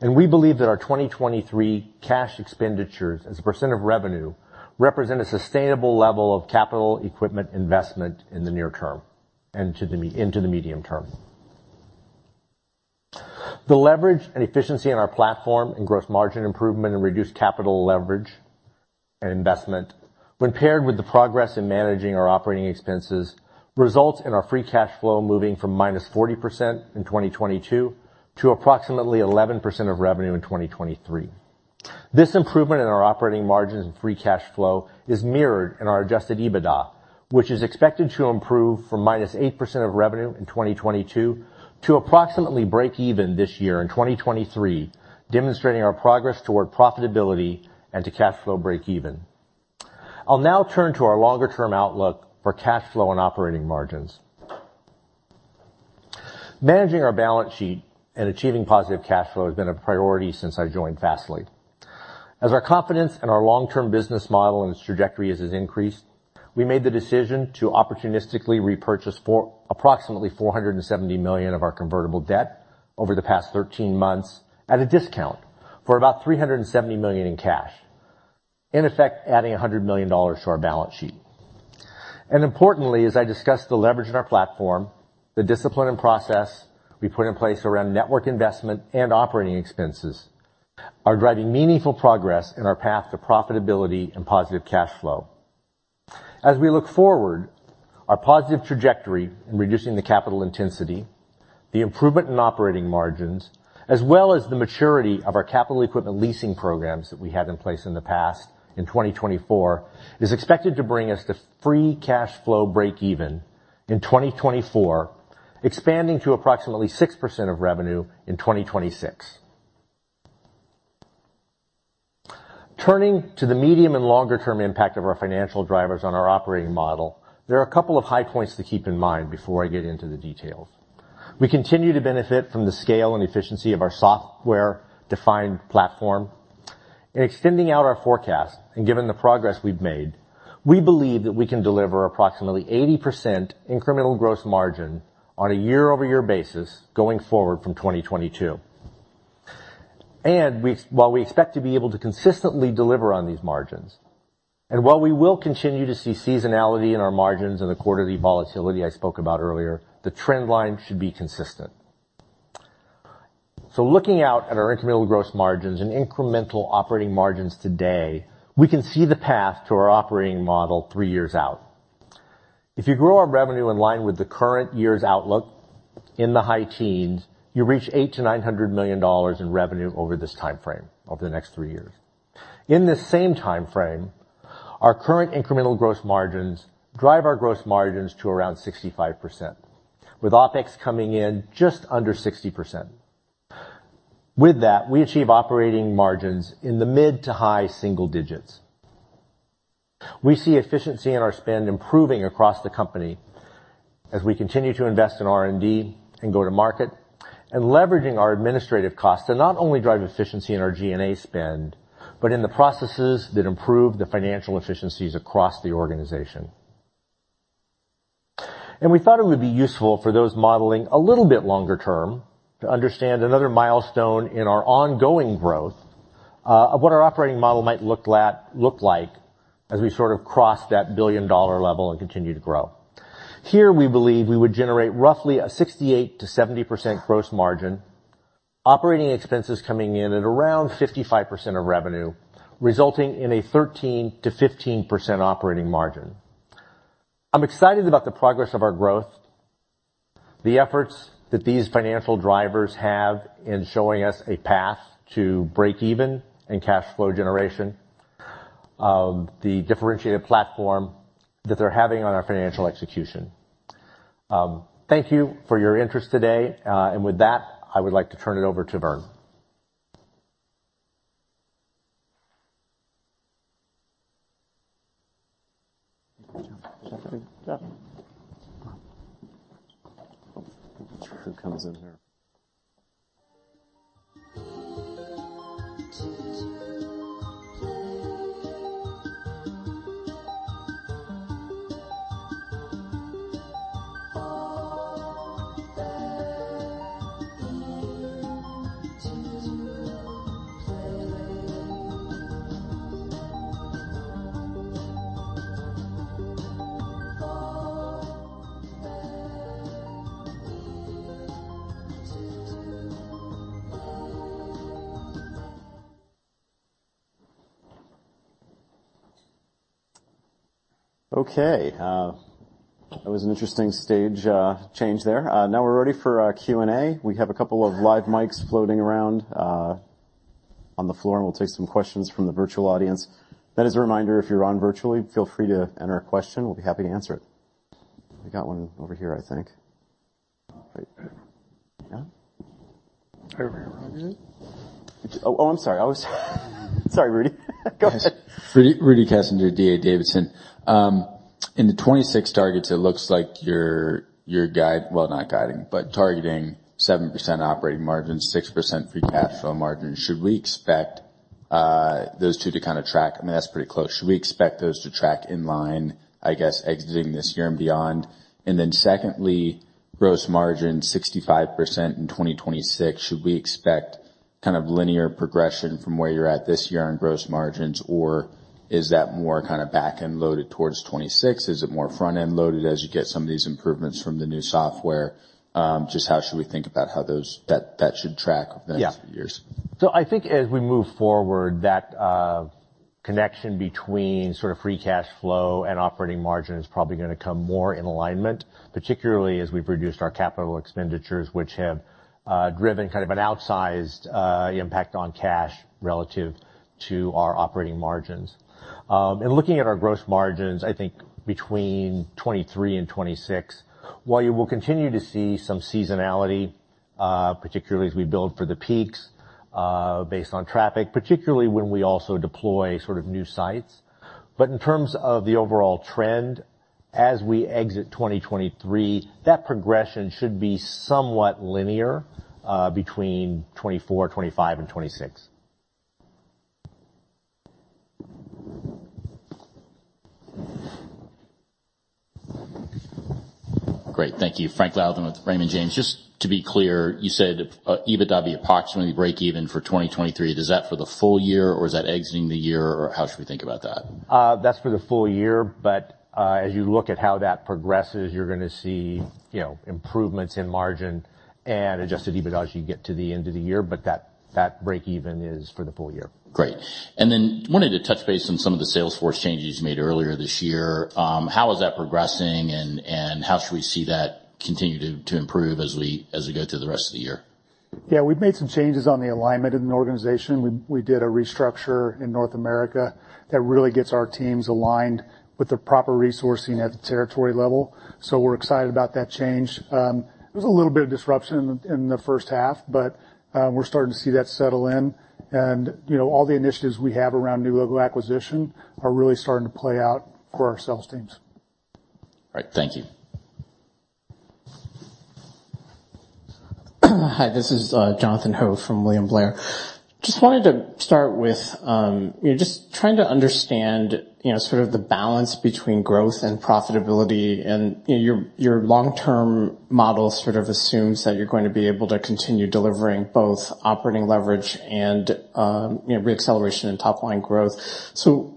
We believe that our 2023 cash CapEx, as a percent of revenue, represent a sustainable level of capital equipment investment in the near term and into the medium term. The leverage and efficiency in our platform and gross margin improvement and reduced capital leverage and investment, when paired with the progress in managing our operating expenses, results in our free cash flow moving from -40% in 2022 to approximately 11% of revenue in 2023. This improvement in our operating margins and free cash flow is mirrored in our adjusted EBITDA, which is expected to improve from -8% of revenue in 2022 to approximately break even this year in 2023, demonstrating our progress toward profitability and to cash flow break even. I'll now turn to our longer-term outlook for cash flow and operating margins. Managing our balance sheet and achieving positive cash flow has been a priority since I joined Fastly. As our confidence in our long-term business model and its trajectory has increased, we made the decision to opportunistically repurchase approximately $470 million of our convertible debt over the past 13 months at a discount for about $370 million in cash, in effect, adding $100 million to our balance sheet. Importantly, as I discussed, the leverage in our platform, the discipline and process we put in place around network investment and operating expenses, are driving meaningful progress in our path to profitability and positive cash flow. As we look forward, our positive trajectory in reducing the capital intensity, the improvement in operating margins, as well as the maturity of our capital equipment leasing programs that we had in place in the past, in 2024, is expected to bring us to free cash flow break even in 2024, expanding to approximately 6% of revenue in 2026. Turning to the medium and longer term impact of our financial drivers on our operating model, there are a couple of high points to keep in mind before I get into the details. We continue to benefit from the scale and efficiency of our software-defined platform. In extending out our forecast and given the progress we've made, we believe that we can deliver approximately 80% incremental gross margin on a year-over-year basis going forward from 2022. While we expect to be able to consistently deliver on these margins, and while we will continue to see seasonality in our margins and the quarterly volatility I spoke about earlier, the trend line should be consistent. Looking out at our incremental gross margins and incremental operating margins today, we can see the path to our operating model three years out. If you grow our revenue in line with the current year's outlook in the high teens, you reach $800 million-$900 million in revenue over this timeframe, over the next three years. In this same timeframe, our current incremental gross margins drive our gross margins to around 65%, with OpEx coming in just under 60%. With that, we achieve operating margins in the mid to high single digits. We see efficiency in our spend improving across the company as we continue to invest in R&D and go-to-market, and leveraging our administrative costs to not only drive efficiency in our G&A spend, but in the processes that improve the financial efficiencies across the organization. We thought it would be useful for those modeling a little bit longer term to understand another milestone in our ongoing growth of what our operating model might look like as we sort of cross that billion-dollar level and continue to grow. Here, we believe we would generate roughly a 68%-70% gross margin, operating expenses coming in at around 55% of revenue, resulting in a 13%-15% operating margin. I'm excited about the progress of our growth, the efforts that these financial drivers have in showing us a path to breakeven and cash flow generation, the differentiated platform that they're having on our financial execution. Thank you for your interest today. With that, I would like to turn it over to Vern. Okay, that was an interesting stage change there. Now we're ready for our Q&A. We have a couple of live mics floating around on the floor, we'll take some questions from the virtual audience. That is a reminder, if you're on virtually, feel free to enter a question. We'll be happy to answer it. We got one over here, I think. Yeah. Over here. Oh, I'm sorry. Sorry, Rudy. Go ahead. Rudy Kessinger, D.A. Davidson. In the 2026 targets, it looks like your Well, not guiding, but targeting 7% operating margins, 6% free cash flow margin. Should we expect those two to kind of track? I mean, that's pretty close. Should we expect those to track in line, I guess, exiting this year and beyond? Secondly, gross margin, 65% in 2026, should we expect kind of linear progression from where you're at this year on gross margins, or is that more kind of back-end loaded towards 2026? Is it more front-end loaded as you get some of these improvements from the new software? Just how should we think about how that should track over the next few years? Yeah. I think as we move forward, that connection between sort of free cash flow and operating margin is probably gonna come more in alignment, particularly as we've reduced our capital expenditures, which have driven kind of an outsized impact on cash relative to our operating margins. Looking at our gross margins, I think between 2023 and 2026, while you will continue to see some seasonality, particularly as we build for the peaks, based on traffic, particularly when we also deploy sort of new sites. In terms of the overall trend, as we exit 2023, that progression should be somewhat linear, between 2024, 2025, and 2026. Great. Thank you. Frank Louthan with Raymond James. Just to be clear, you said, EBITDA be approximately breakeven for 2023. Is that for the full year, or is that exiting the year, or how should we think about that? That's for the full year, but as you look at how that progresses, you're going to see, you know, improvements in margin and adjusted EBITDA as you get to the end of the year, but that breakeven is for the full year. Great. Wanted to touch base on some of the Salesforce changes you made earlier this year. How is that progressing, and how should we see that continue to improve as we go through the rest of the year? Yeah, we've made some changes on the alignment in the organization. We did a restructure in North America that really gets our teams aligned with the proper resourcing at the territory level. We're excited about that change. There was a little bit of disruption in the first half. We're starting to see that settle in. You know, all the initiatives we have around new logo acquisition are really starting to play out for our sales teams. All right, thank you. Hi, this is Jonathan Ho from William Blair. Just wanted to start with, you know, just trying to understand, you know, sort of the balance between growth and profitability, and, you know, your long-term model sort of assumes that you're going to be able to continue delivering both operating leverage and, you know, reacceleration and top-line growth.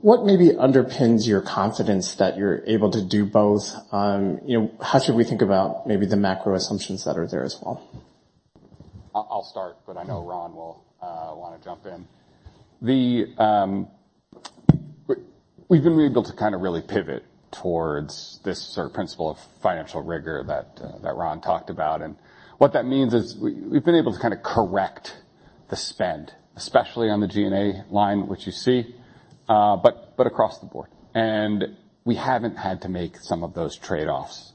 What maybe underpins your confidence that you're able to do both? You know, how should we think about maybe the macro assumptions that are there as well? I'll start, but I know Ron will want to jump in. We've been able to kind of really pivot towards this sort of principle of financial rigor that Ron talked about, and what that means is we've been able to kind of correct the spend, especially on the G&A line, which you see, but across the board, and we haven't had to make some of those trade-offs.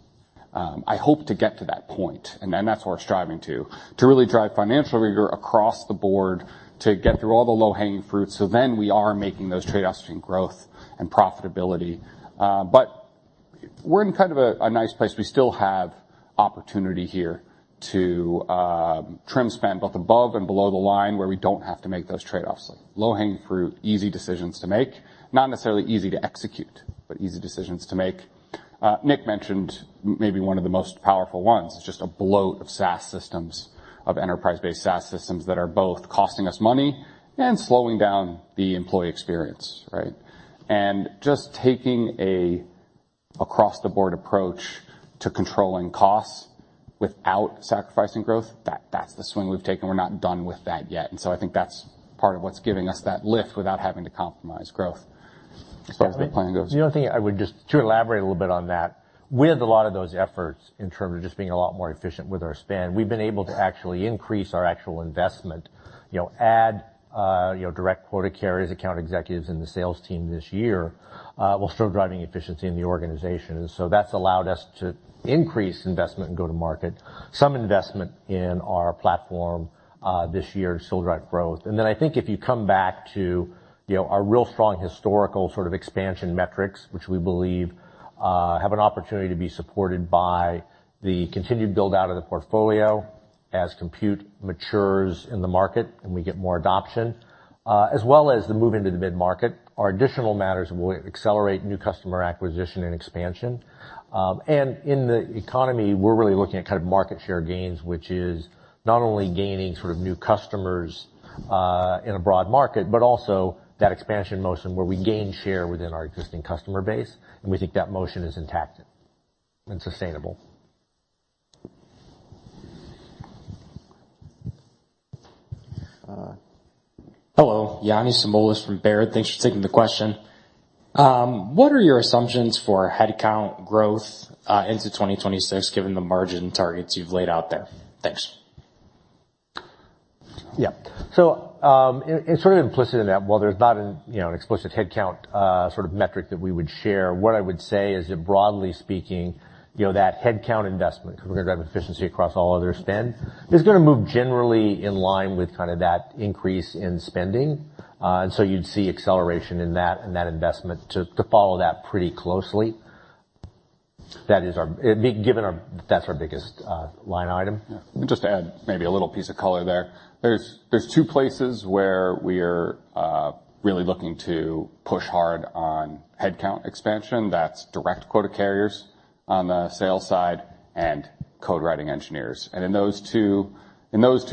I hope to get to that point, and that's where we're striving to really drive financial rigor across the board, to get through all the low-hanging fruits. We are making those trade-offs between growth and profitability. We're in kind of a nice place. We still have opportunity here to trim spend, both above and below the line, where we don't have to make those trade-offs. Like, low-hanging fruit, easy decisions to make. Not necessarily easy to execute, but easy decisions to make. Nick mentioned maybe one of the most powerful ones is just a bloat of SaaS systems, of enterprise-based SaaS systems that are both costing us money and slowing down the employee experience, right? Just taking a across-the-board approach to controlling costs without sacrificing growth, that's the swing we've taken. We're not done with that yet, and so I think that's part of what's giving us that lift without having to compromise growth as the plan goes. The only thing I would just to elaborate a little bit on that, with a lot of those efforts in terms of just being a lot more efficient with our spend, we've been able to actually increase our actual investment. You know, add, you know, direct quota carriers, account executives in the sales team this year, while still driving efficiency in the organization. That's allowed us to increase investment and go to market. Some investment in our platform, this year, still drive growth. I think if you come back to, you know, our real strong historical sort of expansion metrics, which we believe, have an opportunity to be supported by the continued build-out of the portfolio as Compute matures in the market and we get more adoption, as well as the move into the mid-market. Our additional matters will accelerate new customer acquisition and expansion. In the economy, we're really looking at kind of market share gains, which is not only gaining sort of new customers, in a broad market, but also that expansion motion where we gain share within our existing customer base, and we think that motion is intact and sustainable. Hello, Yanni Samoilis from Baird. Thanks for taking the question. What are your assumptions for headcount growth into 2026, given the margin targets you've laid out there? Thanks. Yeah. It's sort of implicit in that, while there's not an, you know, an explicit headcount, sort of metric that we would share, what I would say is that, broadly speaking, you know, that headcount investment, because we're going to drive efficiency across all other spend, is gonna move generally in line with kind of that increase in spending. You'd see acceleration in that and that investment to follow that pretty closely. That's our biggest line item. Yeah. Just to add maybe a little piece of color there. There's two places where we are really looking to push hard on headcount expansion. That's direct quota carriers on the sales side and code-writing engineers. In those two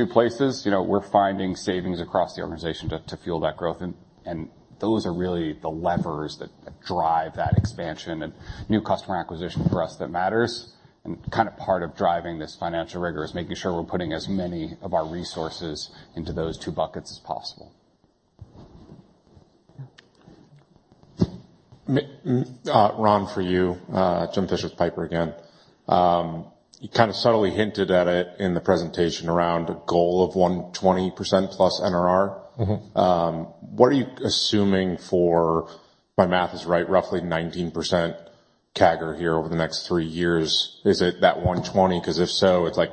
places, you know, we're finding savings across the organization to fuel that growth, and those are really the levers that drive that expansion and new customer acquisition for us that matters. Kind of part of driving this financial rigor is making sure we're putting as many of our resources into those two buckets as possible. Ron, for you, Jim Fish with Piper again. You kind of subtly hinted at it in the presentation around a goal of 120%+ NRR. Mm-hmm. What are you assuming for... my math is right, roughly 19% CAGR here over the next three years? Is it that 120? Because if so, it's like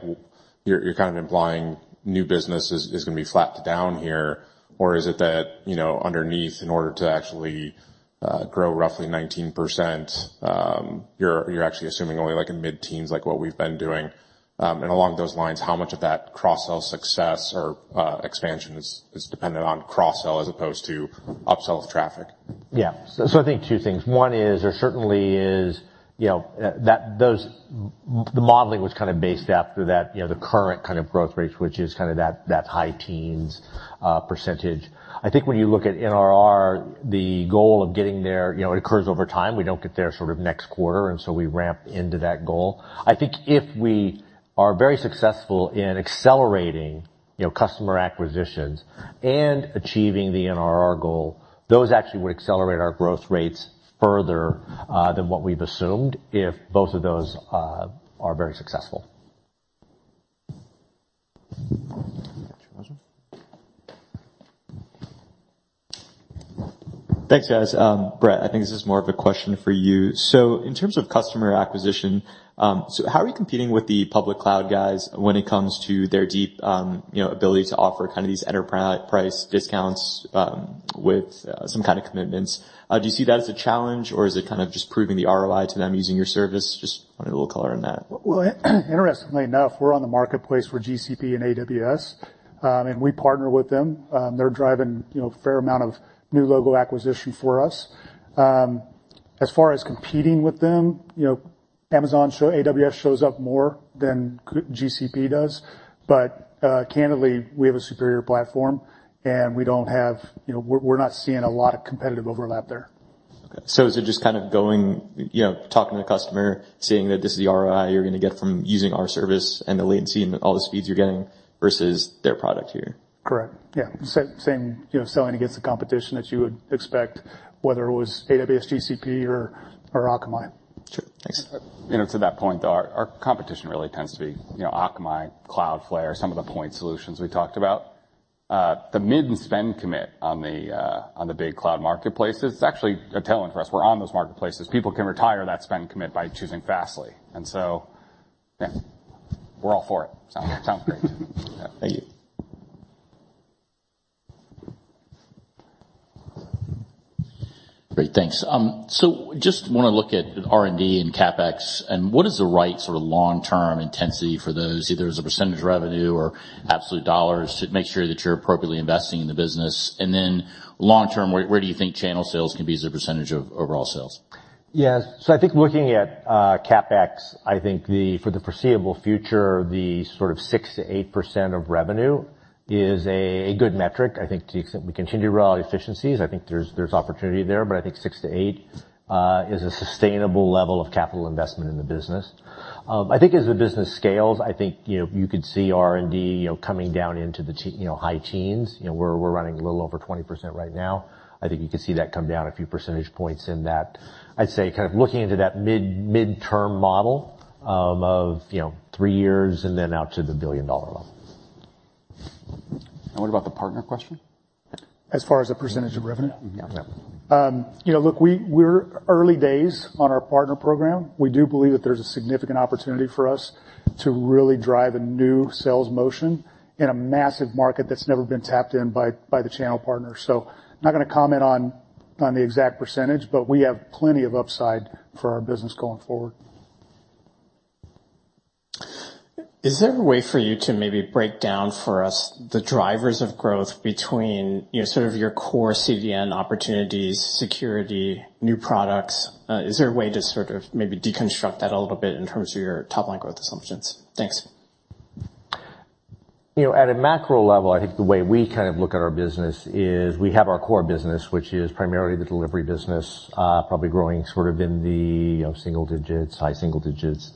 you're kind of implying new business is gonna be flat to down here. Is it that, you know, underneath, in order to actually grow roughly 19%, you're actually assuming only like in mid-teens, like what we've been doing? Along those lines, how much of that cross-sell success or expansion is dependent on cross-sell as opposed to upsell of traffic? Yeah. I think two things. One is there certainly is, you know, the modeling was kind of based after that, you know, the current kind of growth rates, which is kind of that high teens %. I think when you look at NRR, the goal of getting there, you know, it occurs over time. We don't get there sort of next quarter, and so we ramp into that goal. I think if we are very successful in accelerating, you know, customer acquisitions and achieving the NRR goal, those actually would accelerate our growth rates further than what we've assumed, if both of those are very successful. Jonathan? Thanks, guys. Brett, I think this is more of a question for you. In terms of customer acquisition, how are you competing with the public cloud guys when it comes to their deep, you know, ability to offer kind of these enterprise price discount with some kind of commitments? Do you see that as a challenge, or is it kind of just proving the ROI to them using your service? Just wanted a little color on that. Interestingly enough, we're on the marketplace for GCP and AWS, and we partner with them. They're driving, you know, a fair amount of new logo acquisition for us. As far as competing with them, you know, AWS shows up more than GCP does, candidly, we have a superior platform, and You know, we're not seeing a lot of competitive overlap there. Okay, is it just kind of going, you know, talking to the customer, saying that this is the ROI you're gonna get from using our service and the latency and all the speeds you're getting versus their product here? Correct. Yeah. Same, you know, selling against the competition that you would expect, whether it was AWS, GCP, or Akamai. Sure. Thanks. You know, to that point, though, our competition really tends to be, you know, Akamai, Cloudflare, some of the point solutions we talked about. The mid and spend commit on the big cloud marketplaces, it's actually telling for us. We're on those marketplaces. People can retire that spend commit by choosing Fastly, yeah, we're all for it. Sounds great. Thank you. Great, thanks. Just want to look at R&D and CapEx, and what is the right sort of long-term intensity for those, either as a % of revenue or absolute $, to make sure that you're appropriately investing in the business? Long term, where do you think channel sales can be as a % of overall sales? Yes. I think looking at CapEx, I think the, for the foreseeable future, the sort of 6%-8% of revenue is a good metric, I think, to extent we continue to rely on efficiencies. I think there's opportunity there, but I think 6%-8% is a sustainable level of capital investment in the business. I think as the business scales, I think, you know, you could see R&D, you know, coming down into the high teens. You know, we're running a little over 20% right now. I think you could see that come down a few percentage points in that. I'd say, kind of, looking into that midterm model, of, you know, three years and then out to the billion-dollar level. What about the partner question? As far as the percentage of revenue? Yeah. You know, look, we're early days on our partner program. We do believe that there's a significant opportunity for us to really drive a new sales motion in a massive market that's never been tapped in by the channel partners. Not gonna comment on the exact %, but we have plenty of upside for our business going forward. Is there a way for you to maybe break down for us the drivers of growth between, you know, sort of your core CDN opportunities, Security, new products? Is there a way to sort of maybe deconstruct that a little bit in terms of your top-line growth assumptions? Thanks. You know, at a macro level, I think the way we kind of look at our business is we have our core business, which is primarily the delivery business, probably growing sort of in the, you know, single digits, high single digits.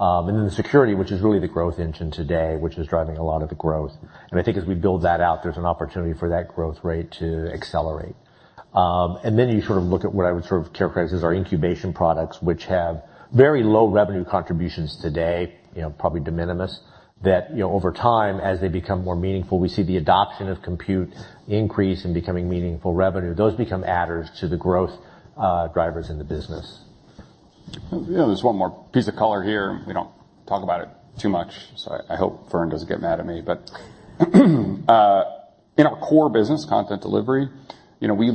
Then the Security, which is really the growth engine today, which is driving a lot of the growth. I think as we build that out, there's an opportunity for that growth rate to accelerate. Then you sort of look at what I would sort of characterize as our incubation products, which have very low revenue contributions today, you know, probably de minimis, that, you know, over time, as they become more meaningful, we see the adoption of Compute increase and becoming meaningful revenue. Those become adders to the growth drivers in the business. You know, there's one more piece of color here. We don't talk about it too much, so I hope Vern doesn't get mad at me. In our core business, content delivery, you know, when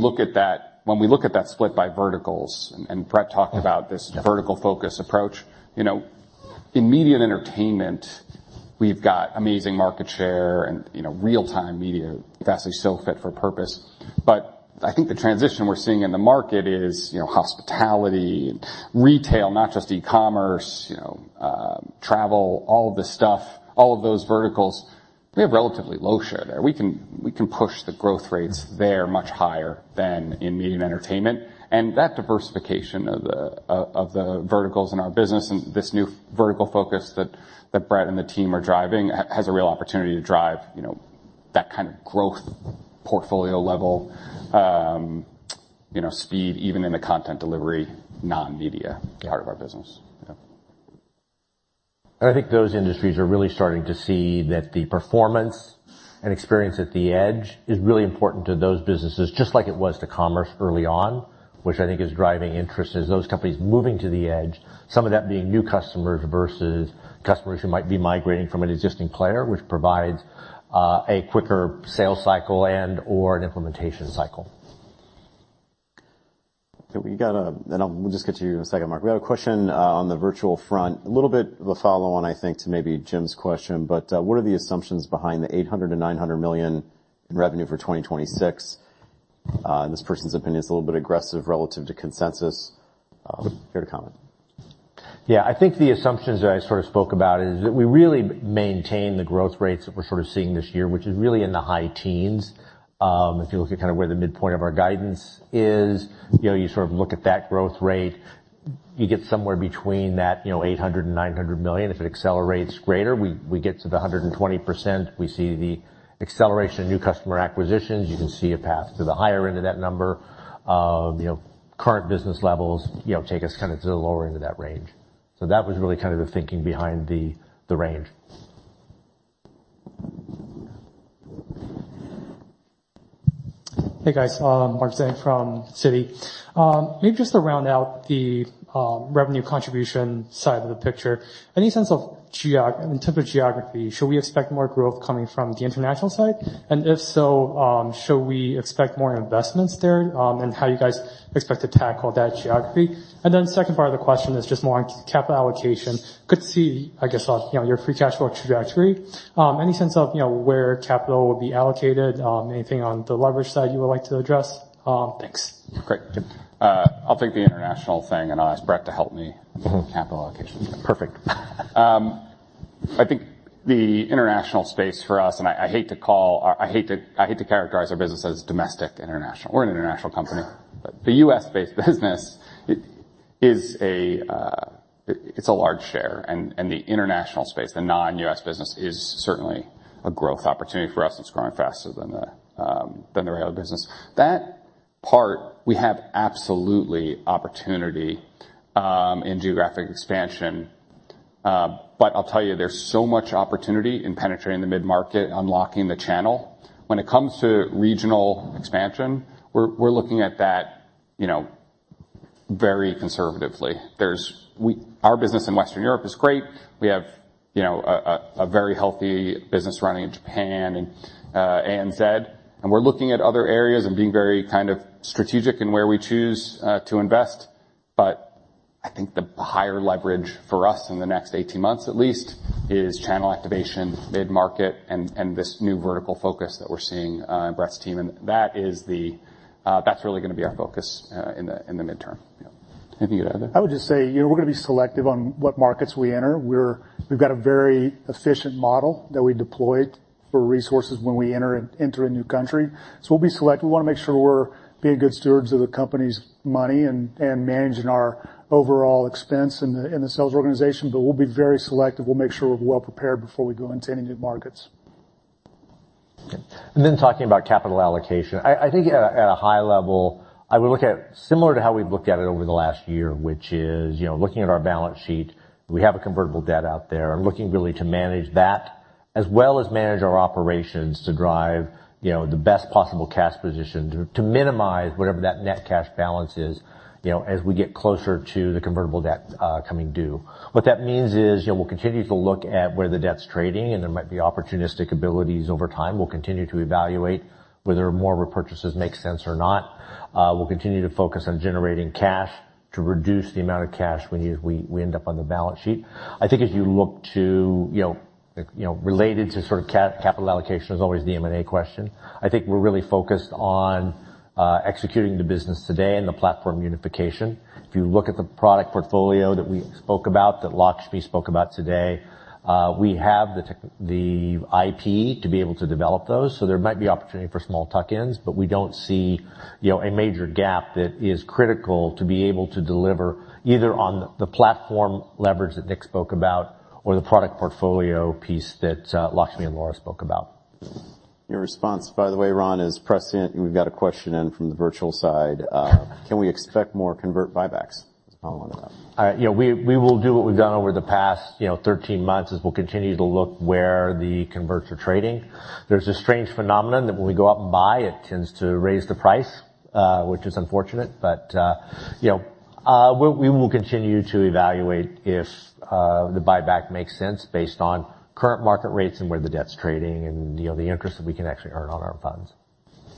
we look at that split by verticals, and Brett talked about this vertical focus approach, you know, in media and entertainment, we've got amazing market share and, you know, real-time media, Fastly is still fit for purpose. I think the transition we're seeing in the market is, you know, hospitality and retail, not just e-commerce, you know, travel, all of this stuff, all of those verticals, we have relatively low share there. We can push the growth rates there much higher than in media and entertainment. That diversification of the verticals in our business and this new vertical focus that Brett and the team are driving, has a real opportunity to drive, you know, that kind of growth portfolio level, you know, speed, even in the content delivery, non-media. Yeah... part of our business. Yeah. I think those industries are really starting to see that the performance and experience at the edge is really important to those businesses, just like it was to commerce early on, which I think is driving interest as those companies moving to the edge, some of that being new customers versus customers who might be migrating from an existing player, which provides a quicker sales cycle and/or an implementation cycle. Okay, we got. I'll just get to you in a second, Mark. We have a question on the virtual front. A little bit of a follow-on, I think, to maybe Jim's question, but what are the assumptions behind the $800 million-$900 million in revenue for 2026? This person's opinion is a little bit aggressive relative to consensus. Care to comment? I think the assumptions that I sort of spoke about is that we really maintain the growth rates that we're sort of seeing this year, which is really in the high teens. If you look at kind of where the midpoint of our guidance is, you know, you sort of look at that growth rate, you get somewhere between that, you know, $800 million-$900 million. If it accelerates greater, we get to the 120%. We see the acceleration of new customer acquisitions. You can see a path to the higher end of that number. You know, current business levels, you know, take us kind of to the lower end of that range. That was really kind of the thinking behind the range. Hey, guys, Mark Zhang from Citi. Maybe just to round out the revenue contribution side of the picture, any sense of in terms of geography, should we expect more growth coming from the international side? If so, should we expect more investments there, and how do you guys expect to tackle that geography? Second part of the question is just more on capital allocation. Good to see, I guess, on, you know, your free cash flow trajectory. Any sense of, you know, where capital will be allocated, anything on the leverage side you would like to address? Thanks. Great. I'll take the international thing, and I'll ask Brett to help me with capital allocation. Perfect. I think the international space for us, and I hate to characterize our business as domestic, international. We're an international company. The U.S.-based business is a large share, and the international space, the non-U.S. business, is certainly a growth opportunity for us. It's growing faster than the rail business. That part, we have absolutely opportunity in geographic expansion. I'll tell you, there's so much opportunity in penetrating the mid-market, unlocking the channel. When it comes to regional expansion, we're looking at that, you know, very conservatively. Our business in Western Europe is great. We have, you know, a very healthy business running in Japan and ANZ, and we're looking at other areas and being very kind of strategic in where we choose to invest. I think the higher leverage for us in the next 18 months at least, is channel activation, mid-market, and this new vertical focus that we're seeing in Brett's team, and that is the... That's really gonna be our focus in the midterm. Yeah. Anything you want to add? I would just say, you know, we're gonna be selective on what markets we enter. We've got a very efficient model that we deployed for resources when we enter a new country, so we wanna make sure we're being good stewards of the company's money and managing our overall expense in the sales organization, but we'll be very selective. We'll make sure we're well prepared before we go into any new markets. Then talking about capital allocation. I think at a high level, I would look at similar to how we've looked at it over the last year, which is, you know, looking at our balance sheet, we have a convertible debt out there, looking really to manage that, as well as manage our operations to drive, you know, the best possible cash position, to minimize whatever that net cash balance is, you know, as we get closer to the convertible debt coming due. What that means is, you know, we'll continue to look at where the debt's trading, and there might be opportunistic abilities over time. We'll continue to evaluate whether more repurchases make sense or not. We'll continue to focus on generating cash to reduce the amount of cash we need, we end up on the balance sheet. I think if you look to, you know, related to sort of capital allocation, there's always the M&A question. I think we're really focused on executing the business today and the platform unification. If you look at the product portfolio that we spoke about, that Lakshmi spoke about today, we have the IP to be able to develop those, so there might be opportunity for small tuck-ins, but we don't see, you know, a major gap that is critical to be able to deliver, either on the platform leverage that Nick spoke about or the product portfolio piece that Lakshmi and Laura spoke about. Your response, by the way, Ron, is prescient. We've got a question in from the virtual side. Can we expect more convert buybacks on that? You know, we will do what we've done over the past, you know, 13 months, is we'll continue to look where the converts are trading. There's a strange phenomenon that when we go out and buy, it tends to raise the price, which is unfortunate, but, you know, we will continue to evaluate if the buyback makes sense based on current market rates and where the debt's trading and, you know, the interest that we can actually earn on our funds.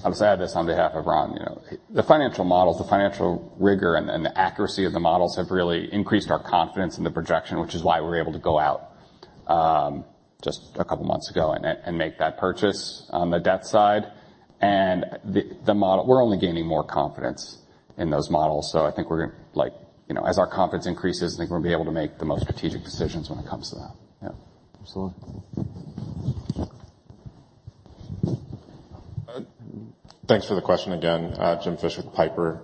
I'll say this on behalf of Ron, you know, the financial models, the financial rigor and the accuracy of the models have really increased our confidence in the projection, which is why we were able to go out, just a couple of months ago and make that purchase on the debt side. We're only gaining more confidence in those models, so I think we're gonna, like... You know, as our confidence increases, I think we're gonna be able to make the most strategic decisions when it comes to that. Yeah. Absolutely. Thanks for the question again. James Fish with Piper.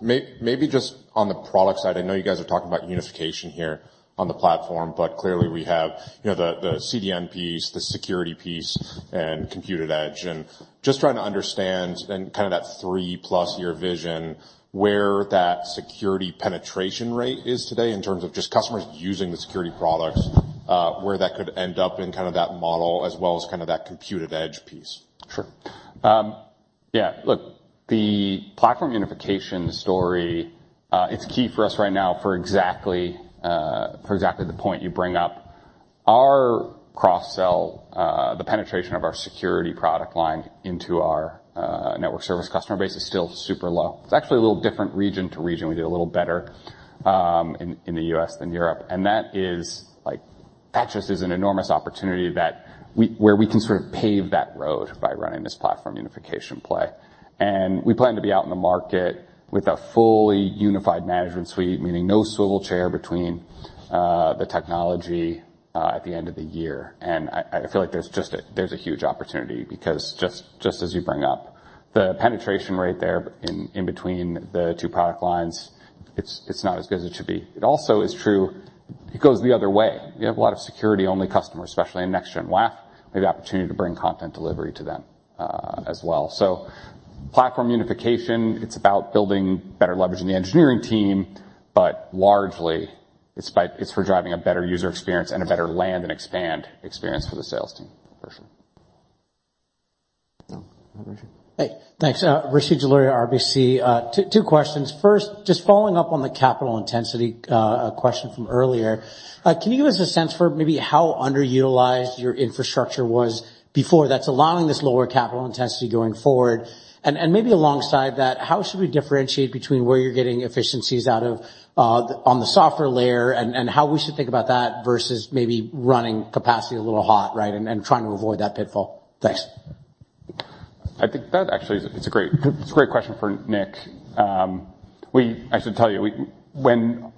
maybe just on the product side, I know you guys are talking about unification here on the platform, but clearly we have, you know, the CDN piece, the Security piece, and Compute@Edge. Just trying to understand and kind of that three-plus year vision, where that Security penetration rate is today in terms of just customers using the Security products, where that could end up in kind of that model, as well as kind of that Compute@Edge piece? Sure. Yeah, look, the platform unification story, it's key for us right now for exactly the point you bring up. Our cross sell, the penetration of our Security product line into our network service customer base is still super low. It's actually a little different region to region. We did a little better in the U.S. than Europe, and that is, like, that just is an enormous opportunity where we can sort of pave that road by running this platform unification play. We plan to be out in the market with a fully unified management suite, meaning no swivel chair between the technology at the end of the year. I feel like there's a huge opportunity because just as you bring up, the penetration rate there in between the two product lines, it's not as good as it should be. It also is true, it goes the other way. We have a lot of security-only customers, especially in Next-Gen WAF, we have the opportunity to bring content delivery to them as well. Platform unification, it's about building better leverage in the engineering team. Largely, it's for driving a better user experience and a better land and expand experience for the sales team, personally. Oh, Rishi. Hey, thanks. Rishi Jaluria, RBC. Two questions. First, just following up on the capital intensity question from earlier. Can you give us a sense for maybe how underutilized your infrastructure was before, that's allowing this lower capital intensity going forward? Maybe alongside that, how should we differentiate between where you're getting efficiencies out of on the software layer and how we should think about that, versus maybe running capacity a little hot, right? Trying to avoid that pitfall. Thanks. I think that actually is a great question for Nick. I should tell you, when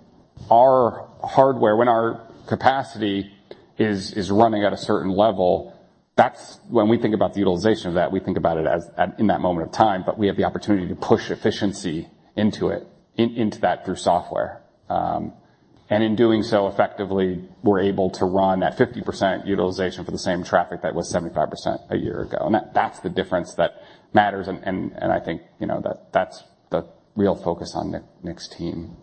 our hardware, when our capacity is running at a certain level, that's when we think about the utilization of that, we think about it as at, in that moment of time. We have the opportunity to push efficiency into it, into that through software. In doing so, effectively, we're able to run at 50% utilization for the same traffic that was 75% a year ago. That's the difference that matters, and I think, you know, that's the real focus on Nick's team.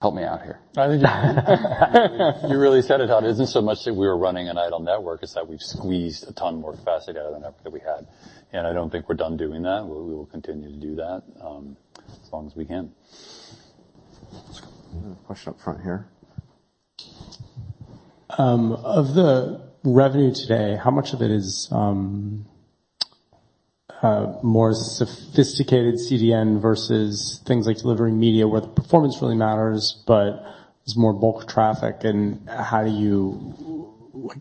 Help me out here. I think you really said it, Todd. It isn't so much that we're running an idle network, it's that we've squeezed a ton more capacity out of the network that we had. I don't think we're done doing that. We will continue to do that as long as we can. Question up front here. Of the revenue today, how much of it is more sophisticated CDN versus things like delivering media, where the performance really matters, but it's more bulk traffic? How do you,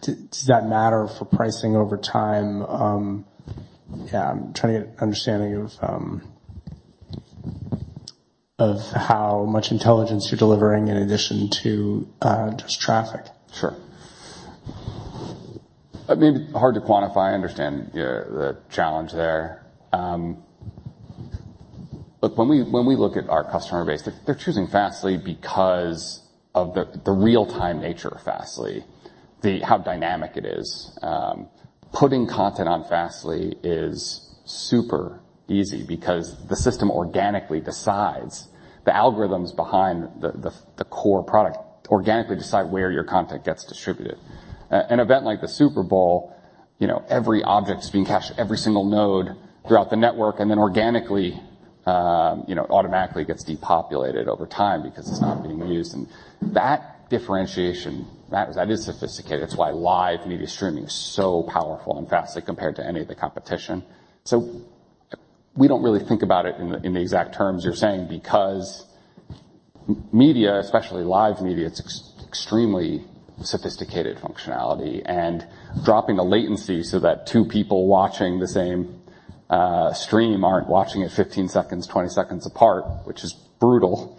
does that matter for pricing over time? Yeah, I'm trying to get an understanding of how much intelligence you're delivering in addition to just traffic. Sure. I mean, hard to quantify. I understand the challenge there. Look, when we look at our customer base, they're choosing Fastly because of the real-time nature of Fastly, how dynamic it is. Putting content on Fastly is super easy because the system organically decides, the algorithms behind the core product organically decide where your content gets distributed. An event like the Super Bowl, you know, every object is being cached, every single node throughout the network, and then organically, you know, automatically gets depopulated over time because it's not being used. That differentiation, that is sophisticated. It's why live media streaming is so powerful in Fastly, compared to any of the competition. We don't really think about it in the, in the exact terms you're saying, because media, especially live media, it's extremely sophisticated functionality. Dropping the latency so that two people watching the same stream aren't watching it 15 seconds, 20 seconds apart, which is brutal.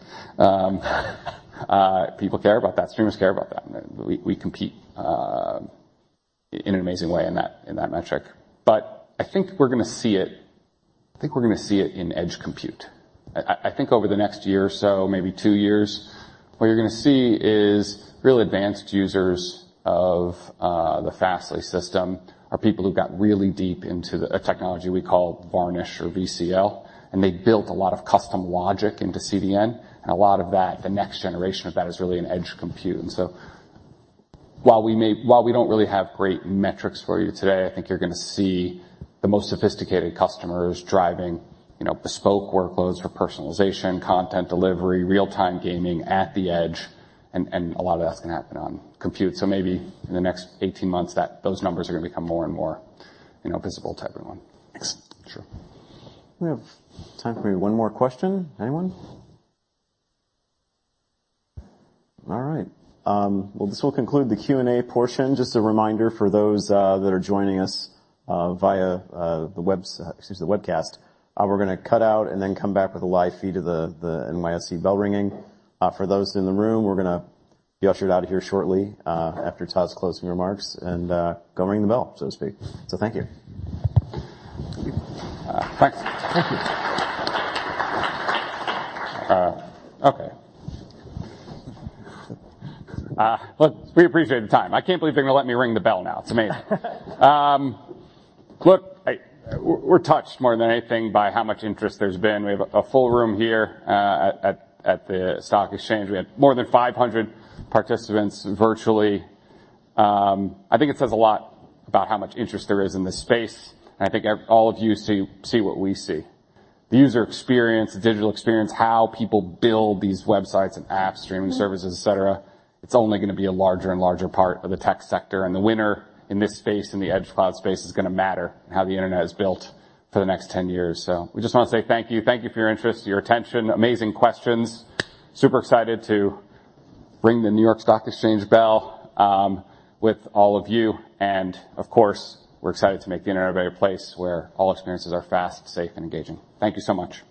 People care about that. Streamers care about that. We compete in an amazing way in that metric. I think we're gonna see it in Edge Compute. I think over the next year or so, maybe two years, what you're gonna see is really advanced users of the Fastly system, are people who got really deep into the technology we call Varnish or VCL, and they built a lot of custom logic into CDN, and a lot of that, the next generation of that, is really in Edge Compute. While we don't really have great metrics for you today, I think you're gonna see the most sophisticated customers driving, you know, bespoke workloads for personalization, content delivery, real-time gaming at the edge, and a lot of that's gonna happen on Compute. Maybe in the next 18 months, those numbers are gonna become more and more, you know, visible to everyone. Thanks. Sure. We have time for maybe one more question. Anyone? All right, well, this will conclude the Q&A portion. Just a reminder for those that are joining us via the webcast, we're gonna cut out and then come back with a live feed of the NYSE bell ringing. For those in the room, we're gonna be ushered out of here shortly, after Todd's closing remarks, and go ring the bell, so to speak. Thank you. Thank you. Thanks. Thank you. Okay. Look, we appreciate the time. I can't believe they're gonna let me ring the bell now. It's amazing. Look, we're touched more than anything by how much interest there's been. We have a full room here at the Stock Exchange. We have more than 500 participants virtually. I think it says a lot about how much interest there is in this space. I think all of you see what we see. The user experience, the digital experience, how people build these websites and apps, streaming services, et cetera, it's only gonna be a larger and larger part of the tech sector. The winner in this space, in the edge cloud space, is gonna matter in how the internet is built for the next 10 years. We just want to say thank you. Thank you for your interest, your attention, amazing questions. Super excited to ring the New York Stock Exchange bell with all of you, and of course, we're excited to make the internet a better place where all experiences are fast, safe, and engaging. Thank you so much.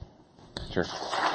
Cheers.